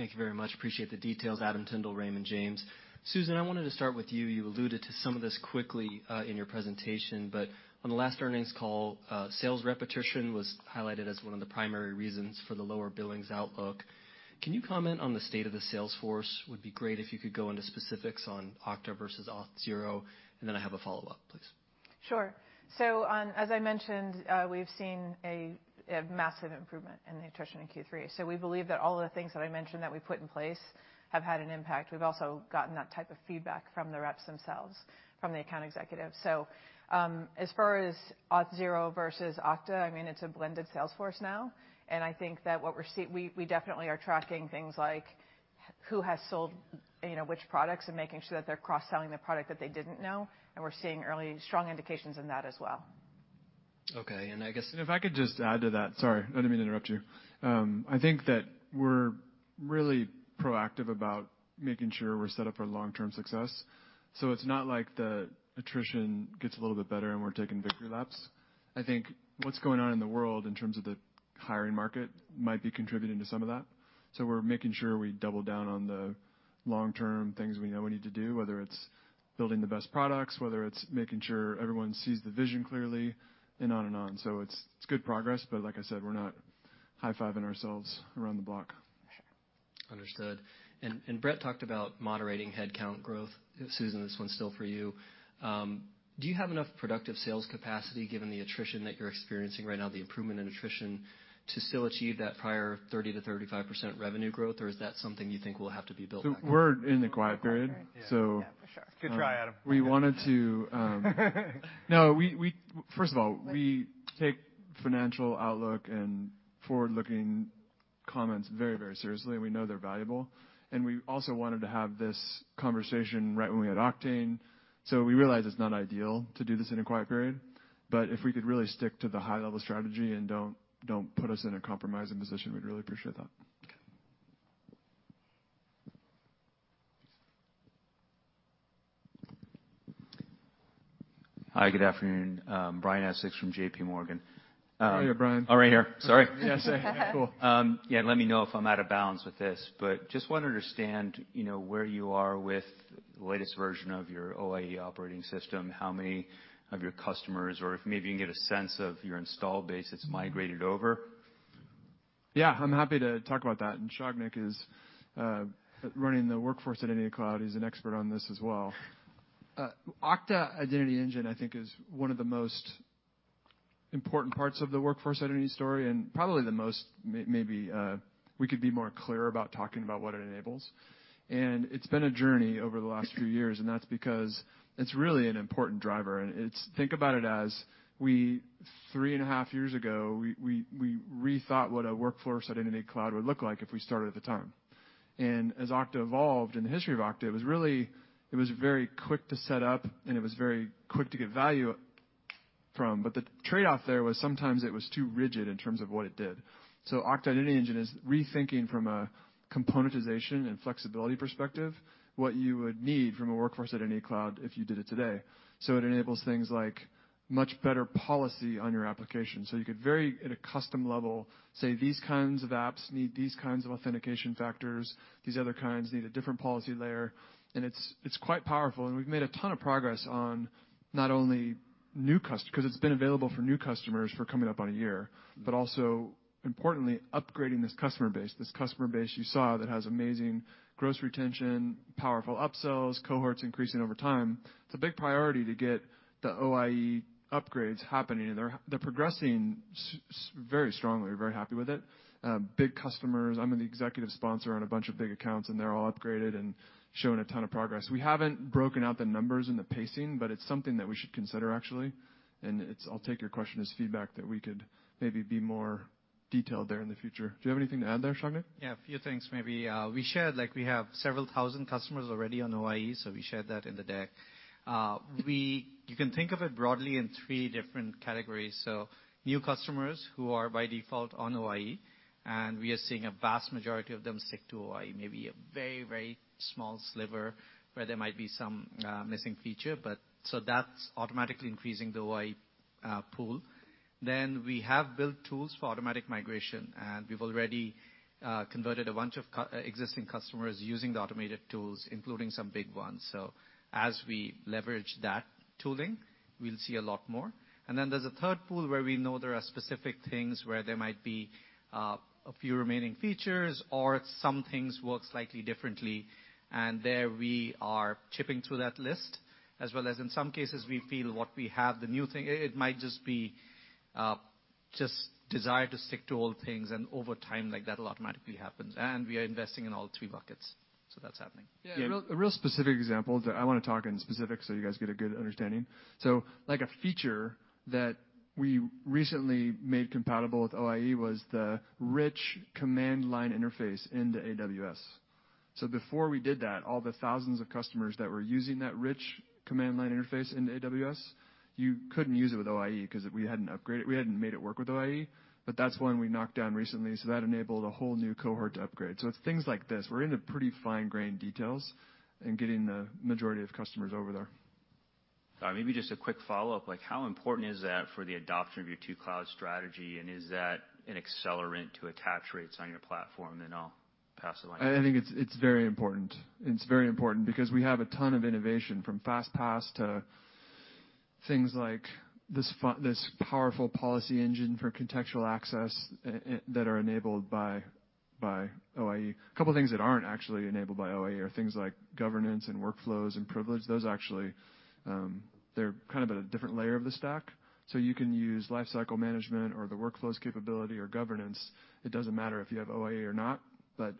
Take questions in the room. Raise your hands. First question. Thank you very much. Appreciate the details. Adam Tindle, Raymond James. Susan, I wanted to start with you. You alluded to some of this quickly in your presentation, but on the last earnings call, sales rep attrition was highlighted as one of the primary reasons for the lower billings outlook. Can you comment on the state of the sales force? Would be great if you could go into specifics on Okta versus Auth0, and then I have a follow-up, please. Sure. As I mentioned, we've seen a massive improvement in the attrition in Q3. We believe that all of the things that I mentioned that we put in place have had an impact. We've also gotten that type of feedback from the reps themselves, from the account executives. As far as Auth0 versus Okta, I mean, it's a blended sales force now. I think that we definitely are tracking things like who has sold, you know, which products and making sure that they're cross-selling the product that they didn't know, and we're seeing early strong indications in that as well. Okay. I guess. If I could just add to that. Sorry. I didn't mean to interrupt you. I think that we're really proactive about making sure we're set up for long-term success. It's not like the attrition gets a little bit better, and we're taking victory laps. I think what's going on in the world in terms of the hiring market might be contributing to some of that. We're making sure we double down on the long-term things we know we need to do, whether it's building the best products, whether it's making sure everyone sees the vision clearly and on and on. It's good progress, but like I said, we're not high-fiving ourselves around the block. Understood. Brett talked about moderating headcount growth. Susan, this one's still for you. Do you have enough productive sales capacity given the attrition that you're experiencing right now, the improvement in attrition to still achieve that prior 30%-35% revenue growth, or is that something you think will have to be built back? We're in the quiet period. Quiet period. So- Yeah, for sure. Good try, Adam. First of all, we take financial outlook and forward-looking comments very, very seriously, and we know they're valuable. We also wanted to have this conversation right when we had Oktane. We realize it's not ideal to do this in a quiet period, but if we could really stick to the high level strategy and don't put us in a compromising position, we'd really appreciate that. Okay. Hi, good afternoon. Brian Essex from JPMorgan. Oh, yeah, Brian. Oh, right here. Sorry. Yes. Cool. Yeah, let me know if I'm out of bounds with this, but just want to understand, you know, where you are with the latest version of your OIE operating system, how many of your customers, or if maybe you can get a sense of your install base that's migrated over. Yeah, I'm happy to talk about that, and Sagnik is running the Workforce Identity Cloud. He's an expert on this as well. Okta Identity Engine, I think, is one of the most important parts of the workforce identity story, and probably the most maybe we could be more clear about talking about what it enables. It's been a journey over the last few years, and that's because it's really an important driver. It's think about it as we, three and a half years ago, we rethought what a workforce identity cloud would look like if we started at the time. As Okta evolved, in the history of Okta, it was really very quick to set up, and it was very quick to get value from. The trade-off there was sometimes it was too rigid in terms of what it did. Okta Identity Engine is rethinking from a componentization and flexibility perspective, what you would need from a Workforce Identity Cloud if you did it today. It enables things like much better policy on your application. You could very, at a custom level, say these kinds of apps need these kinds of authentication factors, these other kinds need a different policy layer, and it's quite powerful. We've made a ton of progress on not only for new customers for coming up on a year, but also importantly, upgrading this customer base. This customer base you saw that has amazing gross retention, powerful upsells, cohorts increasing over time. It's a big priority to get the OIE upgrades happening. They're progressing very strongly. We're very happy with it. Big customers. I'm the executive sponsor on a bunch of big accounts, and they're all upgraded and showing a ton of progress. We haven't broken out the numbers and the pacing, but it's something that we should consider actually. I'll take your question as feedback that we could maybe be more detailed there in the future. Do you have anything to add there, Sagnik Nandy? Yeah, a few things maybe. We shared, like, we have several thousand customers already on OIE, so we shared that in the deck. You can think of it broadly in three different categories. New customers who are by default on OIE, and we are seeing a vast majority of them stick to OIE. Maybe a very, very small sliver where there might be some missing feature, but that's automatically increasing the OIE pool. We have built tools for automatic migration, and we've already converted a bunch of existing customers using the automated tools, including some big ones. As we leverage that tooling, we'll see a lot more. Then there's a third pool where we know there are specific things where there might be a few remaining features or some things work slightly differently, and there we are chipping through that list. As well as in some cases, we feel what we have, the new thing, it might just be just desire to stick to old things, and over time, like, that'll automatically happen. We are investing in all three buckets, so that's happening. Yeah. A real specific example. I want to talk in specifics so you guys get a good understanding. Like a feature that we recently made compatible with OIE was the rich command line interface into AWS. Before we did that, all the thousands of customers that were using that rich command line interface into AWS, you couldn't use it with OIE 'cause we hadn't upgraded, we hadn't made it work with OIE. That's one we knocked down recently, so that enabled a whole new cohort to upgrade. It's things like this. We're into pretty fine-grained details in getting the majority of customers over there. Maybe just a quick follow-up. Like, how important is that for the adoption of your two cloud strategy, and is that an accelerant to attach rates on your platform? Then I'll pass the line. I think it's very important. It's very important because we have a ton of innovation from FastPass to things like this powerful policy engine for contextual access that are enabled by OIE. A couple things that aren't actually enabled by OIE are things like governance and workflows and privilege. Those actually, they're kind of at a different layer of the stack. You can use Lifecycle Management or the Workflows capability or Governance. It doesn't matter if you have OIE or not.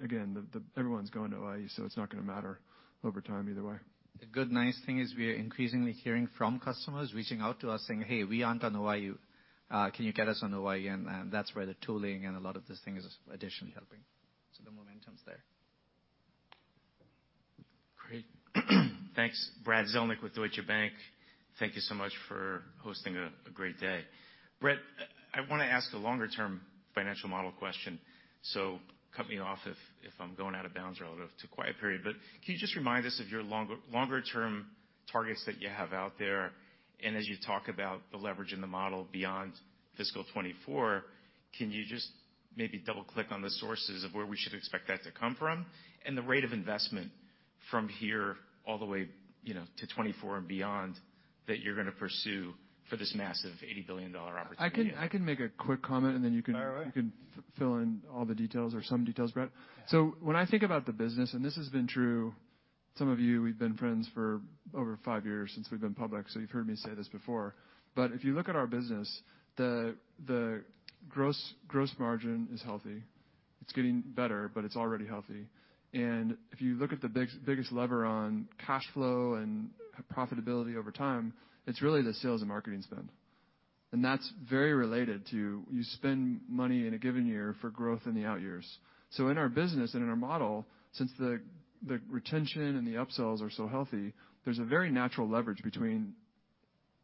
Again, everyone's going to OIE, so it's not gonna matter over time either way. A good nice thing is we are increasingly hearing from customers reaching out to us saying, "Hey, we aren't on OIE. Can you get us on OIE?" And that's where the tooling and a lot of these things is additionally helping. The momentum's there. Great. Thanks. Brad Zelnick with Deutsche Bank. Thank you so much for hosting a great day. Brett, I want to ask a longer term financial model question, so cut me off if I'm going out of bounds relative to quiet period. Can you just remind us of your longer term targets that you have out there? And as you talk about the leverage in the model beyond fiscal 2024, can you just maybe double-click on the sources of where we should expect that to come from? And the rate of investment from here all the way, you know, to 2024 and beyond that you're gonna pursue for this massive $80 billion opportunity. I can make a quick comment, and then you can All right. You can fill in all the details or some details, Brett. When I think about the business, and this has been true, some of you, we've been friends for over five years since we've been public, so you've heard me say this before. If you look at our business, the gross margin is healthy. It's getting better, but it's already healthy. If you look at the biggest lever on cash flow and profitability over time, it's really the sales and marketing spend. That's very related to how you spend money in a given year for growth in the out years. In our business and in our model, since the retention and the upsells are so healthy, there's a very natural leverage between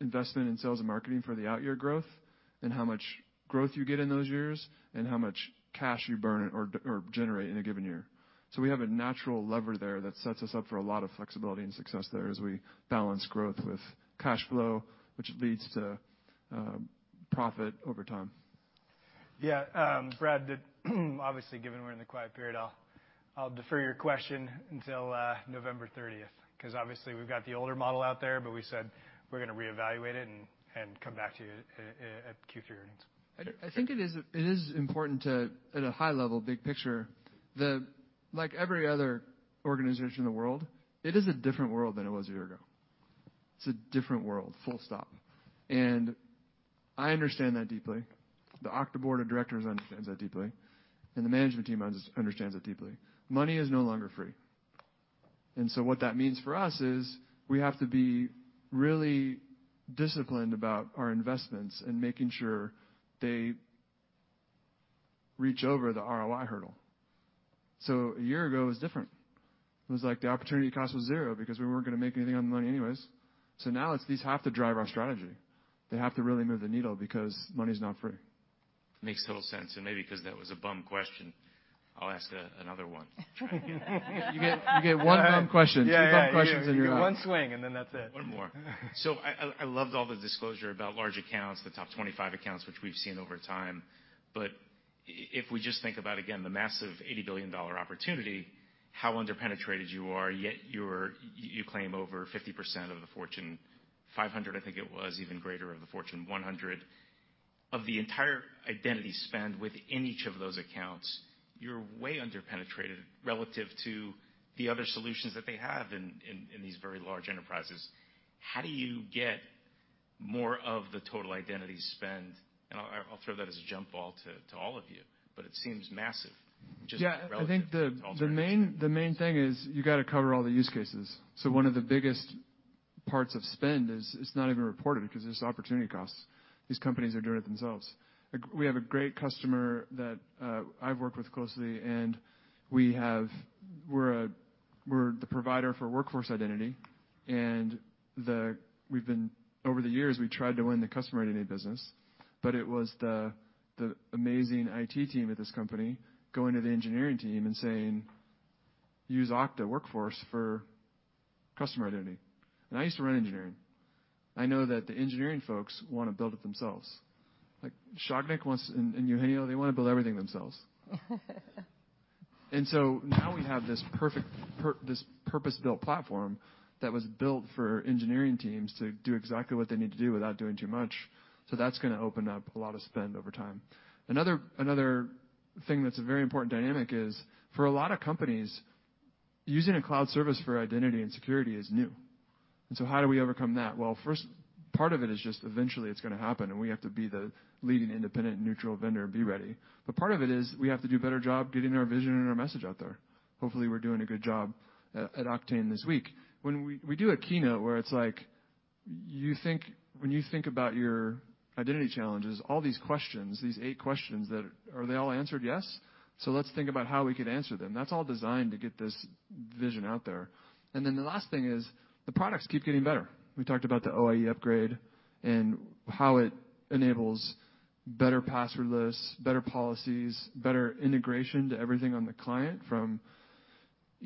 investment in sales and marketing for the out year growth and how much growth you get in those years, and how much cash you burn or generate in a given year. We have a natural lever there that sets us up for a lot of flexibility and success there as we balance growth with cash flow, which leads to profit over time. Yeah, Brad, obviously, given we're in the quiet period, I'll defer your question until November 30th, 'cause obviously we've got the older model out there, but we said we're gonna reevaluate it and come back to you at Q3 earnings. I think it is important to, at a high level, big picture, like every other organization in the world, it is a different world than it was a year ago. It's a different world, full stop. I understand that deeply. The Okta board of directors understands that deeply, and the management team understands it deeply. Money is no longer free. What that means for us is we have to be really disciplined about our investments and making sure they reach over the ROI hurdle. A year ago, it was different. It was like the opportunity cost was zero because we weren't gonna make anything on the money anyways. Now it's these have to drive our strategy. They have to really move the needle because money's not free. Makes total sense. Maybe 'cause that was a bum question, I'll ask another one. You get one bum question. Yeah, yeah. Two dumb questions and you're out. You get one swing, and then that's it. One more. I loved all the disclosure about large accounts, the top 25 accounts, which we've seen over time. If we just think about, again, the massive $80 billion opportunity, how under-penetrated you are, yet you claim over 50% of the Fortune 500, I think it was even greater of the Fortune 100. Of the entire identity spend within each of those accounts, you're way under-penetrated relative to the other solutions that they have in these very large enterprises. How do you get more of the total identity spend? I'll throw that as a jump ball to all of you, but it seems massive, just relative to Alterian. Yeah. I think the main thing is you gotta cover all the use cases. One of the biggest parts of spend is it's not even reported 'cause it's opportunity costs. These companies are doing it themselves. We have a great customer that I've worked with closely, and we're the provider for Workforce Identity. We've tried over the years to win the customer identity business, but it was the amazing IT team at this company going to the engineering team and saying, "Use Okta Workforce for customer identity." I used to run engineering. I know that the engineering folks wanna build it themselves. Like, Sagnik wants, and Eugenio, they wanna build everything themselves. Now we have this purpose-built platform that was built for engineering teams to do exactly what they need to do without doing too much. That's gonna open up a lot of spend over time. Another thing that's a very important dynamic is for a lot of companies, using a cloud service for identity and security is new. How do we overcome that? Well, first, part of it is just eventually it's gonna happen, and we have to be the leading independent neutral vendor and be ready. Part of it is we have to do a better job getting our vision and our message out there. Hopefully, we're doing a good job at Oktane this week. When we do a keynote where it's like when you think about your identity challenges, all these questions, these eight questions. Are they all answered yes? Let's think about how we could answer them. That's all designed to get this vision out there. Then the last thing is the products keep getting better. We talked about the OIE upgrade and how it enables better passwordless, better policies, better integration to everything on the client, from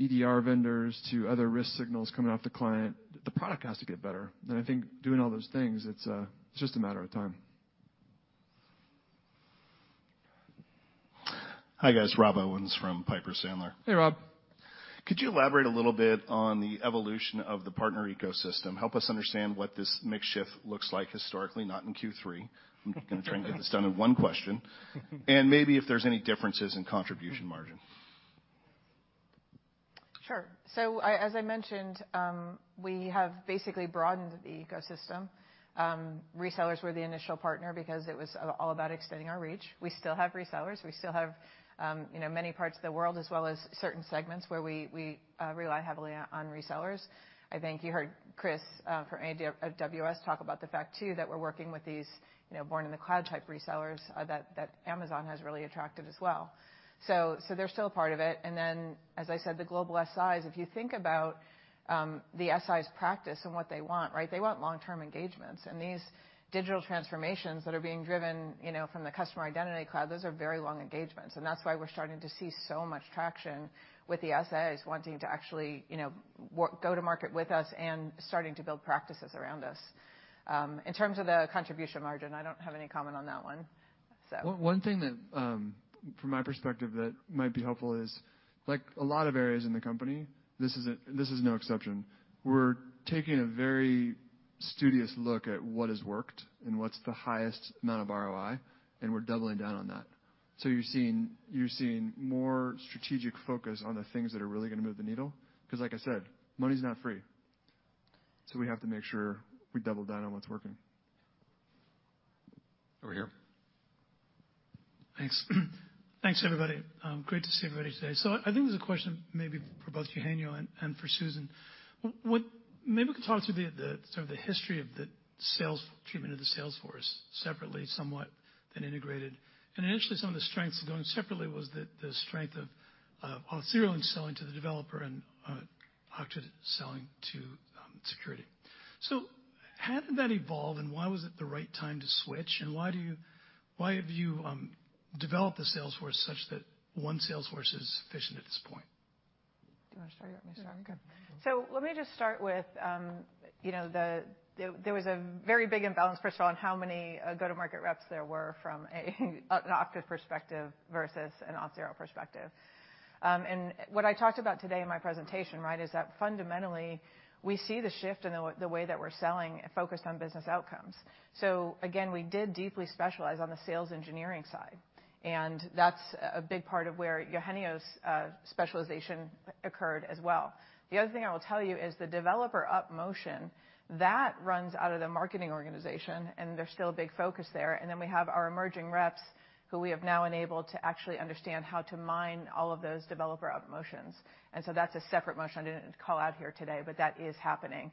EDR vendors to other risk signals coming off the client. The product has to get better. I think doing all those things, it's just a matter of time. Hi, guys. Rob Owens from Piper Sandler. Hey, Rob. Could you elaborate a little bit on the evolution of the partner ecosystem? Help us understand what this mix shift looks like historically, not in Q3. I'm gonna try and get this done in one question. Maybe if there's any differences in contribution margin. Sure. As I mentioned, we have basically broadened the ecosystem. Resellers were the initial partner because it was all about extending our reach. We still have resellers. We still have you know many parts of the world as well as certain segments where we rely heavily on resellers. I think you heard Chris from AWS talk about the fact too that we're working with these you know born-in-the-cloud-type resellers that Amazon has really attracted as well. They're still part of it. As I said, the global SIs, if you think about the SIs' practice and what they want, right? They want long-term engagements. These digital transformations that are being driven you know from the Customer Identity Cloud, those are very long engagements. That's why we're starting to see so much traction with the SIs wanting to actually, you know, work to go to market with us and starting to build practices around us. In terms of the contribution margin, I don't have any comment on that one. One thing that from my perspective that might be helpful is, like a lot of areas in the company, this is no exception. We're taking a very studious look at what has worked and what's the highest amount of ROI, and we're doubling down on that. You're seeing more strategic focus on the things that are really gonna move the needle 'cause, like I said, money's not free. We have to make sure we double down on what's working. Over here. Thanks, everybody. Great to see everybody today. I think there's a question maybe for both Eugenio and for Susan. What maybe we could talk to the history of the sales treatment of the sales force separately, somewhat then integrated. Initially, some of the strengths of going separately was the strength of Auth0 in selling to the developer and Okta selling to security. How did that evolve, and why was it the right time to switch? Why have you developed the sales force such that one sales force is sufficient at this point? Do you wanna start or you want me to start? Okay. Let me just start with, you know, the. There was a very big imbalance, first of all, on how many go-to-market reps there were from an Okta perspective versus an Auth0 perspective. And what I talked about today in my presentation, right, is that fundamentally we see the shift in the way that we're selling focused on business outcomes. Again, we did deeply specialize on the sales engineering side, and that's a big part of where Eugenio's specialization occurred as well. The other thing I will tell you is the developer motion, that runs out of the marketing organization, and there's still a big focus there. Then we have our emerging reps who we have now enabled to actually understand how to mine all of those developer up motions. That's a separate motion I didn't call out here today, but that is happening.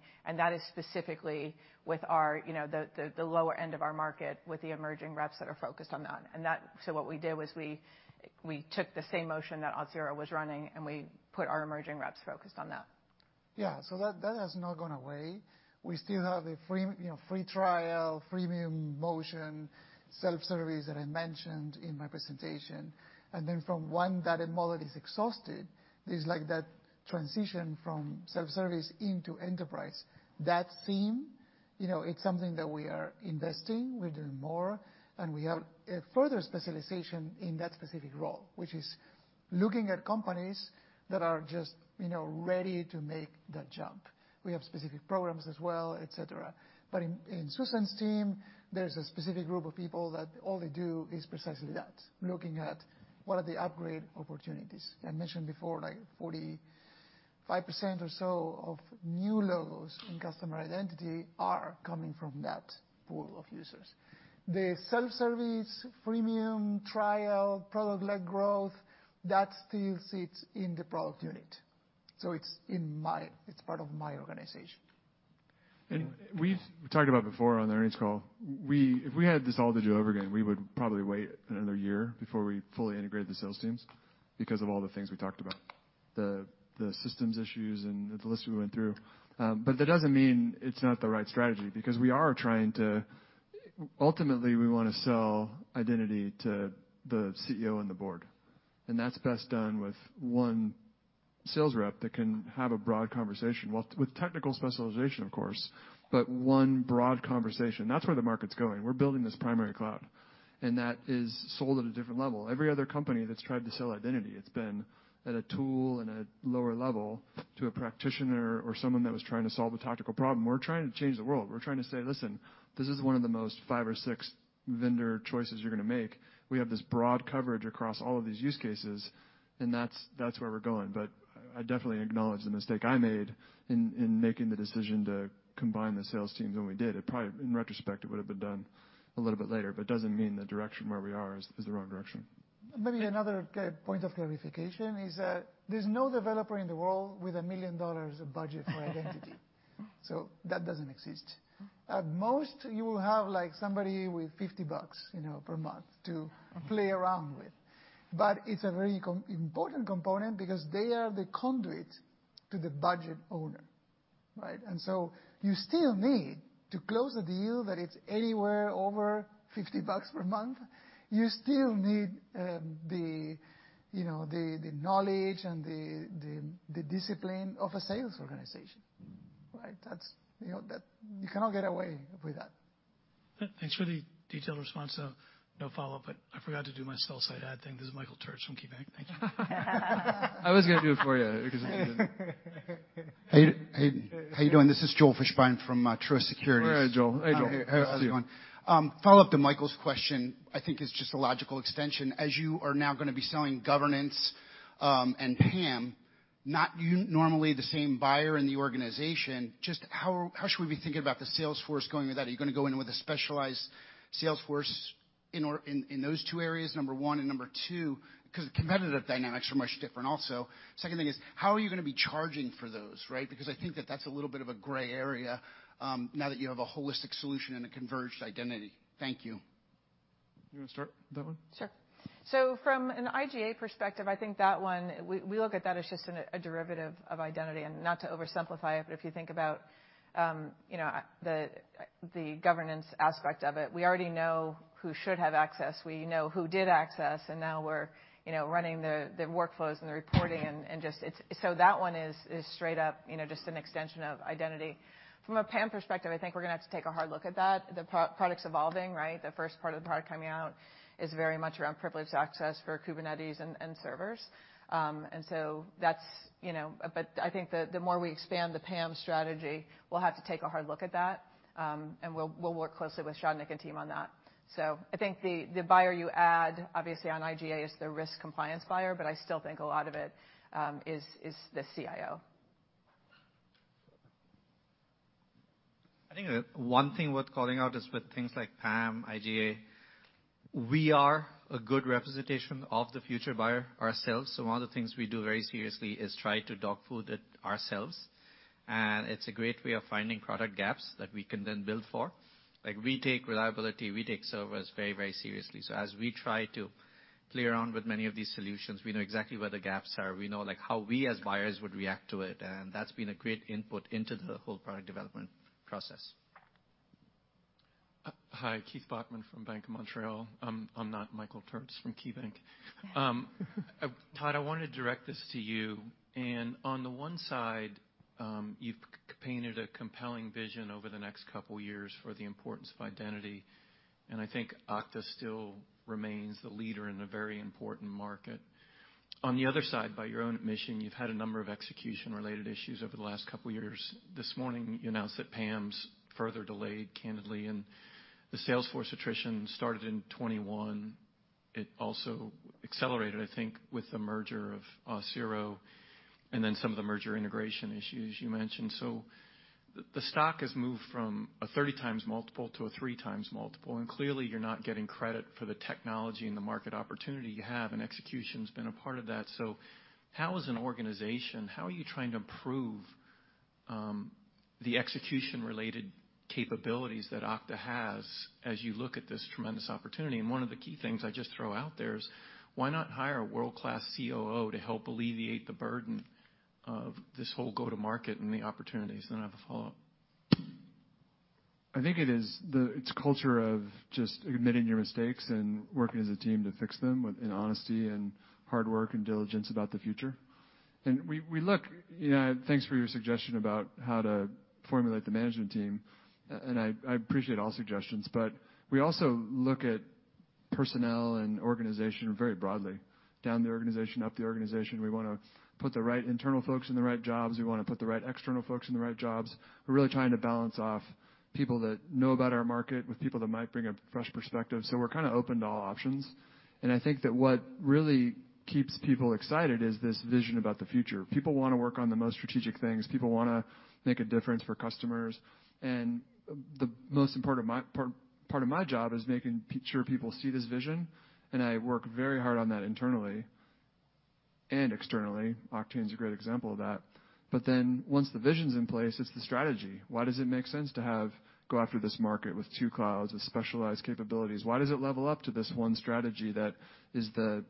What we did was we took the same motion that Auth0 was running, and we put our emerging reps focused on that. Yeah. That has not gone away. We still have a free, you know, free trial, freemium motion, self-service that I mentioned in my presentation. From one data model is exhausted, there's like that transition from self-service into enterprise. That theme, you know, it's something that we are investing, we're doing more, and we have a further specialization in that specific role, which is looking at companies that are just, you know, ready to make that jump. We have specific programs as well, et cetera. But in Susan St. Ledger's team, there's a specific group of people that all they do is precisely that, looking at what are the upgrade opportunities. I mentioned before, like 45% or so of new logos in customer identity are coming from that pool of users. The self-service, freemium, trial, product-led growth, that still sits in the product unit.It's part of my organization. We've talked about before on the earnings call, if we had this all to do over again, we would probably wait another year before we fully integrated the sales teams because of all the things we talked about, the systems issues and the list we went through. That doesn't mean it's not the right strategy because we are trying to ultimately we wanna sell identity to the CEO and the board, and that's best done with one sales rep that can have a broad conversation. Well, with technical specialization, of course, but one broad conversation. That's where the market's going. We're building this primary cloud, and that is sold at a different level. Every other company that's tried to sell identity, it's been at a tool and a lower level to a practitioner or someone that was trying to solve a tactical problem. We're trying to change the world. We're trying to say, "Listen, this is one of the most five or six vendor choices you're gonna make. We have this broad coverage across all of these use cases," and that's where we're going. I definitely acknowledge the mistake I made in making the decision to combine the sales teams when we did. It probably, in retrospect, it would have been done a little bit later, but it doesn't mean the direction where we are is the wrong direction. Maybe another kind of point of clarification is that there's no developer in the world with $1 million of budget for identity. That doesn't exist. At most, you will have like somebody with $50, you know, per month to play around with. It's a very important component because they are the conduit to the budget owner, right? You still need to close a deal that's anywhere over $50 per month, you still need the, you know, knowledge and the discipline of a sales organization. Mm-hmm. Right? That's, you know, that. You cannot get away with that. Thanks for the detailed response, so no follow-up. I forgot to do my sell-side ad thing. This is Michael Turits from KeyBanc. Thank you. I was gonna do it for you. How you doing? This is Joel Fishbein from Truist Securities. All right, Joel. Hey, Joel. How's it going? Follow-up to Michael's question, I think it's just a logical extension. As you are now gonna be selling governance and PAM, not you—normally the same buyer in the organization, just how should we be thinking about the sales force going with that? Are you gonna go in with a specialized sales force in those two areas, number one? Number two, 'cause the competitive dynamics are much different also. Second thing is, how are you gonna be charging for those, right? Because I think that that's a little bit of a gray area now that you have a holistic solution and a converged identity. Thank you. You wanna start that one? Sure. From an IGA perspective, I think that one, we look at that as just a derivative of identity. Not to oversimplify it, but if you think about the governance aspect of it, we already know who should have access, we know who did access, and now we're running the workflows and the reporting. That one is straight up just an extension of identity. From a PAM perspective, I think we're gonna have to take a hard look at that. The product's evolving, right? The first part of the product coming out is very much around privileged access for Kubernetes and servers. But I think the more we expand the PAM strategy, we'll have to take a hard look at that. We'll work closely with Sagnik Nandy and team on that. I think the buyer you add obviously on IGA is the risk compliance buyer, but I still think a lot of it is the CIO. I think, one thing worth calling out is with things like PAM, IGA, we are a good representation of the future buyer ourselves. One of the things we do very seriously is try to dog food it ourselves, and it's a great way of finding product gaps that we can then build for. Like, we take reliability, we take servers very, very seriously. As we try to play around with many of these solutions, we know exactly where the gaps are. We know, like, how we as buyers would react to it, and that's been a great input into the whole product development process. Hi, Keith Bachman from Bank of Montreal. I'm not Michael Turits from KeyBanc Capital Markets. Todd, I wanna direct this to you. On the one side, you've painted a compelling vision over the next couple years for the importance of identity, and I think Okta still remains the leader in a very important market. On the other side, by your own admission, you've had a number of execution-related issues over the last couple years. This morning, you announced that PAM's further delayed, candidly, and the sales force attrition started in 2021. It also accelerated, I think, with the merger of Auth0 and then some of the merger integration issues you mentioned. The stock has moved from a 30x multiple to a 3x multiple, and clearly you're not getting credit for the technology and the market opportunity you have, and execution's been a part of that. How as an organization are you trying to improve the execution-related capabilities that Okta has as you look at this tremendous opportunity? One of the key things I just throw out there is why not hire a world-class COO to help alleviate the burden of this whole go-to-market and the opportunities? Then I have a follow-up. I think it is the culture of just admitting your mistakes and working as a team to fix them with an honesty and hard work and diligence about the future. We look, you know. Thanks for your suggestion about how to formulate the management team, and I appreciate all suggestions, but we also look at personnel and organization very broadly. Down the organization, up the organization, we wanna put the right internal folks in the right jobs. We wanna put the right external folks in the right jobs. We're really trying to balance off people that know about our market with people that might bring a fresh perspective, so we're kinda open to all options. I think that what really keeps people excited is this vision about the future. People wanna work on the most strategic things. People wanna make a difference for customers. The most important part of my job is making sure people see this vision, and I work very hard on that internally and externally. Oktane's a great example of that. Once the vision's in place, it's the strategy. Why does it make sense to go after this market with two clouds of specialized capabilities? Why does it level up to this one strategy that is the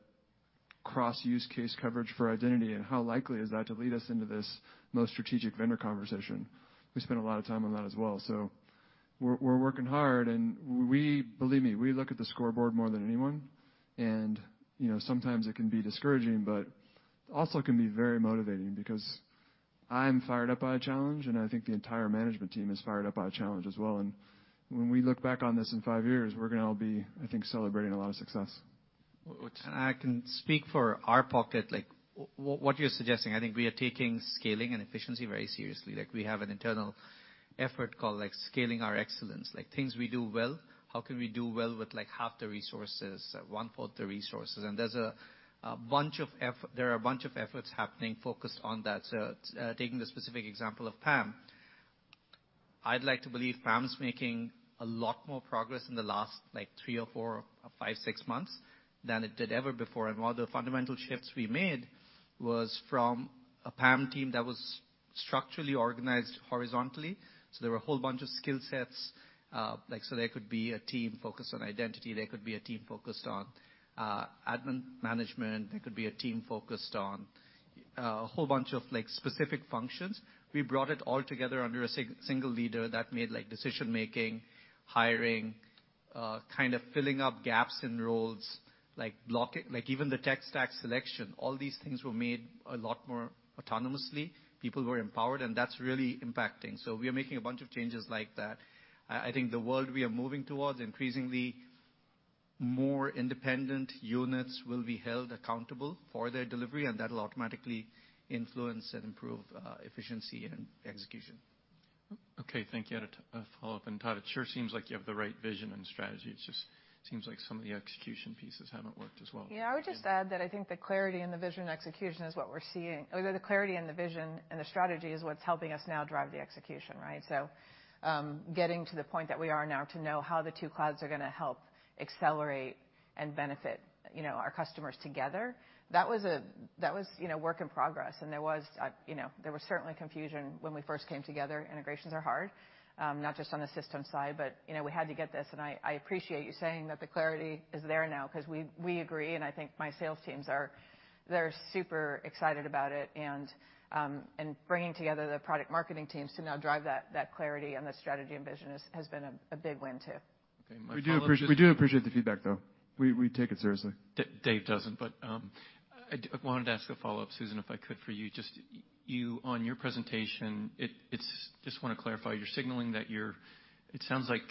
cross-use case coverage for identity, and how likely is that to lead us into this most strategic vendor conversation? We spend a lot of time on that as well. We're working hard, and believe me, we look at the scoreboard more than anyone. You know, sometimes it can be discouraging, but also can be very motivating because I'm fired up by a challenge, and I think the entire management team is fired up by a challenge as well. When we look back on this in five years, we're gonna all be, I think, celebrating a lot of success. I can speak for our pocket. Like, what you're suggesting, I think we are taking scaling and efficiency very seriously. Like, we have an internal effort called, like, Scaling Our Excellence. Like, things we do well, how can we do well with, like, half the resources, one-fourth the resources? There's a bunch of efforts happening focused on that. Taking the specific example of PAM, I'd like to believe PAM's making a lot more progress in the last, like, three or four or five, six months than it did ever before. One of the fundamental shifts we made was from a PAM team that was structurally organized horizontally, so there were a whole bunch of skill sets. Like, so there could be a team focused on identity. There could be a team focused on admin management. There could be a team focused on a whole bunch of, like, specific functions. We brought it all together under a single leader. That made, like, decision-making, hiring, kind of filling up gaps in roles, like, even the tech stack selection. All these things were made a lot more autonomously. People were empowered, and that's really impacting. We are making a bunch of changes like that. I think the world we are moving towards, increasingly more independent units will be held accountable for their delivery, and that'll automatically influence and improve efficiency and execution. Okay. Thank you. I had a follow-up. Todd, it sure seems like you have the right vision and strategy. It just seems like some of the execution pieces haven't worked as well. Yeah. I would just add that I think the clarity and the vision execution is what we're seeing. The clarity and the vision and the strategy is what's helping us now drive the execution, right? Getting to the point that we are now to know how the two clouds are gonna help accelerate and benefit, you know, our customers together, that was, you know, work in progress. There was certainly confusion when we first came together. Integrations are hard, not just on the system side, but, you know, we had to get this. I appreciate you saying that the clarity is there now, 'cause we agree, and I think my sales teams are super excited about it. Bringing together the product marketing teams to now drive that clarity and the strategy and vision has been a big win too. We do appreciate the feedback though. We take it seriously. No, it doesn't, but I do want to ask a follow-up, Susan, if I could for you. Just you, on your presentation. Just wanna clarify. You're signaling that you're, it sounds like,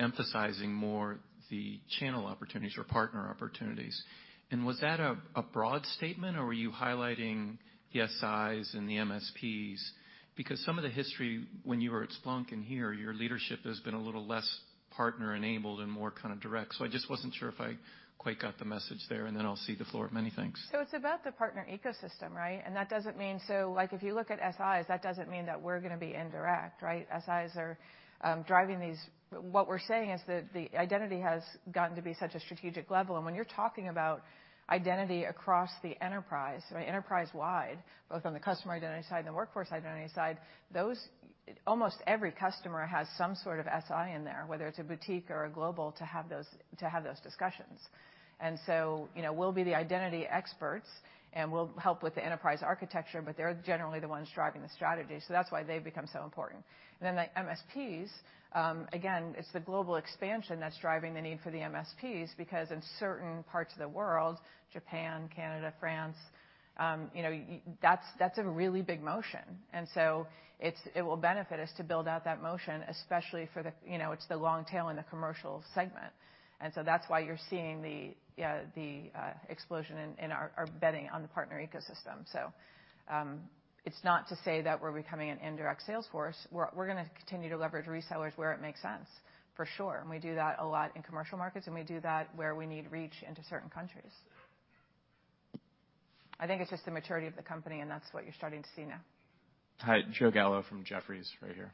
emphasizing more the channel opportunities or partner opportunities. Was that a broad statement, or were you highlighting the SIs and the MSPs? Because some of the history when you were at Splunk and here, your leadership has been a little less partner-enabled and more kind of direct. I just wasn't sure if I quite got the message there, and then I'll cede the floor. Many thanks. It's about the partner ecosystem, right? That doesn't mean, like, if you look at SIs, that doesn't mean that we're gonna be indirect, right? SIs are driving these. What we're saying is that the identity has gotten to be such a strategic level, and when you're talking about identity across the enterprise, so enterprise-wide, both on the customer identity side and the workforce identity side, those. Almost every customer has some sort of SI in there, whether it's a boutique or a global, to have those discussions. You know, we'll be the identity experts, and we'll help with the enterprise architecture, but they're generally the ones driving the strategy. That's why they've become so important. The MSPs, again, it's the global expansion that's driving the need for the MSPs because in certain parts of the world, Japan, Canada, France, you know, that's a really big motion. It will benefit us to build out that motion, especially for the, you know, it's the long tail in the commercial segment. That's why you're seeing the explosion in our betting on the partner ecosystem. It's not to say that we're becoming an indirect sales force. We're gonna continue to leverage resellers where it makes sense, for sure, and we do that a lot in commercial markets, and we do that where we need reach into certain countries. I think it's just the maturity of the company, and that's what you're starting to see now. Hi. Joe Gallo from Jefferies, right here.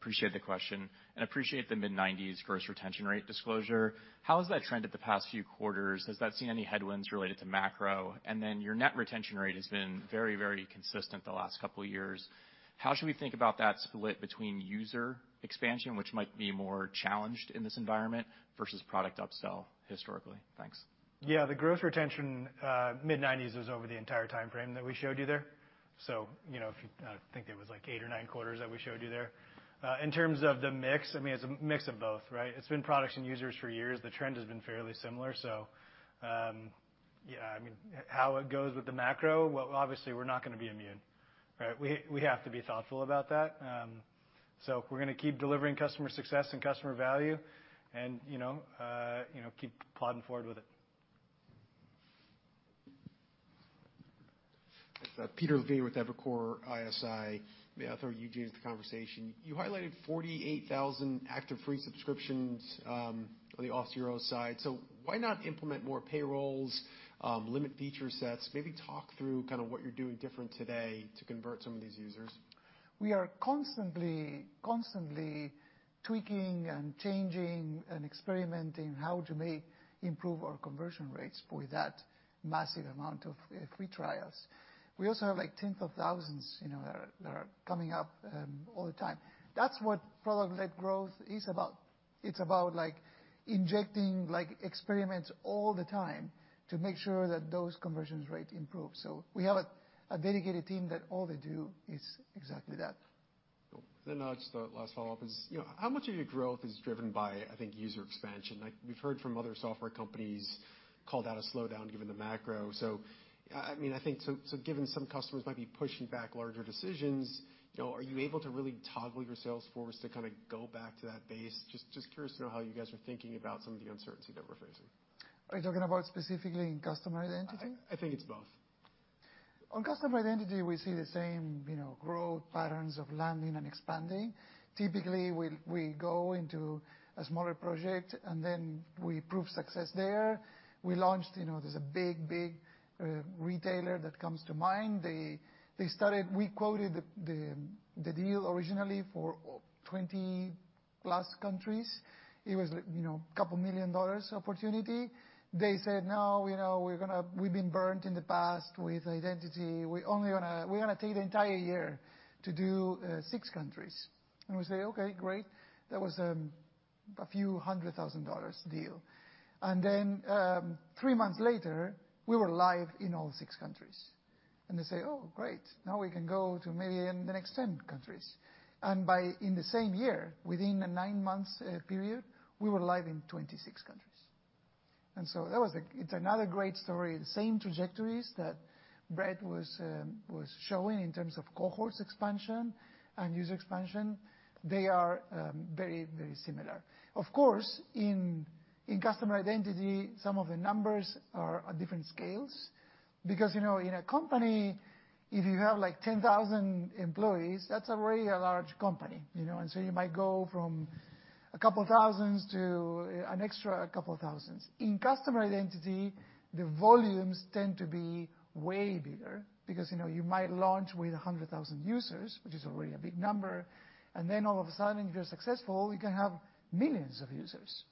Appreciate the question, and appreciate the mid-nineties gross retention rate disclosure. How has that trended the past few quarters? Has that seen any headwinds related to macro? Your net retention rate has been very, very consistent the last couple years. How should we think about that split between user expansion, which might be more challenged in this environment, versus product upsell historically? Thanks. Yeah. The gross retention mid-90s was over the entire timeframe that we showed you there. You know, if you think it was, like, eight or nine quarters that we showed you there. In terms of the mix, I mean, it's a mix of both, right? It's been products and users for years. The trend has been fairly similar. Yeah, I mean, how it goes with the macro, well, obviously we're not gonna be immune, right? We have to be thoughtful about that. We're gonna keep delivering customer success and customer value and, you know, you know, keep plodding forward with it. It's Peter Levine with Evercore ISI. May I throw Eugenio into the conversation. You highlighted 48,000 active free subscriptions on the Auth0 side. Why not implement more paywalls, limit feature sets? Maybe talk through kinda what you're doing different today to convert some of these users. We are constantly tweaking and changing and experimenting how to make improve our conversion rates for that massive amount of free trials. We also have, like, tens of thousands, you know, that are coming up all the time. That's what product-led growth is about. It's about, like, injecting, like, experiments all the time to make sure that those conversions rate improve. We have a dedicated team that all they do is exactly that. Cool. Just the last follow-up is, you know, how much of your growth is driven by, I think, user expansion? Like, we've heard from other software companies called out a slowdown given the macro. I mean, I think so given some customers might be pushing back larger decisions, you know, are you able to really toggle your sales force to kinda go back to that base? Just curious to know how you guys are thinking about some of the uncertainty that we're facing. Are you talking about specifically in Customer Identity? I think it's both. On Customer Identity, we see the same, you know, growth patterns of landing and expanding. Typically, we go into a smaller project, and then we prove success there. We launched, you know, there's a big retailer that comes to mind. They started. We quoted the deal originally for 20+ countries. It was, you know, $2 million opportunity. They said, "No, you know, we've been burned in the past with Identity. We're gonna take the entire year to do six countries." We say, "Okay, great." That was $300,000 deal. Then, three months later, we were live in all six countries. They say, "Oh, great. Now we can go to maybe in the next 10 countries." By, in the same year, within a nine-month period, we were live in 26 countries. That was. It's another great story. The same trajectories that Brett was showing in terms of cohorts expansion and user expansion, they are very, very similar. Of course, in Customer Identity, some of the numbers are on different scales because, you know, in a company, if you have, like, 10,000 employees, that's already a large company, you know? You might go from a couple thousands to an extra couple thousands. In Customer Identity, the volumes tend to be way bigger because, you know, you might launch with a hundred thousand users, which is already a big number, and then all of a sudden, if you're successful, you can have millions of users.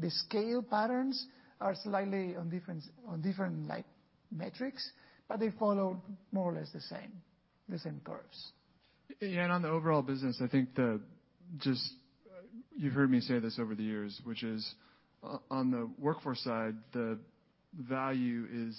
The scale patterns are slightly different on, like, metrics, but they follow more or less the same curves. Yeah, on the overall business, I think you've heard me say this over the years, which is on the Workforce side, the value is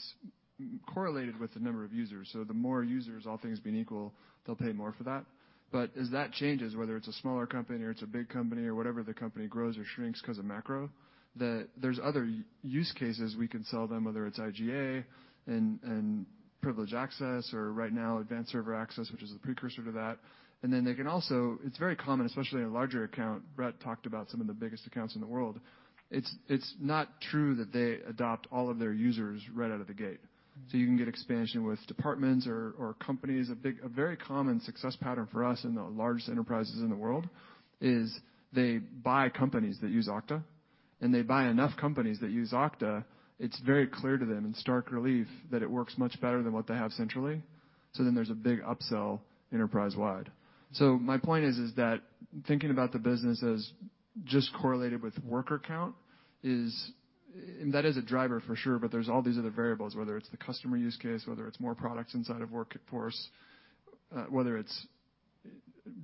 correlated with the number of users. The more users, all things being equal, they'll pay more for that. But as that changes, whether it's a smaller company or it's a big company or whatever the company grows or shrinks 'cause of macro, there's other use cases we can sell them, whether it's IGA and Privileged Access or right now Advanced Server Access, which is a precursor to that. Then they can also, it's very common, especially in a larger account. Brett talked about some of the biggest accounts in the world. It's not true that they adopt all of their users right out of the gate. You can get expansion with departments or companies. A very common success pattern for us in the largest enterprises in the world is they buy companies that use Okta, and they buy enough companies that use Okta, it's very clear to them in stark relief that it works much better than what they have centrally. There's a big upsell enterprise-wide. My point is that thinking about the business as just correlated with worker count is that. That is a driver for sure, but there's all these other variables, whether it's the customer use case, whether it's more products inside of Workforce, whether it's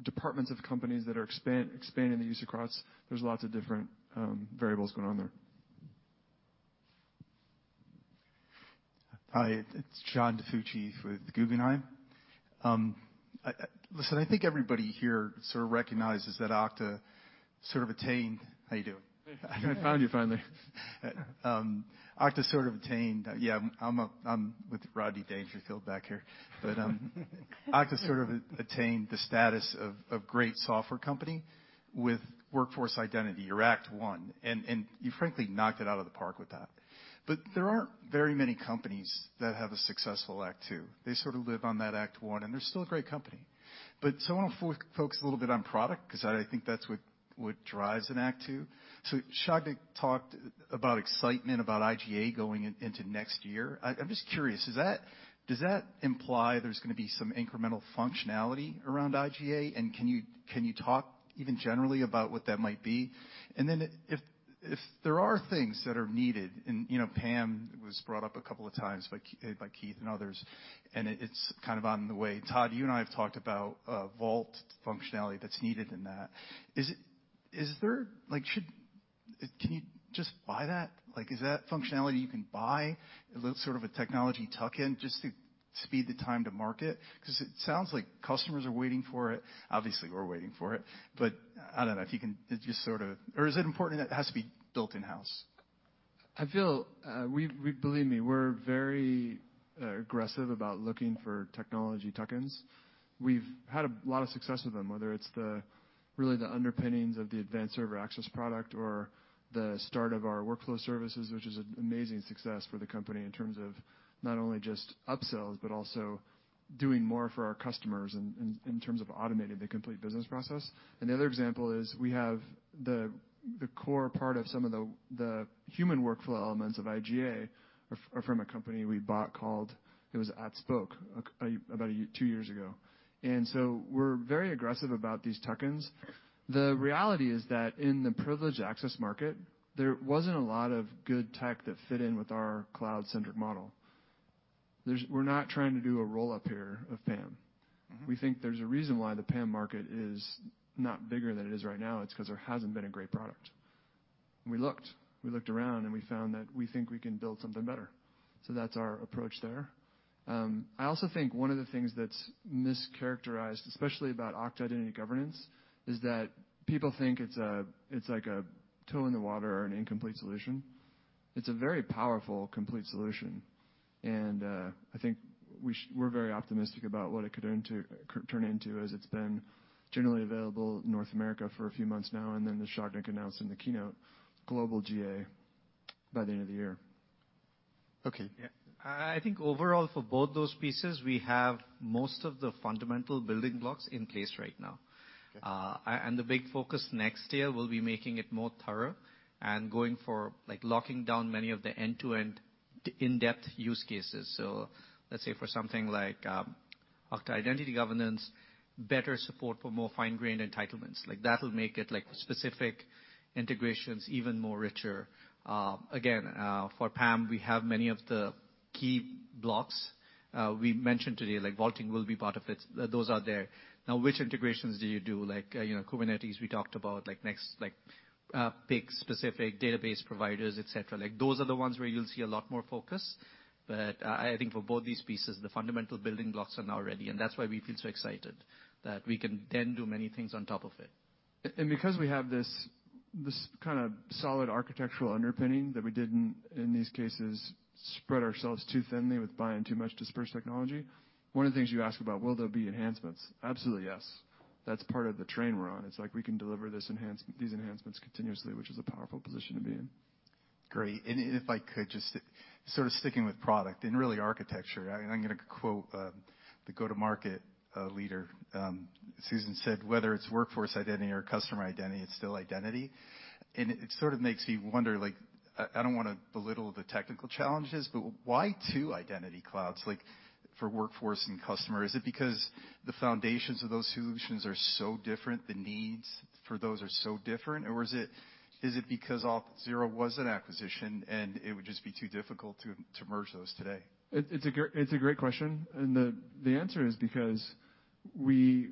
departments of companies that are expanding the use across. There's lots of different variables going on there. Hi. It's John DiFucci with Guggenheim. I think everybody here sort of recognizes that Okta sort of attained. How you doing? I found you finally. Yeah, I'm with Rodney Dangerfield back here. Okta sort of attained the status of great software company with workforce identity, your act one, and you frankly knocked it out of the park with that. There aren't very many companies that have a successful act two. They sort of live on that act one, and they're still a great company. I want to focus a little bit on product 'cause I think that's what drives an act two. Sagnik talked about excitement about IGA going into next year. I'm just curious, does that imply there's gonna be some incremental functionality around IGA, and can you talk even generally about what that might be? If there are things that are needed, you know, PAM was brought up a couple of times by Keith and others, and it's kind of on the way. Todd, you and I have talked about vault functionality that's needed in that. Is there like, should you just buy that? Like, is that functionality you can buy, a little sort of a technology tuck-in just to speed the time to market? 'Cause it sounds like customers are waiting for it. Obviously, we're waiting for it. But I don't know if you can just sort of or is it important that it has to be built in-house? Believe me, we're very aggressive about looking for technology tuck-ins. We've had a lot of success with them, whether it's really the underpinnings of the Advanced Server Access product or the start of our workflow services, which is an amazing success for the company in terms of not only just upsells, but also doing more for our customers in terms of automating the complete business process. The other example is we have the core part of some of the human workflow elements of IGA are from a company we bought called It was atSpoke about two years ago. We're very aggressive about these tuck-ins. The reality is that in the privileged access market, there wasn't a lot of good tech that fit in with our cloud-centric model. There's. We're not trying to do a roll up here of PAM. Mm-hmm. We think there's a reason why the PAM market is not bigger than it is right now. It's 'cause there hasn't been a great product. We looked around, and we found that we think we can build something better, so that's our approach there. I also think one of the things that's mischaracterized, especially about Okta Identity Governance, is that people think it's a, it's like a toe in the water or an incomplete solution. It's a very powerful, complete solution. I think we're very optimistic about what it could turn into as it's been generally available North America for a few months now, and then as Sagnik Nandy announced in the keynote, global GA by the end of the year. Okay. Yeah. I think overall for both those pieces, we have most of the fundamental building blocks in place right now. The big focus next year will be making it more thorough and going for, like, locking down many of the end-to-end, in-depth use cases. Let's say for something like Okta Identity Governance, better support for more fine-grained entitlements. Like, that'll make it, like, specific integrations even more richer. Again, for PAM, we have many of the key blocks we mentioned today, like vaulting will be part of it. Those are there. Now, which integrations do you do? Like, you know, Kubernetes, we talked about, like, next, like, big specific database providers, et cetera. Like, those are the ones where you'll see a lot more focus. I think for both these pieces, the fundamental building blocks are now ready, and that's why we feel so excited that we can then do many things on top of it. Because we have this kind of solid architectural underpinning that we didn't, in these cases, spread ourselves too thinly with buying too much dispersed technology, one of the things you ask about, will there be enhancements? Absolutely, yes. That's part of the train we're on. It's like we can deliver these enhancements continuously, which is a powerful position to be in. Great. If I could just, sort of sticking with product and really architecture, I'm gonna quote the go-to-market leader. Susan St. Ledger said, "Whether it's workforce identity or customer identity, it's still identity." It sort of makes me wonder, like, I don't wanna belittle the technical challenges, but why two identity clouds, like, for workforce and customer? Is it because the foundations of those solutions are so different, the needs for those are so different? Or is it because Auth0 was an acquisition, and it would just be too difficult to merge those today? It's a great question, and the answer is because we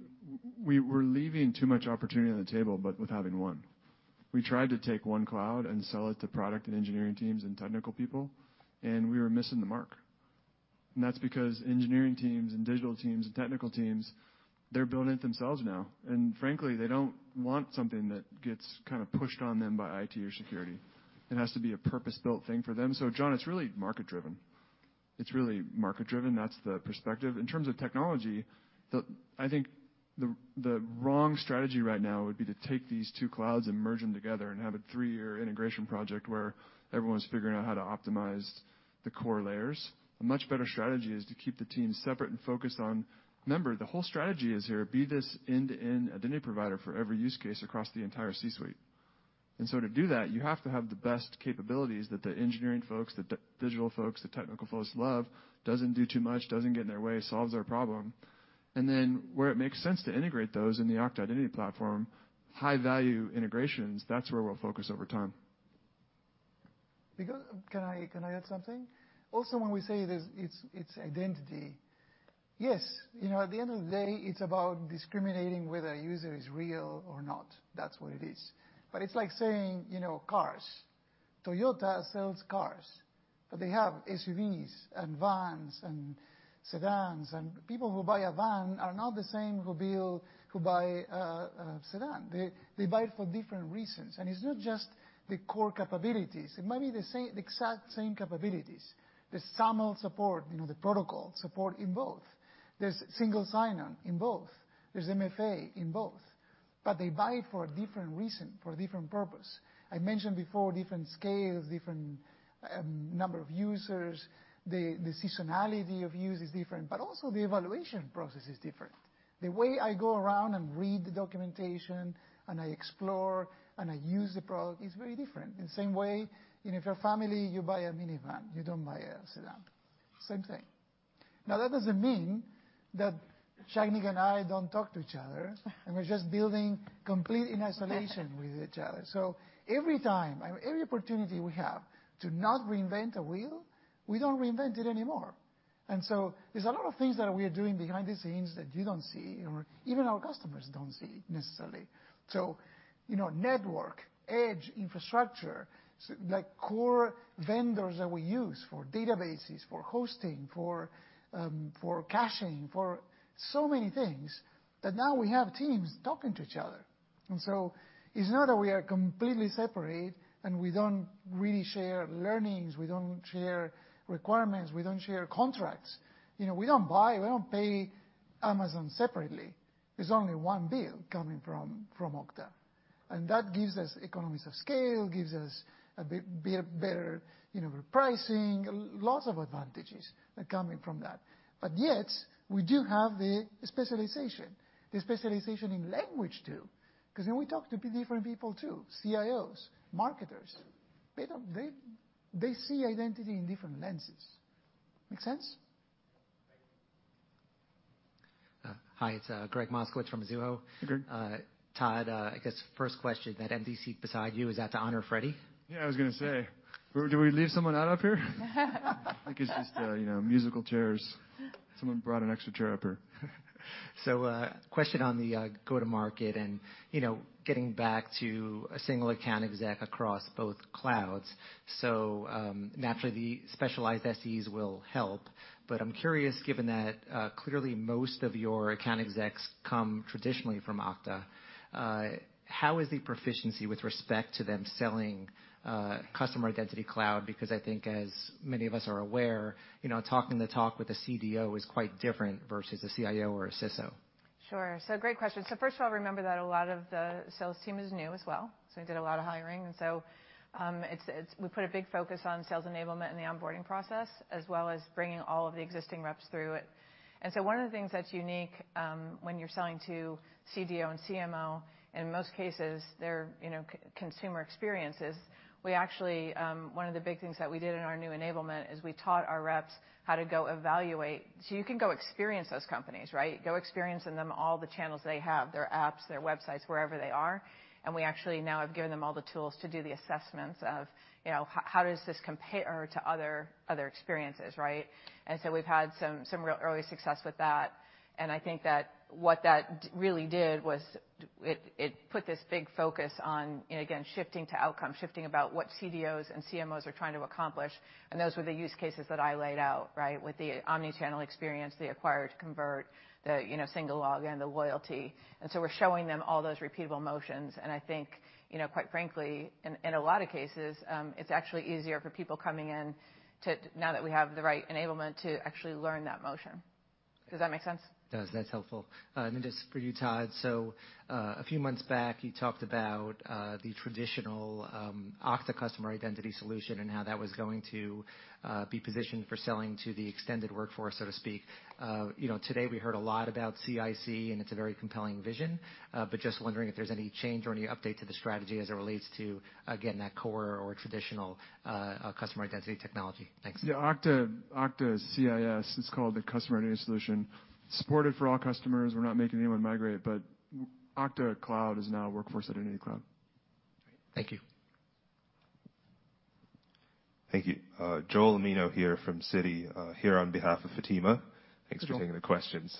were leaving too much opportunity on the table, but with having one. We tried to take one cloud and sell it to product and engineering teams and technical people, and we were missing the mark. That's because engineering teams and digital teams and technical teams, they're building it themselves now. Frankly, they don't want something that gets kinda pushed on them by IT or security. It has to be a purpose-built thing for them. John, it's really market-driven. That's the perspective. In terms of technology, I think the wrong strategy right now would be to take these two clouds and merge them together and have a three-year integration project where everyone's figuring out how to optimize the core layers. A much better strategy is to keep the teams separate and focused on. Remember, the whole strategy is here, be this end-to-end identity provider for every use case across the entire C-suite. To do that, you have to have the best capabilities that the engineering folks, the digital folks, the technical folks love, doesn't do too much, doesn't get in their way, solves their problem. Then where it makes sense to integrate those in the Okta Identity Platform, high-value integrations, that's where we'll focs over time. Can I add something? Also, when we say this, it's identity, yes, you know, at the end of the day, it's about discriminating whether a user is real or not. That's what it is. But it's like saying, you know, cars. Toyota sells cars, but they have SUVs and vans and sedans, and people who buy a van are not the same who buy a sedan. They buy it for different reasons. It's not just the core capabilities. It might be the same, exact same capabilities. There's SAML support, you know, the protocol support in both. There's single sign-on in both. There's MFA in both. But they buy for a different reason, for a different purpose. I mentioned before, different scales, different number of users. The seasonality of use is different, but also the evaluation process is different. The way I go around and read the documentation and I explore and I use the product is very different. In the same way, you know, if you're a family, you buy a minivan, you don't buy a sedan. Same thing. Now, that doesn't mean that Sagnik and I don't talk to each other, and we're just building completely in isolation with each other. Every time, every opportunity we have to not reinvent a wheel, we don't reinvent it anymore. There's a lot of things that we are doing behind the scenes that you don't see or even our customers don't see necessarily. You know, network, edge, infrastructure, like, core vendors that we use for databases, for hosting, for caching, for so many things that now we have teams talking to each other. It's not that we are completely separate and we don't really share learnings, we don't share requirements, we don't share contracts. You know, we don't buy, we don't pay Amazon separately. There's only one bill coming from Okta, and that gives us economies of scale, gives us a better, you know, pricing, lots of advantages are coming from that. Yet we do have the specialization. The specialization in language, too, 'cause then we talk to different people too, CIOs, marketers. They see identity in different lenses. Make sense? Thank you. Hi, it's Gregg Moskowitz from Mizuho. Hey, Gregg. Todd, I guess first question, that empty seat beside you, is that to honor Freddy? Yeah, I was gonna say, did we leave someone out up here? I think it's just, you know, musical chairs. Someone brought an extra chair up here. Question on the go-to-market and, you know, getting back to a single account exec across both clouds. Naturally, the specialized SEs will help. I'm curious, given that clearly most of your account execs come traditionally from Okta, how is the proficiency with respect to them selling Customer Identity Cloud? Because I think as many of us are aware, you know, talking the talk with a CDO is quite different versus a CIO or a CISO. Sure. Great question. First of all, remember that a lot of the sales team is new as well, so we did a lot of hiring. It's we put a big focus on sales enablement in the onboarding process, as well as bringing all of the existing reps through it. One of the things that's unique, when you're selling to CDO and CMO, in most cases, they're, you know, consumer experiences. We actually, one of the big things that we did in our new enablement is we taught our reps how to go evaluate, so you can go experience those companies, right? Go experience them in all the channels they have, their apps, their websites, wherever they are. We actually now have given them all the tools to do the assessments of, you know, how does this compare to other experiences, right? We've had some real early success with that. I think that what that really did was it put this big focus on, you know, again, shifting to outcome, shifting about what CDOs and CMOs are trying to accomplish. Those were the use cases that I laid out, right? With the omni-channel experience, the acquire to convert, you know, single log-in, the loyalty. We're showing them all those repeatable motions. I think, you know, quite frankly, in a lot of cases, it's actually easier for people coming in to now that we have the right enablement to actually learn that motion. Does that make sense? It does. That's helpful. Just for you, Todd. A few months back, you talked about the traditional Okta Customer Identity Solution and how that was going to be positioned for selling to the extended workforce, so to speak. You know, today we heard a lot about CIC, and it's a very compelling vision. Just wondering if there's any change or any update to the strategy as it relates to getting that core or traditional customer identity technology. Thanks. Yeah, Okta CIS, it's called the Customer Identity Solution, supported for all customers. We're not making anyone migrate, but Okta Cloud is now Workforce Identity Cloud. Thank you. Thank you. Joel Omino here from Citi, here on behalf of Fatima. Sure. Thanks for taking the questions.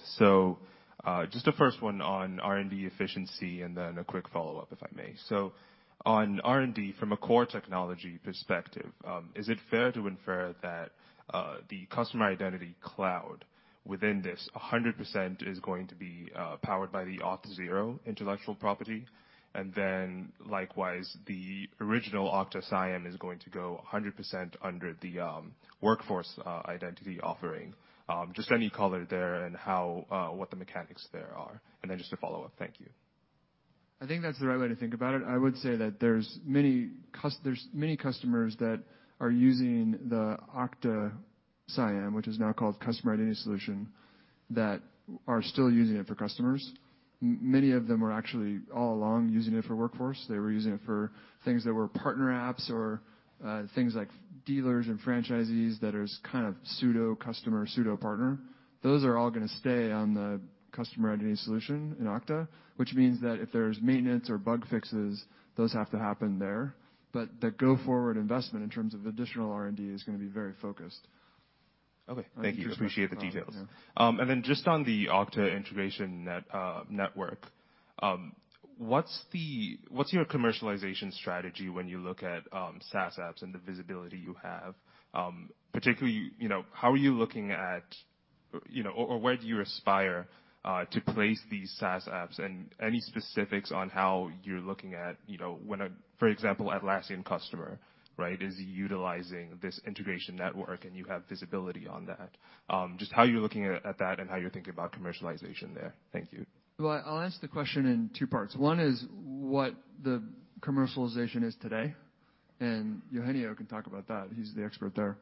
Just the first one on R&D efficiency and then a quick follow-up, if I may. On R&D, from a core technology perspective, is it fair to infer that the Customer Identity Cloud within this 100% is going to be powered by the Auth0 intellectual property? Likewise, the original Okta CIAM is going to go 100% under the Workforce Identity offering. Just any color there and how, what the mechanics there are. Just a follow-up. Thank you. I think that's the right way to think about it. I would say that there's many customers that are using the Okta CIAM, which is now called Customer Identity Solution, that are still using it for customers. Many of them are actually all along using it for Workforce. They were using it for things that were partner apps or things like dealers and franchisees that is kind of pseudo customer, pseudo partner. Those are all gonna stay on the Customer Identity Solution in Okta, which means that if there's maintenance or bug fixes, those have to happen there. But the go-forward investment in terms of additional R&D is gonna be very focused. Okay. Thank you. Appreciate the details. Just on the Okta Integration Network, what's your commercialization strategy when you look at SaaS apps and the visibility you have? Particularly, you know, how are you looking at, you know, or where do you aspire to place these SaaS apps? Any specifics on how you're looking at, you know, when, for example, an Atlassian customer, right, is utilizing this integration network and you have visibility on that. Just how you're looking at that and how you're thinking about commercialization there. Thank you. Well, I'll ask the question in two parts. One is what the commercialization is today, and Eugenio can talk about that. He's the expert there.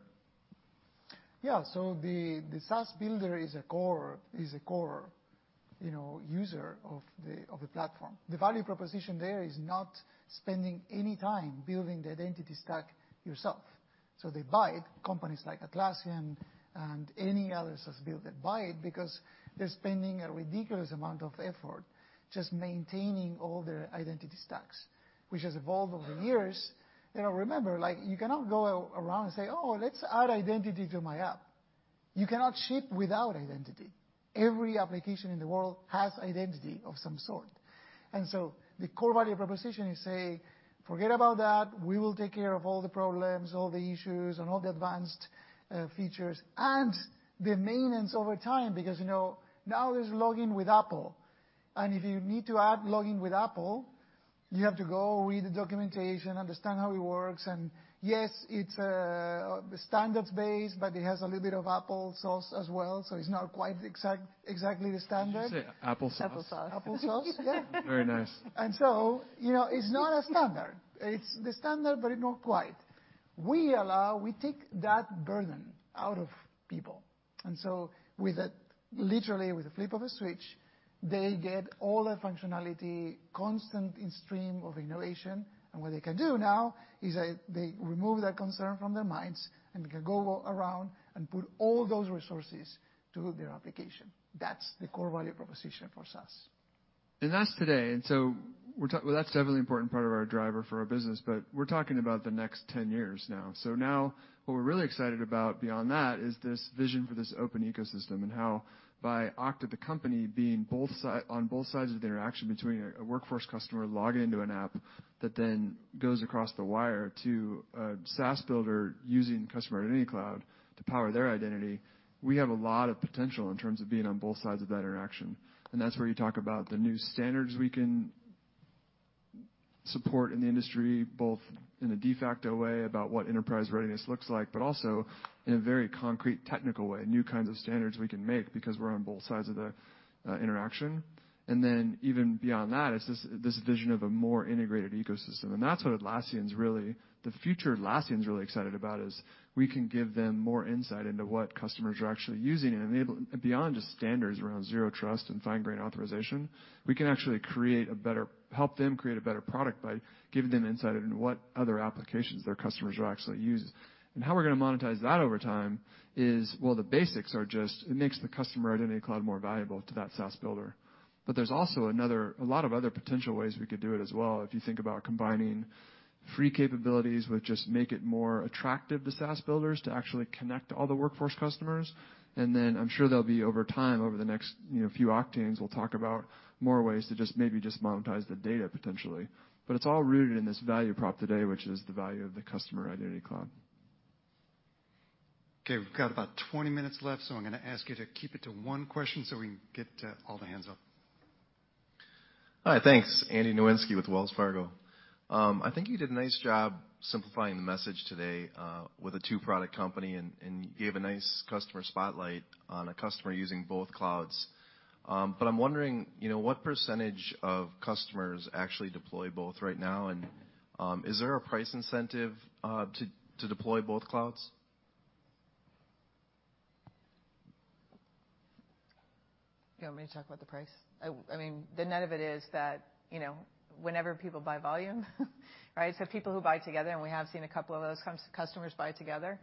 Yeah. The SaaS builder is a core user of the platform. The value proposition there is not spending any time building the identity stack yourself. They buy it, companies like Atlassian and any other SaaS build that buy it because they're spending a ridiculous amount of effort just maintaining all their identity stacks, which has evolved over the years. You know, remember, like, you cannot go around and say, "Oh, let's add identity to my app." You cannot ship without identity. Every application in the world has identity of some sort. The core value proposition is say, "Forget about that. We will take care of all the problems, all the issues, and all the advanced features, and the maintenance over time because, you know, now there's login with Apple, and if you need to add login with Apple, you have to go read the documentation, understand how it works, and yes, it's standards-based, but it has a little bit of Apple sauce as well, so it's not quite exactly the standard. Did you say applesauce? Apple sauce. Applesauce. Yeah. Very nice. You know, it's not a standard. It's the standard, but not quite. We allow. We take that burden out of people. Literally with a flip of a switch, they get all the functionality, constant stream of innovation. What they can do now is they remove that concern from their minds, and they can go around and put all those resources to their application. That's the core value proposition for SaaS. Well, that's definitely an important part of our driver for our business, but we're talking about the next ten years now. Now what we're really excited about beyond that is this vision for this open ecosystem and how Okta the company being on both sides of the interaction between a workforce customer logging into an app that then goes across the wire to a SaaS builder using Customer Identity Cloud to power their identity. We have a lot of potential in terms of being on both sides of that interaction, and that's where you talk about the new standards we can support in the industry, both in a de facto way about what enterprise readiness looks like, but also in a very concrete technical way, new kinds of standards we can make because we're on both sides of the interaction. Then even beyond that is this vision of a more integrated ecosystem. That's what Atlassian's really, the future Atlassian's really excited about is we can give them more insight into what customers are actually using and enable. Beyond just standards around Zero Trust and fine-grained authorization, we can actually help them create a better product by giving them insight into what other applications their customers are actually using. How we're gonna monetize that over time is, well, the basics are just it makes the Customer Identity Cloud more valuable to that SaaS builder. But there's also another, a lot of other potential ways we could do it as well if you think about combining free capabilities, which just make it more attractive to SaaS builders to actually connect all the workforce customers. Then I'm sure there'll be over time, over the next, you know, few Oktanes, we'll talk about more ways to just maybe monetize the data potentially. But it's all rooted in this value prop today, which is the value of the Customer Identity Cloud. Okay. We've got about 20 minutes left, so I'm gonna ask you to keep it to one question so we can get to all the hands up. All right. Thanks. Andrew Nowinski with Wells Fargo. I think you did a nice job simplifying the message today with a two-product company and you gave a nice customer spotlight on a customer using both clouds. But I'm wondering, you know, what percentage of customers actually deploy both right now? Is there a price incentive to deploy both clouds? You want me to talk about the price? I mean, the net of it is that, you know, whenever people buy volume right? People who buy together, and we have seen a couple of those customers buy together,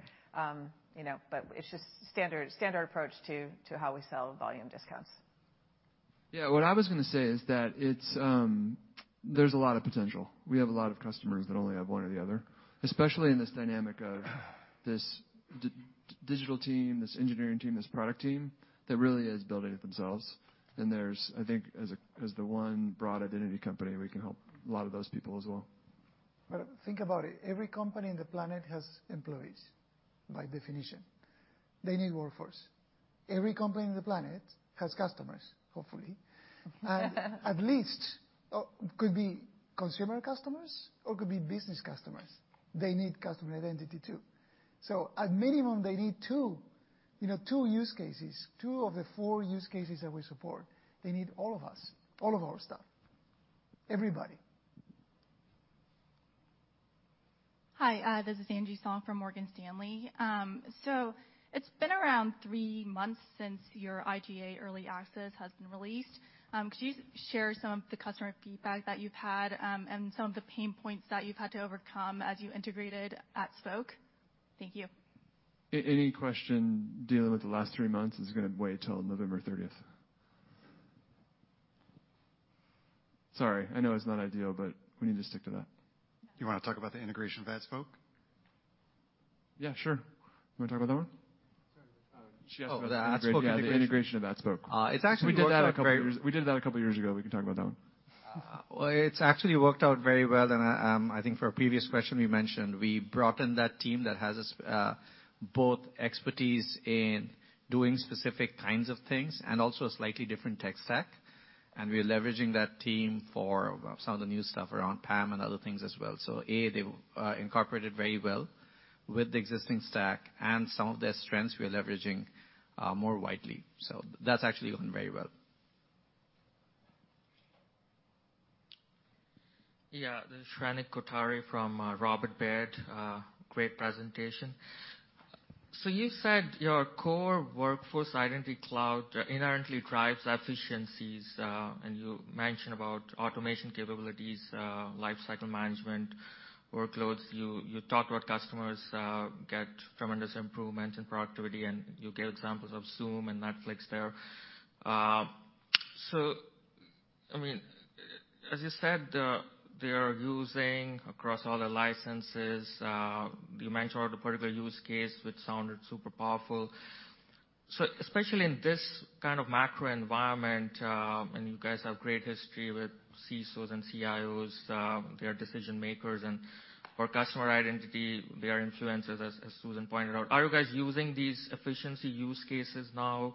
you know, but it's just standard approach to how we sell volume discounts. Yeah. What I was gonna say is that it's, there's a lot of potential. We have a lot of customers that only have one or the other, especially in this dynamic of this digital team, this engineering team, this product team that really is building it themselves. There's, I think, as a, as the one broad identity company, we can help a lot of those people as well. Think about it. Every company on the planet has employees, by definition. They need workforce. Every company on the planet has customers, hopefully. At least, could be consumer customers or could be business customers. They need customer identity too. At minimum, they need two, you know, two use cases, two of the four use cases that we support. They need all of us, all of our stuff. Everybody. Hi. This is Angie Song from Morgan Stanley. It's been around three months since your IGA early access has been released. Could you share some of the customer feedback that you've had, and some of the pain points that you've had to overcome as you integrated atSpoke? Thank you. Any question dealing with the last three months is gonna wait till November 30th. Sorry. I know it's not ideal, but we need to stick to that. You wanna talk about the integration of atSpoke? Yeah, sure. You wanna talk about that one? Sorry. She asked about. Oh, the atSpoke integration. Yeah, the integration of atSpoke. It's actually worked out very- We did that a couple years ago. We can talk about that one. It's actually worked out very well. I think for a previous question, we mentioned we brought in that team that has both expertise in doing specific kinds of things and also a slightly different tech stack. We're leveraging that team for some of the new stuff around PAM and other things as well. They incorporated very well with the existing stack and some of their strengths we are leveraging more widely. That's actually going very well. Yeah. This is Shrenik Kothari from Robert W. Baird. Great presentation. You said your core Workforce Identity Cloud inherently drives efficiencies, and you mentioned about automation capabilities, Lifecycle Management workloads. You talked about customers get tremendous improvement in productivity, and you gave examples of Zoom and Netflix there. I mean, as you said, they are using across all the licenses, you mentioned the particular use case, which sounded super powerful. Especially in this kind of macro environment, and you guys have great history with CISOs and CIOs, they are decision-makers. For customer identity, they are influencers, as Susan pointed out. Are you guys using these efficiency use cases now?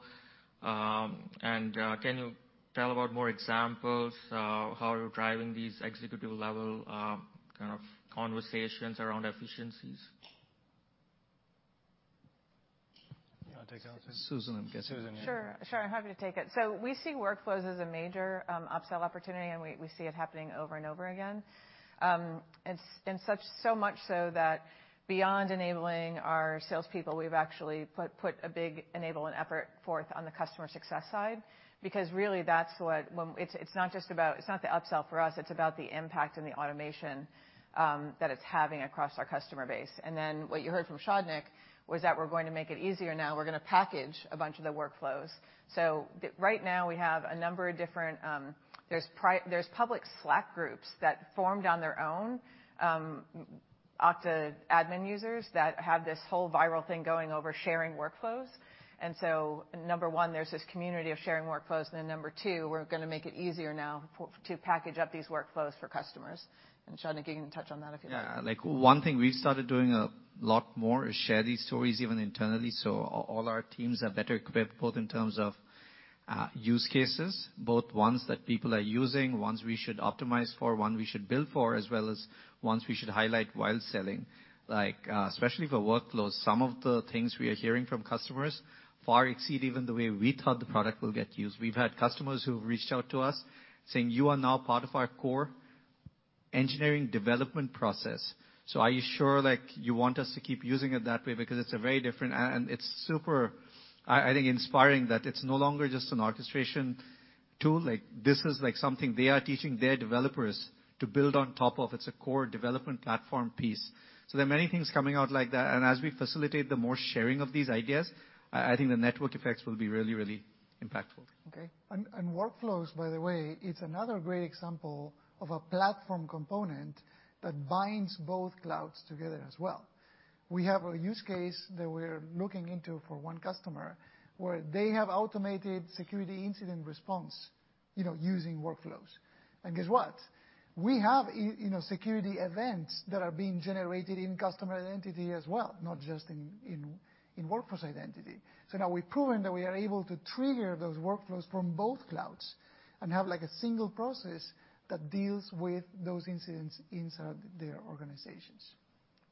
Can you tell about more examples, how you're driving these executive level, kind of conversations around efficiencies? You wanna take that one, Susan? Susan, I'm guessing. Susan, yeah. Sure. I'm happy to take it. We see workflows as a major upsell opportunity, and we see it happening over and over again. So much so that beyond enabling our salespeople, we've actually put a big enabling effort forth on the customer success side because really that's what it's not just about the upsell for us, it's about the impact and the automation that it's having across our customer base. What you heard from Sagnik Nandy was that we're going to make it easier now. We're gonna package a bunch of the workflows. Right now we have a number of different. There's public Slack groups that formed on their own, Okta admin users that have this whole viral thing going over sharing workflows. Number one, there's this community of sharing workflows, and then number two, we're gonna make it easier now for to package up these workflows for customers. Sagnik Nandy, you can touch on that if you like. Yeah. Like one thing we've started doing a lot more is share these stories even internally. All our teams are better equipped, both in terms of use cases, both ones that people are using, ones we should optimize for, one we should build for, as well as ones we should highlight while selling. Like, especially for workflows, some of the things we are hearing from customers far exceed even the way we thought the product will get used. We've had customers who've reached out to us saying, "You are now part of our core engineering development process. So are you sure, like, you want us to keep using it that way?" Because it's a very different. It's super, I think, inspiring that it's no longer just an orchestration tool. Like this is like something they are teaching their developers to build on top of. It's a core development platform piece. There are many things coming out like that. As we facilitate the more sharing of these ideas, I think the network effects will be really, really impactful. Okay. Workflows, by the way, it's another great example of a platform component that binds both clouds together as well. We have a use case that we're looking into for one customer, where they have automated security incident response, you know, using workflows. Guess what? We have in, you know, security events that are being generated in customer identity as well, not just in workforce identity. Now we've proven that we are able to trigger those workflows from both clouds and have like a single process that deals with those incidents inside their organizations.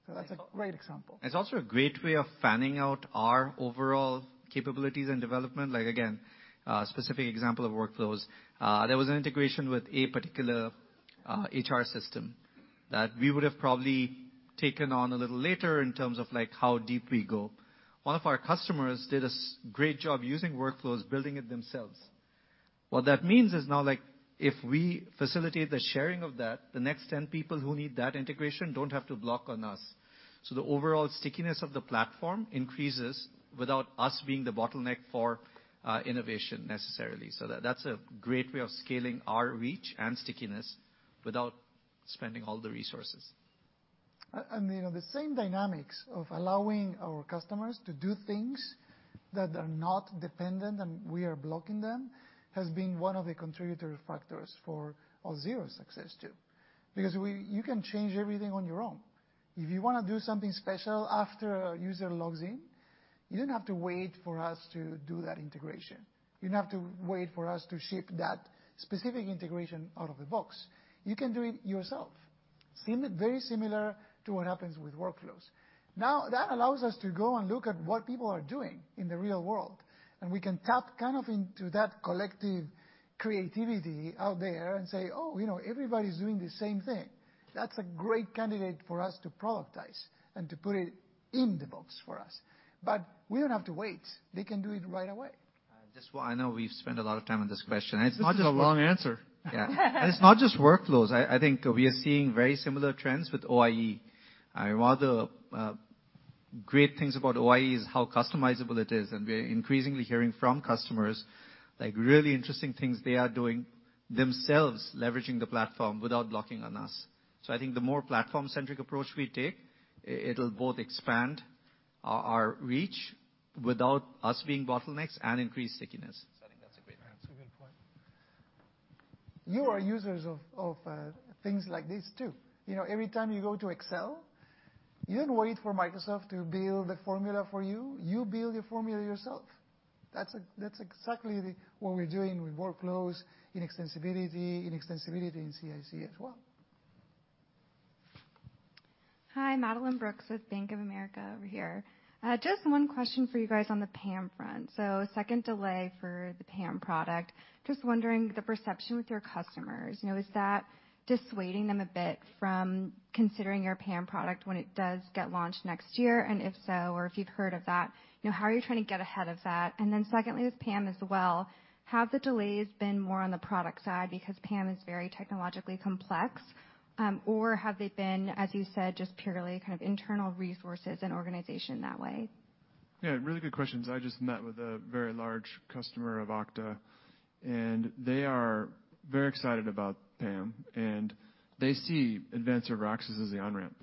That's a great example. It's also a great way of fanning out our overall capabilities and development. Like, again, specific example of workflows. There was an integration with a particular HR system that we would have probably taken on a little later in terms of like how deep we go. One of our customers did a great job using workflows, building it themselves. What that means is now, like, if we facilitate the sharing of that, the next 10 people who need that integration don't have to block on us. The overall stickiness of the platform increases without us being the bottleneck for innovation necessarily. That, that's a great way of scaling our reach and stickiness without spending all the resources. You know, the same dynamics of allowing our customers to do things that are not dependent and we are blocking them has been one of the contributing factors for our Zero Trust success too. Because you can change everything on your own. If you wanna do something special after a user logs in, you don't have to wait for us to do that integration. You don't have to wait for us to ship that specific integration out of the box. You can do it yourself. Very similar to what happens with workflows. Now, that allows us to go and look at what people are doing in the real world, and we can tap kind of into that collective creativity out there and say, "Oh, you know, everybody's doing the same thing." That's a great candidate for us to productize and to put it in the box for us. We don't have to wait. They can do it right away. Just one. I know we've spent a lot of time on this question. It's not just. This is a long answer. Yeah. It's not just workflows. I think we are seeing very similar trends with OIE. Great things about OIE is how customizable it is, and we are increasingly hearing from customers, like really interesting things they are doing themselves, leveraging the platform without blocking on us. I think the more platform-centric approach we take, it'll both expand our reach without us being bottlenecks and increase stickiness. I think that's a great answer. That's a good point. You are users of things like this too. You know, every time you go to Excel, you don't wait for Microsoft to build the formula for you. You build your formula yourself. That's exactly what we're doing with workflows in extensibility in CIC as well. Hi, Madeline Brooks with Bank of America over here. Just one question for you guys on the PAM front. Second delay for the PAM product, just wondering the perception with your customers. You know, is that dissuading them a bit from considering your PAM product when it does get launched next year? And if so, or if you've heard of that, you know, how are you trying to get ahead of that? And then secondly, with PAM as well, have the delays been more on the product side because PAM is very technologically complex, or have they been, as you said, just purely kind of internal resources and organization that way? Yeah, really good questions. I just met with a very large customer of Okta, and they are very excited about PAM, and they see Advanced Server Access as the on-ramp.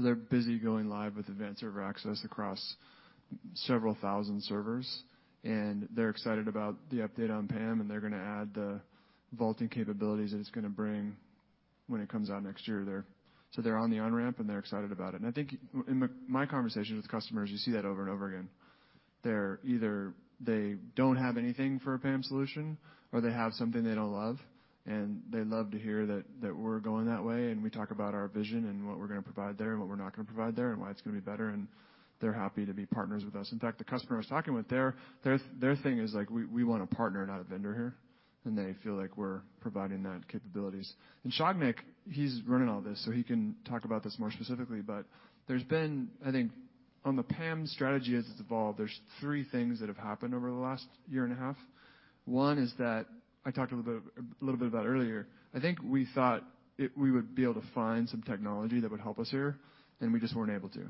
They're busy going live with Advanced Server Access across several thousand servers, and they're excited about the update on PAM, and they're gonna add the vaulting capabilities that it's gonna bring when it comes out next year. They're on the on-ramp, and they're excited about it. I think in my conversations with customers, you see that over and over again. They're either don't have anything for a PAM solution or they have something they don't love, and they love to hear that we're going that way. We talk about our vision and what we're gonna provide there and what we're not gonna provide there and why it's gonna be better, and they're happy to be partners with us. In fact, the customer I was talking with, their thing is like, we want a partner, not a vendor here. They feel like we're providing that capabilities. Sagnik, he's running all this, so he can talk about this more specifically. There's been, I think on the PAM strategy as it's evolved, there's three things that have happened over the last year and a half. One is that I talked a little bit about earlier. I think we thought we would be able to find some technology that would help us here, and we just weren't able to.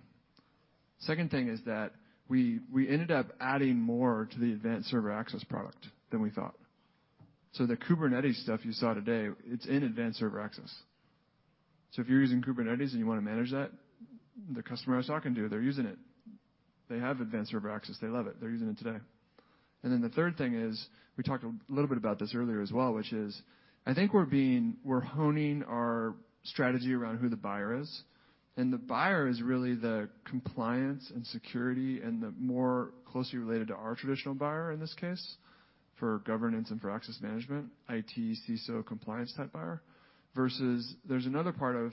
Second thing is that we ended up adding more to the Advanced Server Access product than we thought. The Kubernetes stuff you saw today, it's in Advanced Server Access. If you're using Kubernetes and you wanna manage that, the customer I was talking to, they're using it. They have Advanced Server Access. They love it. They're using it today. The third thing is, we talked a little bit about this earlier as well, which is, I think we're honing our strategy around who the buyer is, and the buyer is really the compliance and security and the more closely related to our traditional buyer, in this case, for governance and for access management, IT, CISO, compliance type buyer. Versus there's another part of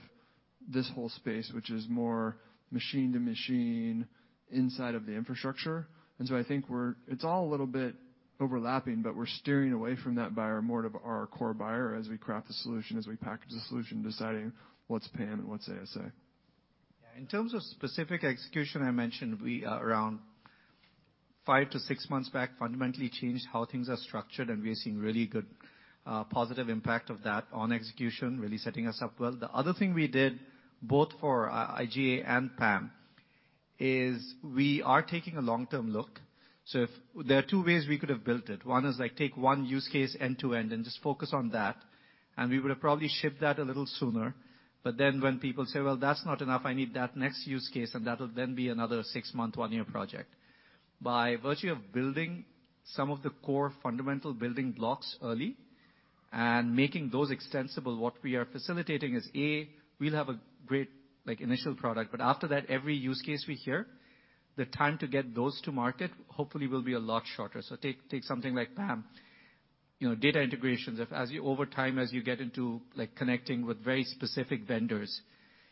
this whole space which is more machine to machine inside of the infrastructure. I think we're... It's all a little bit overlapping, but we're steering away from that buyer, more to our core buyer as we craft the solution, as we package the solution, deciding what's PAM and what's ASA. Yeah. In terms of specific execution, I mentioned we around five-six months back, fundamentally changed how things are structured, and we are seeing really good positive impact of that on execution, really setting us up well. The other thing we did, both for IGA and PAM, is we are taking a long-term look. If there are two ways we could have built it. One is, like, take one use case end to end and just focus on that, and we would have probably shipped that a little sooner. Then when people say, "Well, that's not enough, I need that next use case," and that'll then be another six-month, one-year project. By virtue of building some of the core fundamental building blocks early and making those extensible, what we are facilitating is, A, we'll have a great, like, initial product. After that, every use case we hear, the time to get those to market hopefully will be a lot shorter. So take something like PAM. You know, data integrations, if, as you over time, as you get into like connecting with very specific vendors,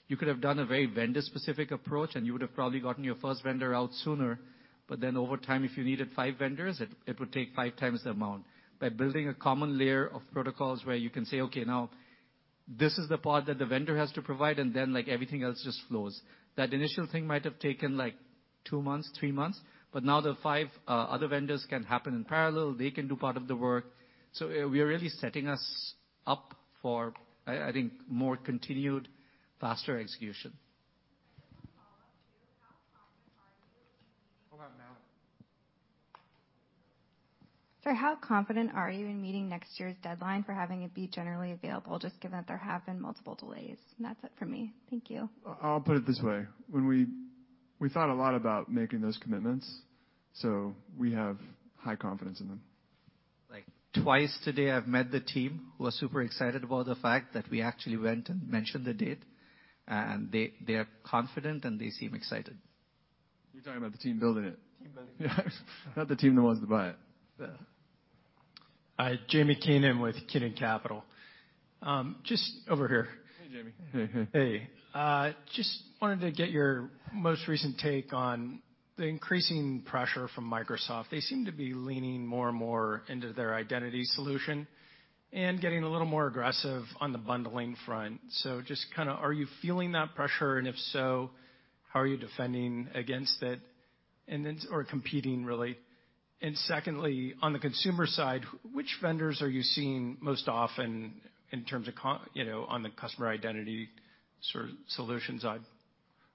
you could have done a very vendor-specific approach, and you would have probably gotten your first vendor out sooner. Then over time, if you needed five vendors, it would take five times the amount. By building a common layer of protocols where you can say, "Okay, now this is the part that the vendor has to provide," and then like everything else just flows. That initial thing might have taken like two months, three months, but now the five other vendors can happen in parallel. They can do part of the work. We are really setting us up for, I think more continued faster execution. Just a follow-up to how confident are you? Hold on, Madeline. Sir, how confident are you in meeting next year's deadline for having it be generally available, just given that there have been multiple delays? That's it for me. Thank you. I'll put it this way. We thought a lot about making those commitments, so we have high confidence in them. Like, twice today, I've met the team, who are super excited about the fact that we actually went and mentioned the date, and they are confident and they seem excited. You're talking about the team building it. Team building it. Not the team that wants to buy it. Yeah. James Keenan with Keenan Capital. Just over here. Hey, James. Hey. Hey. Hey. Just wanted to get your most recent take on the increasing pressure from Microsoft. They seem to be leaning more and more into their identity solution and getting a little more aggressive on the bundling front. Just kinda, are you feeling that pressure? And if so, how are you defending against it? Then, or competing really. Secondly, on the customer side, which vendors are you seeing most often in terms of, you know, on the Customer Identity Solution side?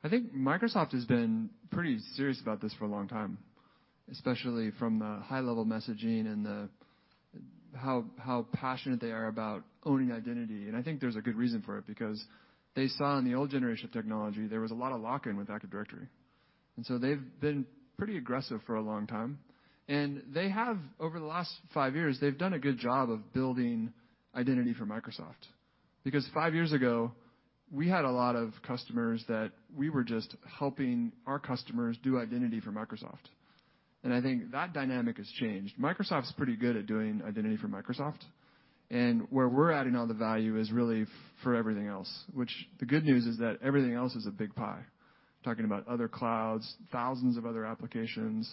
I think Microsoft has been pretty serious about this for a long time, especially from the high level messaging and the how passionate they are about owning identity. I think there's a good reason for it, because they saw in the old generation of technology, there was a lot of lock-in with Active Directory. So they've been pretty aggressive for a long time. They have, over the last five years, they've done a good job of building identity for Microsoft. Because five years ago, we had a lot of customers that we were just helping our customers do identity for Microsoft. I think that dynamic has changed. Microsoft's pretty good at doing identity for Microsoft. Where we're adding all the value is really for everything else, which the good news is that everything else is a big pie. Talking about other clouds, thousands of other applications,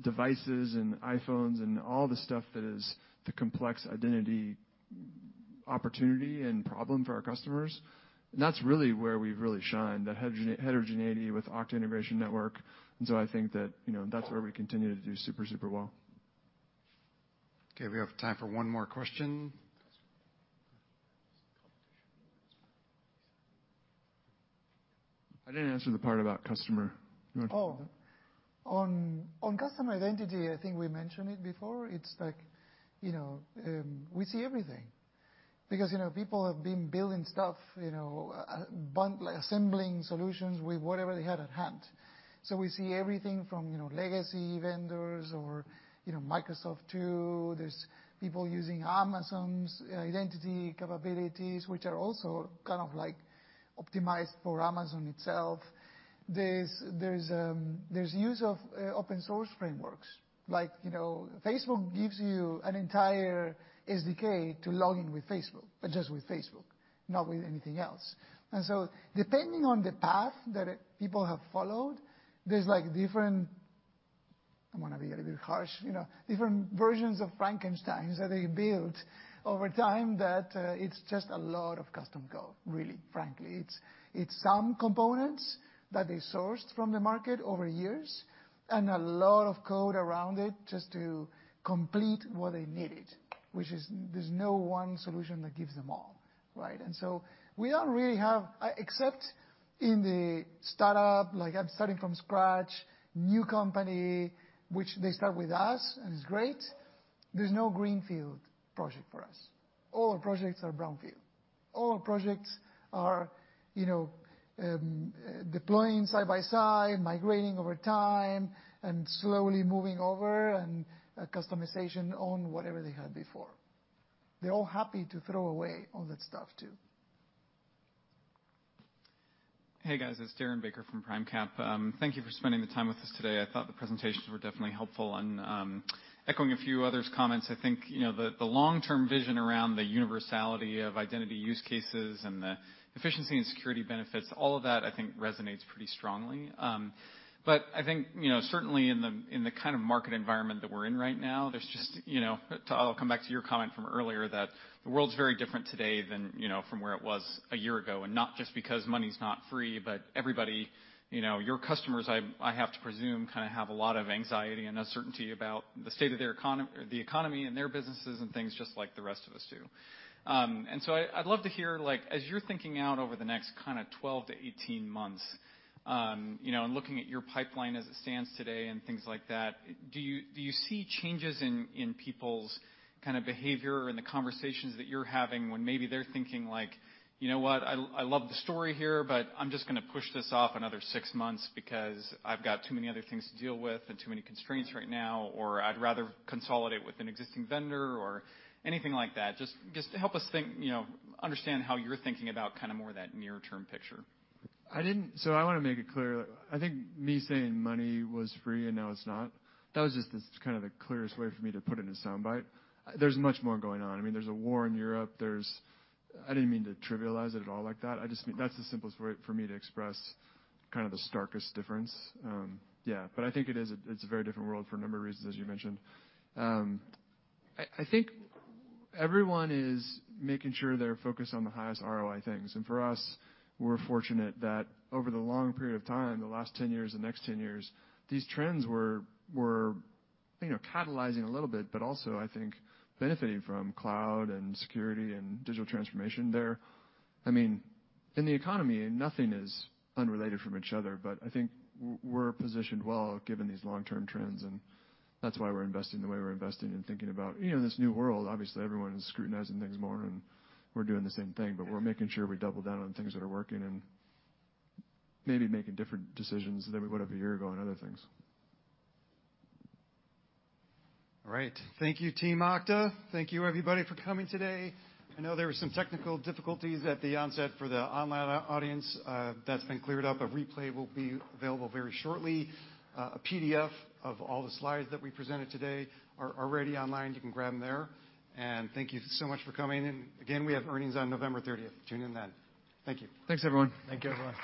devices and iPhones and all the stuff that is the complex identity opportunity and problem for our customers. That's really where we've really shined, the heterogeneity with Okta Integration Network. I think that, you know, that's where we continue to do super well. Okay, we have time for one more question. I didn't answer the part about customer. You want to take that? Oh, on customer identity, I think we mentioned it before. It's like, you know, we see everything because, you know, people have been building stuff, you know, like assembling solutions with whatever they had at hand. So we see everything from, you know, legacy vendors or, you know, Microsoft too. There's people using Amazon's identity capabilities, which are also kind of like optimized for Amazon itself. There's use of open source frameworks. Like, you know, Facebook gives you an entire SDK to log in with Facebook, but just with Facebook, not with anything else. So depending on the path that people have followed, there's like different, I don't wanna be a little bit harsh, you know, different versions of Frankenstein's that they built over time that it's just a lot of custom code, really, frankly. It's some components that they sourced from the market over years and a lot of code around it just to complete what they needed, which is there's no one solution that gives them all, right? We don't really have except in the startup, like I'm starting from scratch, new company, which they start with us, and it's great, there's no greenfield project for us. All our projects are brownfield. All our projects are, you know, deploying side by side, migrating over time and slowly moving over and a customization on whatever they had before. They're all happy to throw away all that stuff too. Hey, guys. It's Darren Baker from PRIMECAP. Thank you for spending the time with us today. I thought the presentations were definitely helpful. Echoing a few others' comments, I think, you know, the long-term vision around the universality of identity use cases and the efficiency and security benefits, all of that, I think resonates pretty strongly. But I think, you know, certainly in the kind of market environment that we're in right now, there's just, you know, I'll come back to your comment from earlier that the world's very different today than, you know, from where it was a year ago, and not just because money's not free. Everybody, you know, your customers, I have to presume, kind of have a lot of anxiety and uncertainty about the state of their the economy and their businesses and things just like the rest of us do. I'd love to hear, like, as you're thinking out over the next kind of 12-18 months, you know, and looking at your pipeline as it stands today and things like that, do you see changes in people's kind of behavior in the conversations that you're having when maybe they're thinking like, "You know what? I love the story here, but I'm just gonna push this off another six months because I've got too many other things to deal with and too many constraints right now," or, "I'd rather consolidate with an existing vendor," or anything like that? Just help us think, you know, understand how you're thinking about kind of more that near-term picture. I wanna make it clear. I think me saying money was free, and now it's not, that was just the kind of the clearest way for me to put it in a soundbite. There's much more going on. I mean, there's a war in Europe. I didn't mean to trivialize it at all like that. I just mean that's the simplest way for me to express kind of the starkest difference. Yeah, I think it is, it's a very different world for a number of reasons, as you mentioned. I think everyone is making sure they're focused on the highest ROI things. For us, we're fortunate that over the long period of time, the last 10 years, the next 10 years, these trends were, you know, catalyzing a little bit, but also I think benefiting from cloud and security and digital transformation there. I mean, in the economy, nothing is unrelated from each other, but I think we're positioned well given these long-term trends, and that's why we're investing the way we're investing and thinking about, you know, this new world. Obviously, everyone is scrutinizing things more, and we're doing the same thing, but we're making sure we double down on things that are working and maybe making different decisions than we would have a year ago on other things. All right. Thank you, team Okta. Thank you, everybody, for coming today. I know there were some technical difficulties at the onset for the online audience. That's been cleared up. A replay will be available very shortly. A PDF of all the slides that we presented today are already online. You can grab them there. Thank you so much for coming in. Again, we have earnings on November 30th. Tune in then. Thank you. Thanks, everyone. Thank you, everyone.